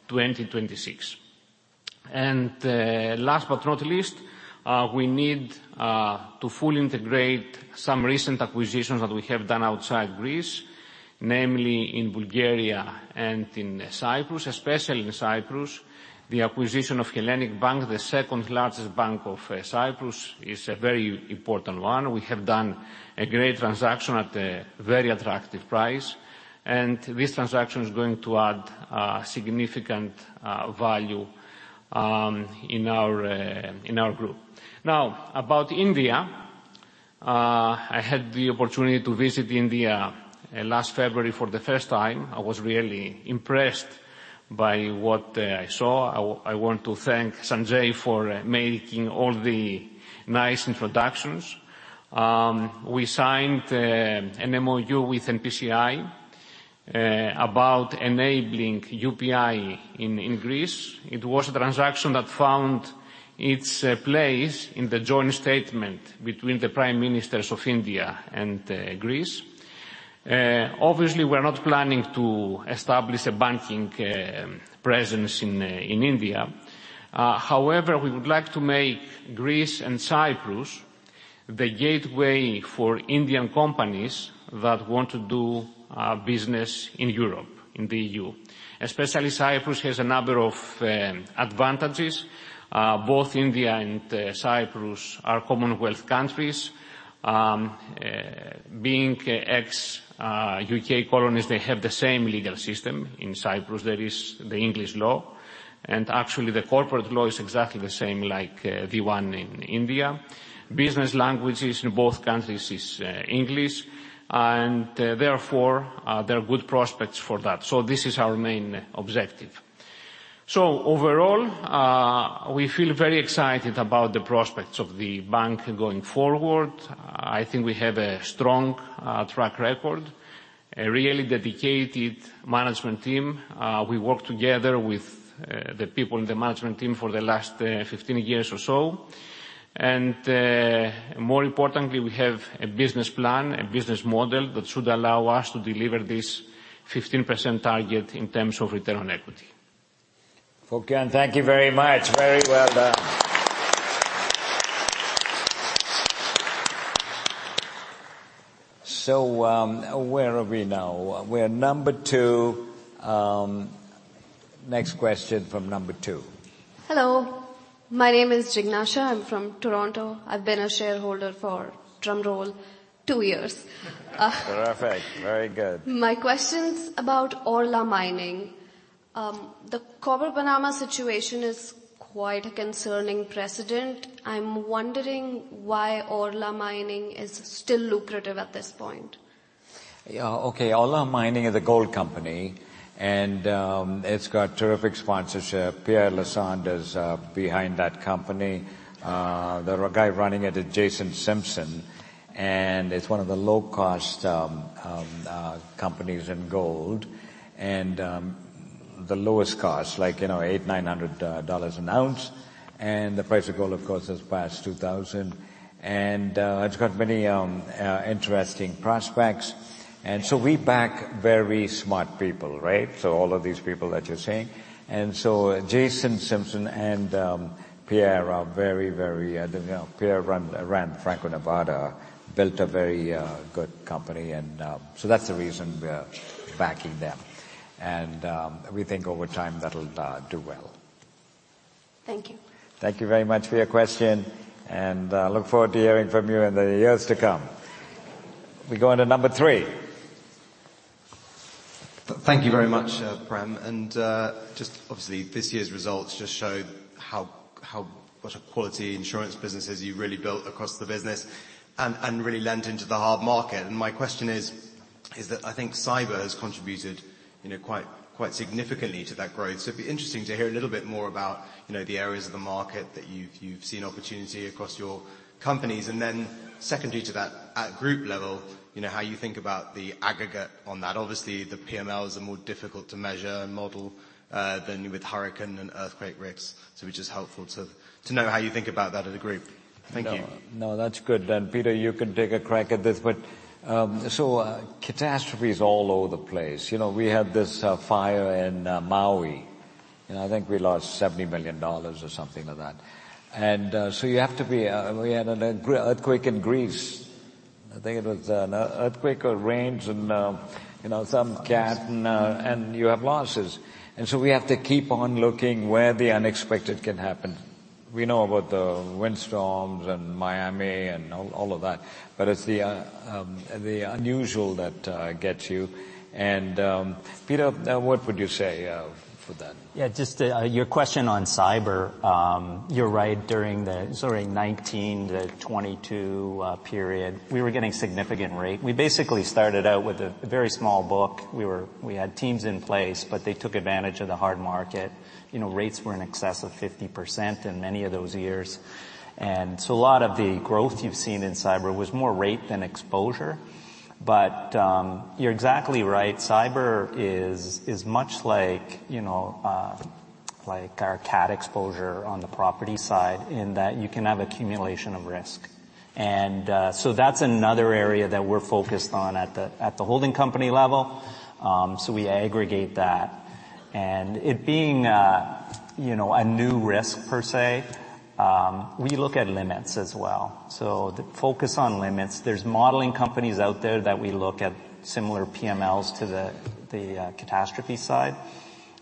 2026. Last but not least, we need to fully integrate some recent acquisitions that we have done outside Greece, namely in Bulgaria and in Cyprus, especially in Cyprus. The acquisition of Hellenic Bank, the second-largest bank of Cyprus, is a very important one. We have done a great transaction at a very attractive price, and this transaction is going to add significant value in our group. Now, about India. I had the opportunity to visit India last February for the first time. I was really impressed by what I saw. I want to thank Sanjay for making all the nice introductions. We signed an MOU with NPCI about enabling UPI in Greece. It was a transaction that found its place in the joint statement between the prime ministers of India and Greece. Obviously, we're not planning to establish a banking presence in India. However, we would like to make Greece and Cyprus the gateway for Indian companies that want to do business in Europe, in the EU. Especially Cyprus has a number of advantages. Both India and Cyprus are Commonwealth countries. Being ex-UK colonists, they have the same legal system. In Cyprus, there is the English law, and actually, the corporate law is exactly the same like the one in India. Business languages in both countries is English, and therefore there are good prospects for that. This is our main objective.... Overall, we feel very excited about the prospects of the bank going forward. I think we have a strong track record, a really dedicated management team. We work together with the people in the management team for the last 15 years or so. And more importantly, we have a business plan, a business model, that should allow us to deliver this 15% target in terms of return on equity. Fokion, thank you very much. Very well done. So, where are we now? We're number two. Next question from number two. Hello, my name is Jignasha. I'm from Toronto. I've been a shareholder for, drum roll, two years. Perfect. Very good. My question's about Orla Mining. The Cobre Panama situation is quite a concerning precedent. I'm wondering why Orla Mining is still lucrative at this point. Yeah. Okay, Orla Mining is a gold company, and it's got terrific sponsorship. Pierre Lassonde is behind that company. The guy running it is Jason Simpson, and it's one of the low-cost companies in gold and the lowest cost, like, you know, $800-$900 an ounce, and the price of gold, of course, has passed $2,000. And it's got many interesting prospects. And so we back very smart people, right? So all of these people that you're seeing. And so Jason Simpson and Pierre are very, very, you know, Pierre ran Franco-Nevada, built a very good company and so that's the reason we're backing them. And we think over time, that'll do well. Thank you. Thank you very much for your question, and look forward to hearing from you in the years to come. We go on to number 3. Thank you very much, Prem. And just obviously, this year's results just showed how what a quality insurance businesses you've really built across the business and really lent into the hard market. And my question is that I think cyber has contributed, you know, quite significantly to that growth. So it'd be interesting to hear a little bit more about, you know, the areas of the market that you've seen opportunity across your companies. And then secondly to that, at group level, you know, how you think about the aggregate on that. Obviously, the PMLs are more difficult to measure and model than with hurricane and earthquake risks. So it's just helpful to know how you think about that as a group. Thank you. No, that's good. Then, Peter, you can take a crack at this, but so catastrophe is all over the place. You know, we had this fire in Maui, and I think we lost $70 million or something like that. And so you have to be... We had an earthquake in Greece. I think it was an earthquake or rains and, you know, some cat, and and you have losses. And so we have to keep on looking where the unexpected can happen. We know about the windstorms and Miami and all that, but it's the unusual that gets you. And, Peter, what would you say for that? Yeah, just, your question on cyber, you're right. During the, sorry, 2019-2022 period, we were getting significant rate. We basically started out with a very small book. We had teams in place, but they took advantage of the hard market. You know, rates were in excess of 50% in many of those years, and so a lot of the growth you've seen in cyber was more rate than exposure. But, you're exactly right. Cyber is much like, you know, like our cat exposure on the property side, in that you can have accumulation of risk. And, so that's another area that we're focused on at the holding company level. So we aggregate that. And it being, you know, a new risk per se, we look at limits as well. So the focus on limits, there's modeling companies out there that we look at similar PMLs to the catastrophe side,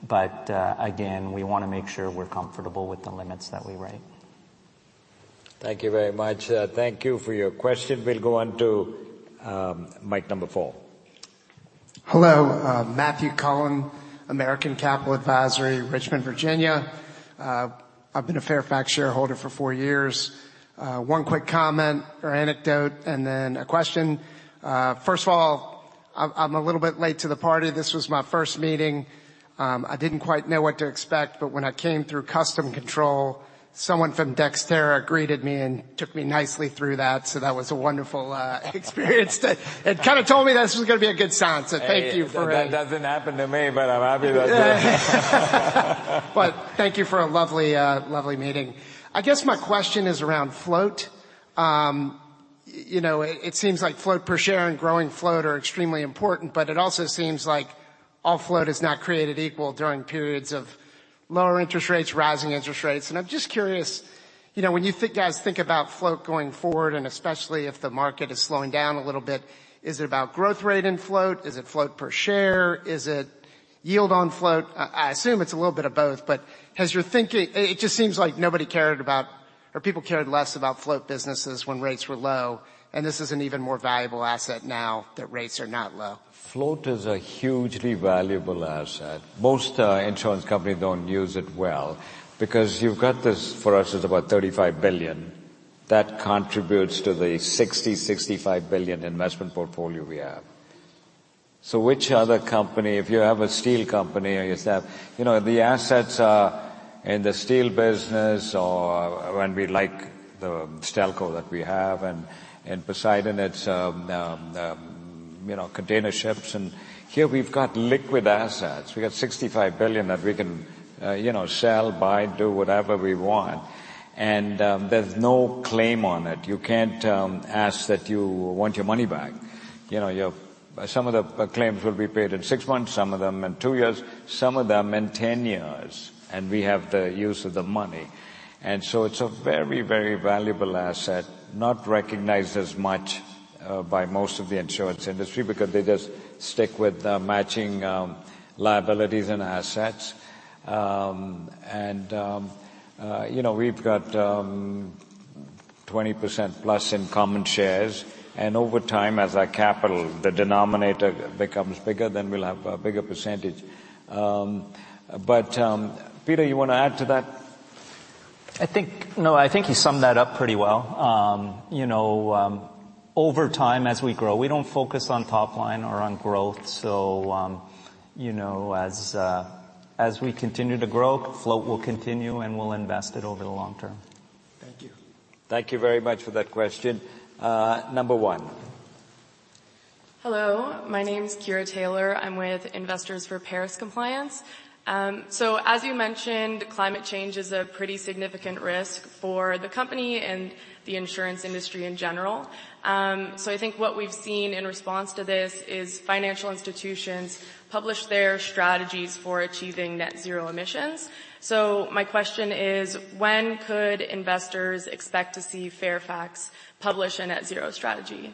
but again, we wanna make sure we're comfortable with the limits that we write. Thank you very much. Thank you for your question. We'll go on to mic number four. Hello, Matthew Cullen, American Capital Advisory, Richmond, Virginia. I've been a Fairfax shareholder for four years. One quick comment or anecdote and then a question. First of all, I'm a little bit late to the party. This was my first meeting. I didn't quite know what to expect, but when I came through customs control, someone from Dexterra greeted me and took me nicely through that, so that was a wonderful experience. It kind of told me this was gonna be a good sign, so thank you for- That doesn't happen to me, but I'm happy that... But thank you for a lovely, lovely meeting. I guess my question is around float. You know, it seems like float per share and growing float are extremely important, but it also seems like all float is not created equal during periods of lower interest rates, rising interest rates. And I'm just curious, you know, when you think guys, think about float going forward, and especially if the market is slowing down a little bit, is it about growth rate in float? Is it float per share? Is it yield on float? I assume it's a little bit of both, but as you're thinking... It just seems like nobody cared about or people cared less about float businesses when rates were low, and this is an even more valuable asset now that rates are not low. Float is a hugely valuable asset. Most insurance companies don't use it well because you've got this, for us, it's about $35 billion. That contributes to the $60-$65 billion investment portfolio we have. So which other company, if you have a steel company, or you have, you know, the assets are in the steel business or when we like the Stelco that we have and Poseidon, it's, you know, container ships, and here we've got liquid assets. We got $65 billion that we can, you know, sell, buy, do whatever we want, and there's no claim on it. You can't ask that you want your money back. You know, some of the claims will be paid in six months, some of them in two years, some of them in ten years, and we have the use of the money. It's a very, very valuable asset, not recognized as much by most of the insurance industry because they just stick with matching liabilities and assets. And you know, we've got 20% plus in common shares, and over time, as our capital, the denominator becomes bigger, then we'll have a bigger percentage. But Peter, you want to add to that? I think. No, I think you summed that up pretty well. You know, over time, as we grow, we don't focus on top line or on growth, so, you know, as we continue to grow, float will continue, and we'll invest it over the long term. Thank you. Thank you very much for that question. Number one. Hello, my name is Kira Taylor. I'm with Investors for Paris Compliance. So as you mentioned, climate change is a pretty significant risk for the company and the insurance industry in general. So I think what we've seen in response to this is financial institutions publish their strategies for achieving net zero emissions. So my question is: when could investors expect to see Fairfax publish a net zero strategy?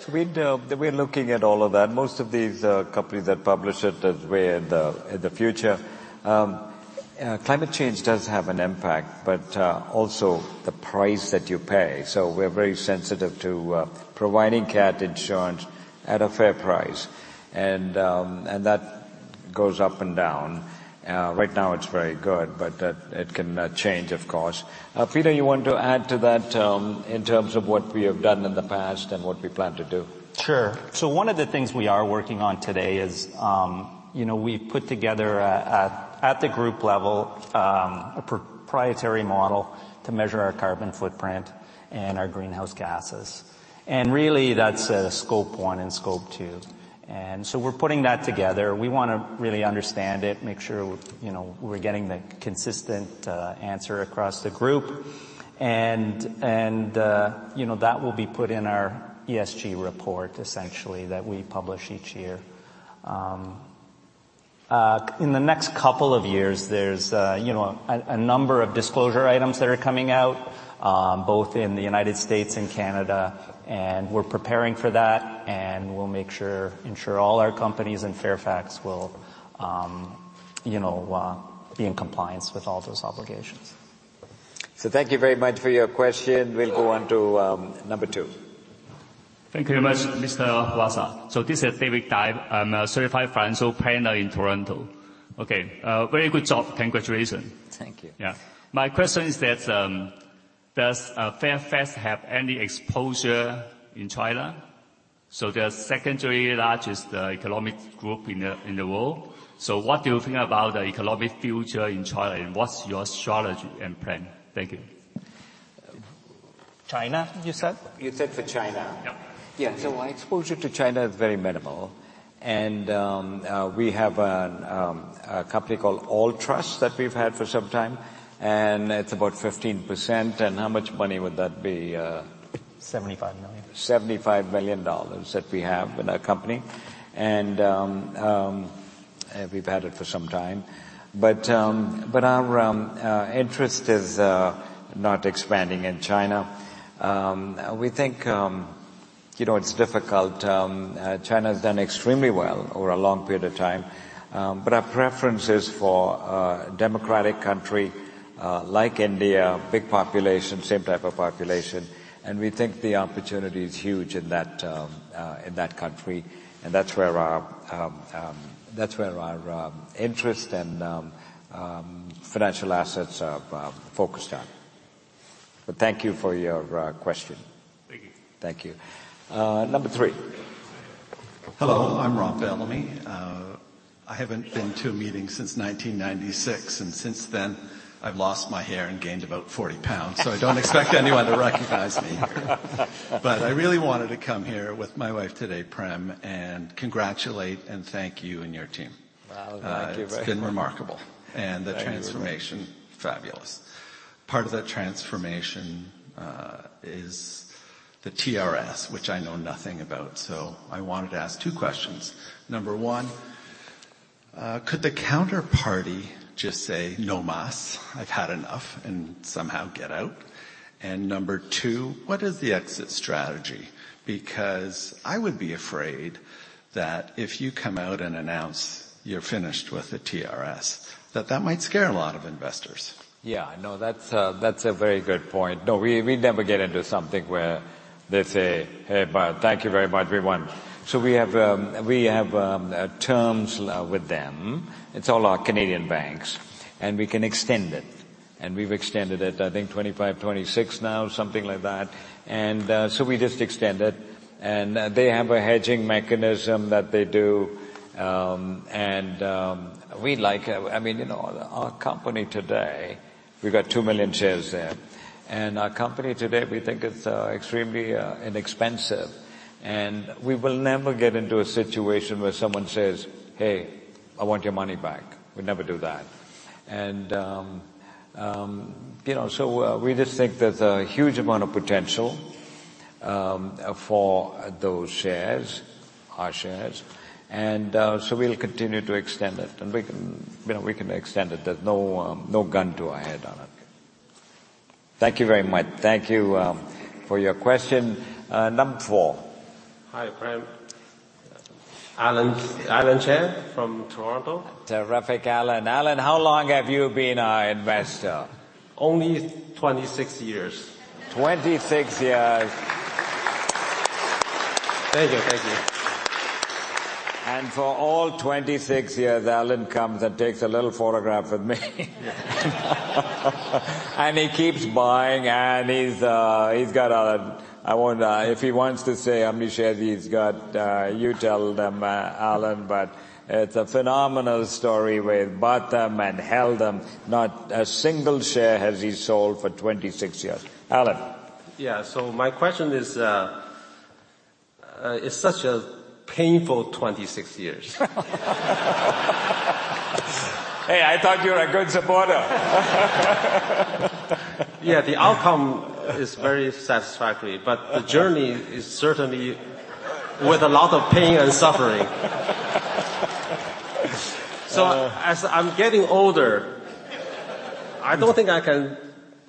So we'd, we're looking at all of that. Most of these companies that publish it that way in the future. Climate change does have an impact, but also the price that you pay. So we're very sensitive to providing cat insurance at a fair price, and that goes up and down. Right now it's very good, but that it can change, of course. Peter, you want to add to that, in terms of what we have done in the past and what we plan to do? Sure. So one of the things we are working on today is, you know, we've put together at the group level a proprietary model to measure our carbon footprint and our greenhouse gases. And really, that's Scope 1 and Scope 2. And so we're putting that together. We want to really understand it, make sure, you know, we're getting the consistent answer across the group. And you know, that will be put in our ESG report, essentially, that we publish each year. In the next couple of years, there's a number of disclosure items that are coming out, both in the United States and Canada, and we're preparing for that, and we'll make sure, ensure all our companies in Fairfax will be in compliance with all those obligations. So thank you very much for your question. We'll go on to number two. Thank you very much, Mr. Watsa. So this is David Dive. I'm a certified financial planner in Toronto. Okay, very good job. Congratulations. Thank you. Yeah. My question is that, does Fairfax have any exposure in China? So the secondary largest economic group in the world. So what do you think about the economic future in China, and what's your strategy and plan? Thank you. China, you said? You said for China? Yeah. Yeah. So our exposure to China is very minimal, and we have a company called Alltrust that we've had for some time, and it's about 15%. And how much money would that be? Seventy-five million. $75 million that we have in that company, and we've had it for some time. But our interest is not expanding in China. We think, you know, it's difficult. China's done extremely well over a long period of time, but our preference is for a democratic country, like India, big population, same type of population, and we think the opportunity is huge in that in that country, and that's where our interest and financial assets are focused on. But thank you for your question. Thank you. Thank you. Number 3. Hello, I'm Rob Bellamy. I haven't been to a meeting since 1996, and since then, I've lost my hair and gained about 40 pounds, so I don't expect anyone to recognize me here. But I really wanted to come here with my wife today, Prim, and congratulate and thank you and your team. Wow, thank you very much. It's been remarkable- Thank you. - and the transformation, fabulous. Part of that transformation is the TRS, which I know nothing about, so I wanted to ask two questions. Number one, could the counterparty just say, "No mass, I've had enough," and somehow get out? And number two, what is the exit strategy? Because I would be afraid that if you come out and announce you're finished with the TRS, that that might scare a lot of investors. Yeah, no, that's a very good point. No, we never get into something where they say, "Hey, but thank you very much, everyone." So we have terms with them. It's all our Canadian banks, and we can extend it... and we've extended it, I think, 25, 26 now, something like that. And so we just extend it, and they have a hedging mechanism that they do. And we like it. I mean, you know, our company today, we've got 2 million shares there, and our company today, we think it's extremely inexpensive. And we will never get into a situation where someone says, "Hey, I want your money back." We'd never do that. You know, so we just think there's a huge amount of potential for those shares, our shares, and so we'll continue to extend it. We can, you know, we can extend it. There's no gun to our head on it. Thank you very much. Thank you for your question. Number four. Hi, Prem. Alan, Alan Chen from Toronto. Terrific, Alan. Alan, how long have you been our investor? Only 26 years. Twenty-six years. Thank you. Thank you. For all 26 years, Alan comes and takes a little photograph of me. And he keeps buying, and he's got a... I won't, if he wants to say how many shares he's got, you tell them, Alan, but it's a phenomenal story where he bought them and held them. Not a single share has he sold for 26 years. Alan? Yeah. So my question is, it's such a painful 26 years. Hey, I thought you were a good supporter. Yeah, the outcome is very satisfactory, but the journey is certainly with a lot of pain and suffering. So as I'm getting older I don't think I can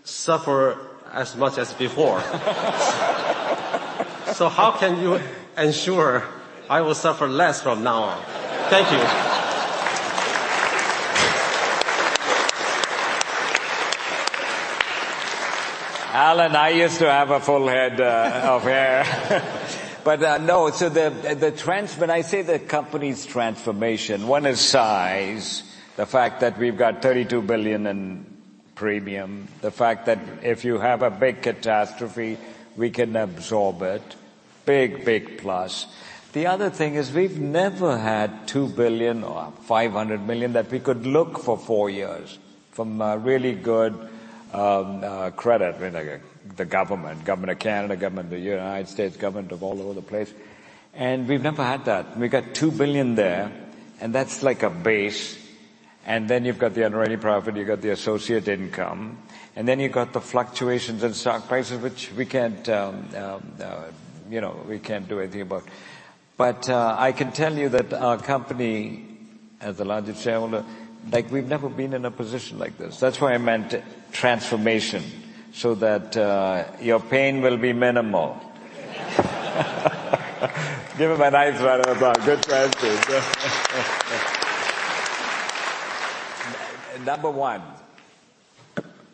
suffer as much as before. So how can you ensure I will suffer less from now on? Thank you. Alan, I used to have a full head of hair. But no, so the – when I say the company's transformation, one is size. The fact that we've got $32 billion in premium, the fact that if you have a big catastrophe, we can absorb it. Big, big plus. The other thing is we've never had $2 billion or $500 million that we could look for four years from really good credit, I mean, like the government, government of Canada, government of the United States, government of all over the place, and we've never had that. We got $2 billion there, and that's like a base, and then you've got the underwriting profit, you've got the associate income, and then you've got the fluctuations in stock prices, which we can't, you know, we can't do anything about. I can tell you that our company, as the largest shareholder, like, we've never been in a position like this. That's why I meant transformation, so that your pain will be minimal. Give him a nice round of applause. Good question. Number one.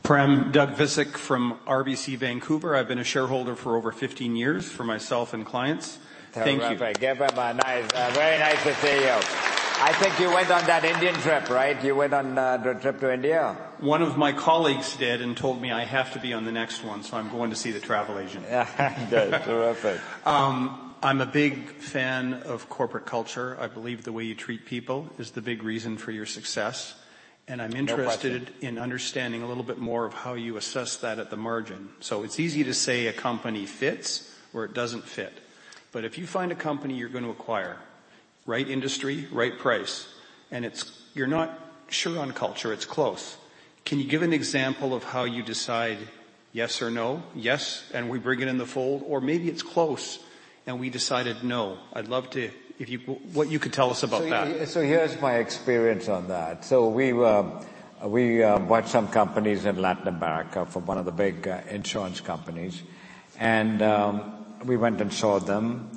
Prem, Doug Visk from RBC Vancouver. I've been a shareholder for over 15 years, for myself and clients. Thank you. Terrific. Give him a nice... Very nice to see you. I think you went on that Indian trip, right? You went on the trip to India? One of my colleagues did and told me I have to be on the next one, so I'm going to see the travel agent. Good. Terrific. I'm a big fan of corporate culture. I believe the way you treat people is the big reason for your success- No question. I'm interested in understanding a little bit more of how you assess that at the margin. So it's easy to say a company fits or it doesn't fit, but if you find a company you're going to acquire, right industry, right price, and it's, you're not sure on culture, it's close. Can you give an example of how you decide yes or no? Yes, and we bring it in the fold, or maybe it's close, and we decided no. I'd love to, if you, what you could tell us about that. So here's my experience on that. So we bought some companies in Latin America from one of the big insurance companies, and we went and saw them,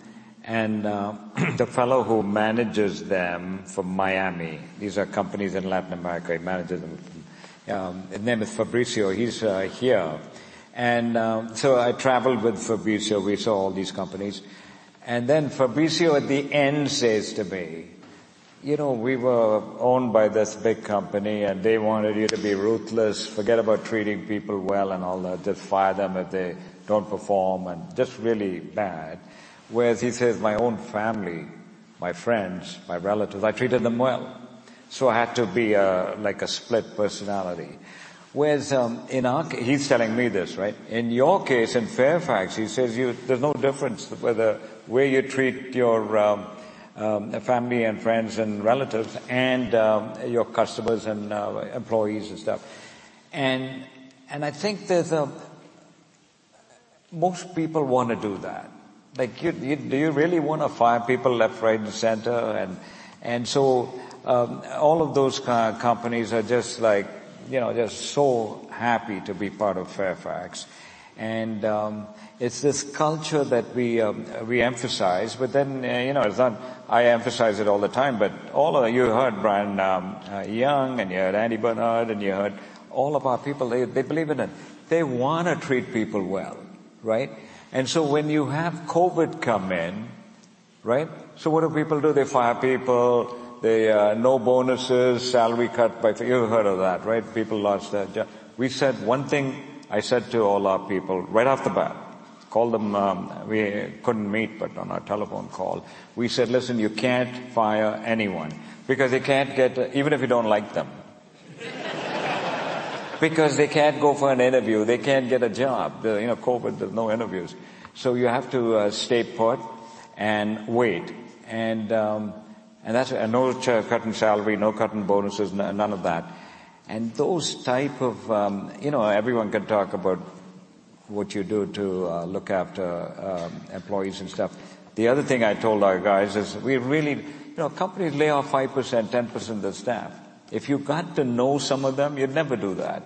and the fellow who manages them from Miami, these are companies in Latin America. He manages them. His name is Fabricio. He's here. And so I traveled with Fabricio. We saw all these companies. And then Fabricio, at the end, says to me, "You know, we were owned by this big company, and they wanted you to be ruthless, forget about treating people well and all that. Just fire them if they don't perform, and just really bad." Whereas he says, "My own family, my friends, my relatives, I treated them well. So I had to be a, like a split personality." Whereas in our—he's telling me this, right? In your case, in Fairfax," he says, "you there's no difference whether the way you treat your family and friends and relatives and your customers and employees and stuff." I think there's a... Most people wanna do that. Like, you do you really wanna fire people left, right, and center? All of those kind of companies are just like, you know, they're so happy to be part of Fairfax, and it's this culture that we we emphasize. I emphasize it all the time, but all of you heard Brian Young, and you heard Andy Barnard, and you heard all of our people, they believe in it. They wanna treat people well, right? So when you have COVID come in... Right? So what do people do? They fire people, they no bonuses, salary cut by—you've heard of that, right? People lost their jobs. We said one thing. I said to all our people right off the bat, called them. We couldn't meet, but on our telephone call, we said, "Listen, you can't fire anyone because they can't get even if you don't like them." Because they can't go for an interview, they can't get a job. You know, COVID, there's no interviews. So you have to stay put and wait. And that's—and no cutting salary, no cutting bonuses, none of that. And those type of, you know, everyone can talk about what you do to look after employees and stuff. The other thing I told our guys is we really. You know, companies lay off 5%, 10% of the staff. If you've got to know some of them, you'd never do that.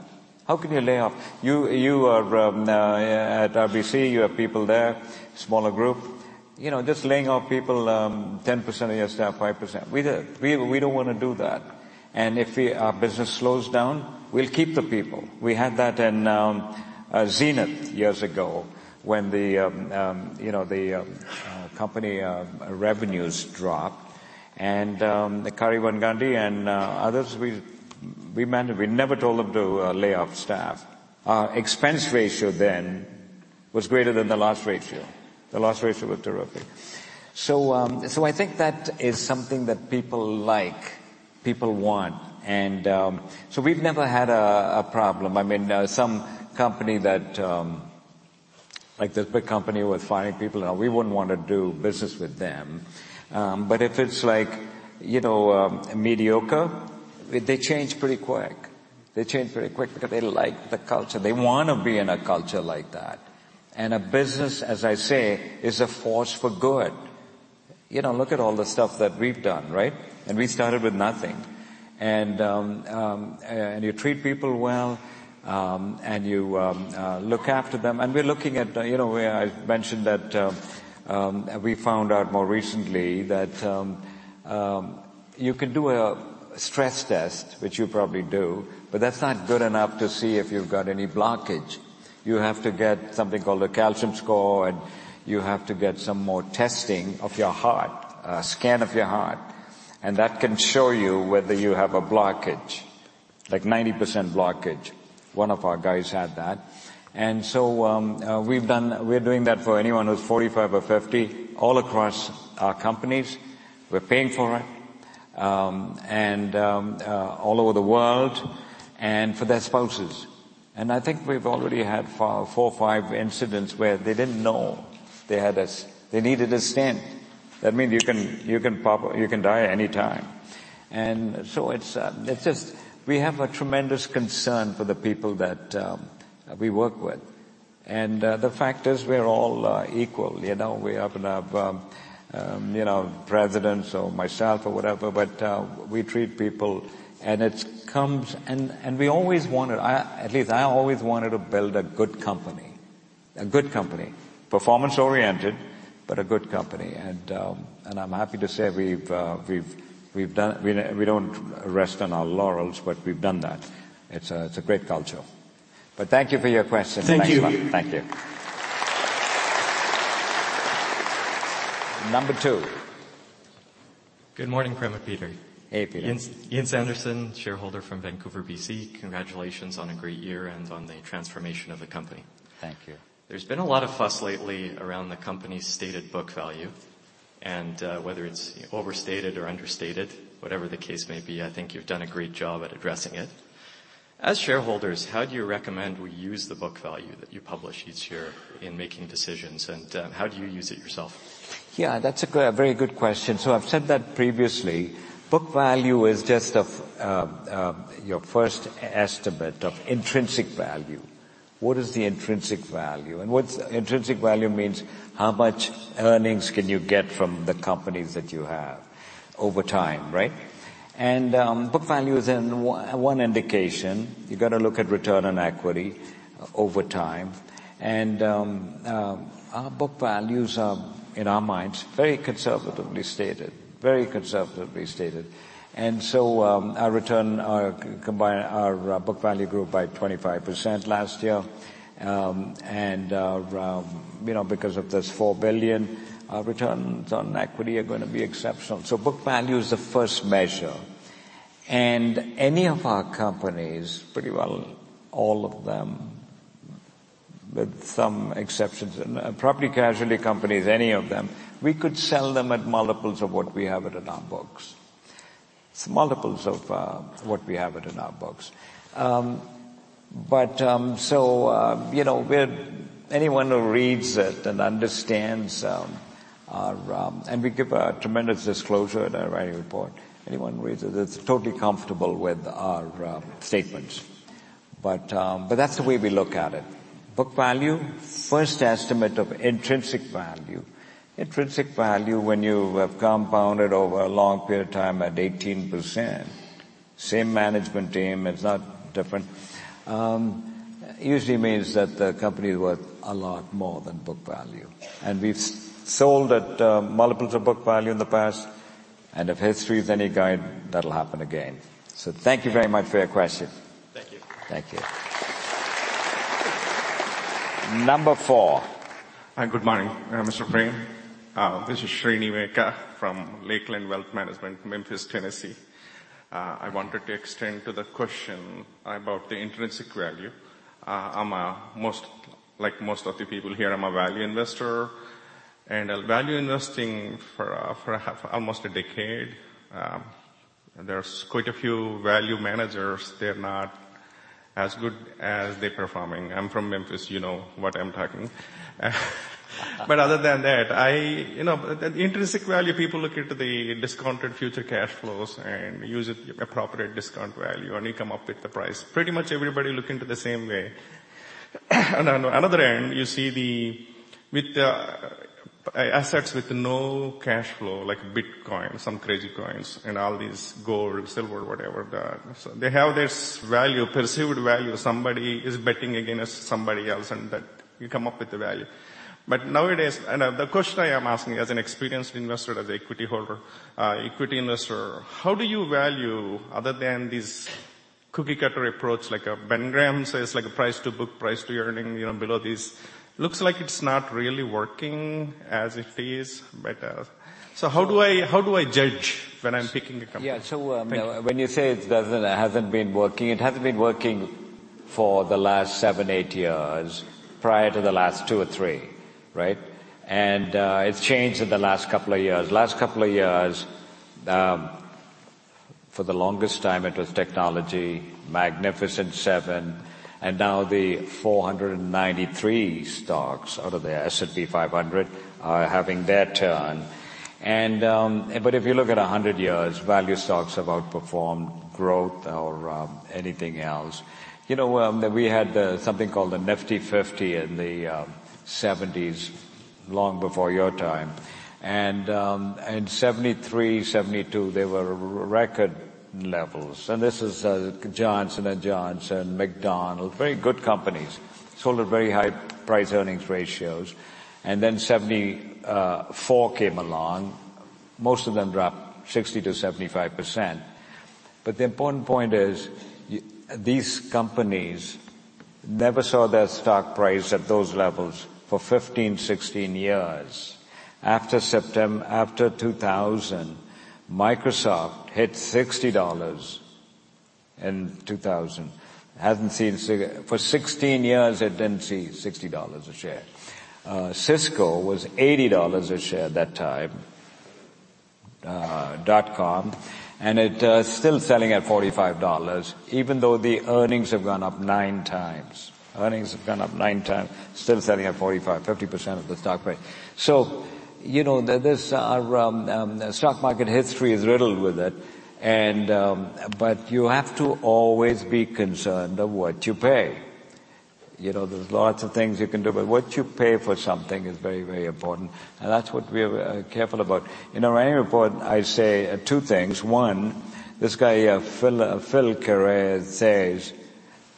How can you lay off? You, you are at RBC, you have people there, smaller group. You know, just laying off people, 10% of your staff, 5%. We-- We, we don't wanna do that, and if we, our business slows down, we'll keep the people. We had that in Zenith years ago, when the, you know, the company revenues dropped, and Kari Van Gundy and others, we, we managed. We never told them to lay off staff. Our expense ratio then was greater than the loss ratio. The loss ratio was terrific. So, so I think that is something that people like, people want, and so we've never had a problem. I mean, some company that, like this big company was firing people, and we wouldn't want to do business with them. But if it's like, you know, mediocre, they change pretty quick. They change very quick because they like the culture. They wanna be in a culture like that, and a business, as I say, is a force for good. You know, look at all the stuff that we've done, right? And we started with nothing. And you treat people well, and you look after them, and we're looking at, you know, where I mentioned that, we found out more recently that you can do a stress test, which you probably do, but that's not good enough to see if you've got any blockage. You have to get something called a calcium score, and you have to get some more testing of your heart, a scan of your heart, and that can show you whether you have a blockage, like 90% blockage. One of our guys had that, and so we've done—we're doing that for anyone who's 45 or 50 all across our companies. We're paying for it, and all over the world and for their spouses. And I think we've already had four, four or five incidents where they didn't know they had a—they needed a stent. That means you can, you can—you can die anytime. And so it's just we have a tremendous concern for the people that we work with, and the fact is, we're all equal, you know. We have enough, you know, presidents or myself or whatever, but we treat people, and it comes, and we always wanted, I, at least I always wanted to build a good company, a good company. Performance-oriented, but a good company, and, and I'm happy to say we've done. We don't rest on our laurels, but we've done that. It's a great culture. But thank you for your question. Thank you. Thank you. Number 2. Good morning, Prem Watsa. Hey, Peter. Ian, Ian Sanderson, shareholder from Vancouver, B.C. Congratulations on a great year and on the transformation of the company. Thank you. There's been a lot of fuss lately around the company's stated book value and, whether it's overstated or understated, whatever the case may be. I think you've done a great job at addressing it. As shareholders, how do you recommend we use the book value that you publish each year in making decisions, and, how do you use it yourself? Yeah, that's a good, a very good question. So I've said that previously, book value is just of, your first estimate of intrinsic value. What is the intrinsic value? And what's intrinsic value means, how much earnings can you get from the companies that you have over time, right? And, book value is in one indication. You gotta look at return on equity over time, and, our book values are, in our minds, very conservatively stated. Very conservatively stated. And so, our return, our combined, our book value grew by 25% last year. And, you know, because of this $4 billion, our returns on equity are gonna be exceptional. Book value is the first measure, and any of our companies, pretty well, all of them, with some exceptions, and property casualty companies, any of them, we could sell them at multiples of what we have it in our books. It's multiples of what we have it in our books. But you know, we're anyone who reads it and understands our. And we give a tremendous disclosure in our annual report. Anyone who reads it is totally comfortable with our statements, but that's the way we look at it. Book value, first estimate of intrinsic value. Intrinsic value, when you have compounded over a long period of time at 18%, same management team, it's not different, usually means that the company is worth a lot more than book value. We've sold at multiples of book value in the past, and if history is any guide, that'll happen again. So thank you very much for your question. Thank you. Thank you. Number four. Hi, good morning, Mr. Prem. This is Srini Meka from Lakeland Wealth Management, Memphis, Tennessee. I wanted to extend to the question about the intrinsic value. I'm, like most of the people here, I'm a value investor, and value investing for almost a decade. There's quite a few value managers, they're not as good as they're performing. I'm from Memphis, you know what I'm talking. But other than that, I... You know, the intrinsic value, people look into the discounted future cash flows and use it appropriate discount value, and you come up with the price. Pretty much everybody look into the same way. And on another end, you see the assets with no cash flow, like Bitcoin, some crazy coins, and all these gold, silver, whatever. So they have this value, perceived value. Somebody is betting against somebody else, and that you come up with the value. But nowadays, the question I am asking as an experienced investor, as an equity holder, equity investor: how do you value, other than this cookie-cutter approach, like Ben Graham says, like, a price to book, price to earning, you know, below this? Looks like it's not really working as it is, but... So how do I, how do I judge when I'm picking a company? Yeah. So, when you say it hasn't been working, it hasn't been working for the last 7, 8 years, prior to the last 2 or 3, right? And, it's changed in the last couple of years. Last couple of years, for the longest time, it was technology, Magnificent Seven, and now the 493 stocks out of the S&P 500 are having their turn. And, but if you look at 100 years, value stocks have outperformed growth or, anything else. You know, we had, something called the Nifty Fifty in the, 1970s, long before your time, and, in 1973, 1972, they were record levels. And this is, Johnson & Johnson, McDonald's, very good companies. Sold at very high price earnings ratios. And then 1974 came along. Most of them dropped 60%-75%. But the important point is, these companies never saw their stock price at those levels for 15, 16 years. After 2000, Microsoft hit $60 in 2000. Hadn't seen $60. For 16 years, it didn't see $60 a share. Cisco was $80 a share at that time, dot-com, and it still selling at $45, even though the earnings have gone up 9 times. Earnings have gone up 9 times, still selling at $45, 50% of the stock price. So you know, this stock market history is riddled with it, and but you have to always be concerned of what you pay. You know, there's lots of things you can do, but what you pay for something is very, very important, and that's what we are careful about. In our annual report, I say two things: One, this guy, Phil Carret, says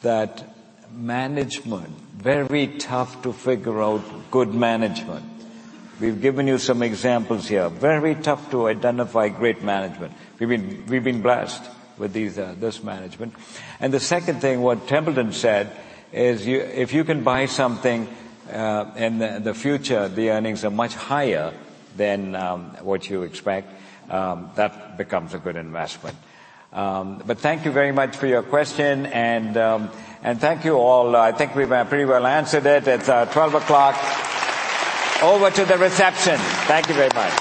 that management, very tough to figure out good management. We've given you some examples here. Very tough to identify great management. We've been blessed with these, this management. And the second thing, what Templeton said is, you "If you can buy something in the future, the earnings are much higher than what you expect, that becomes a good investment." But thank you very much for your question, and thank you all. I think we've pretty well answered it. It's 12:00 P.M. Over to the reception. Thank you very much.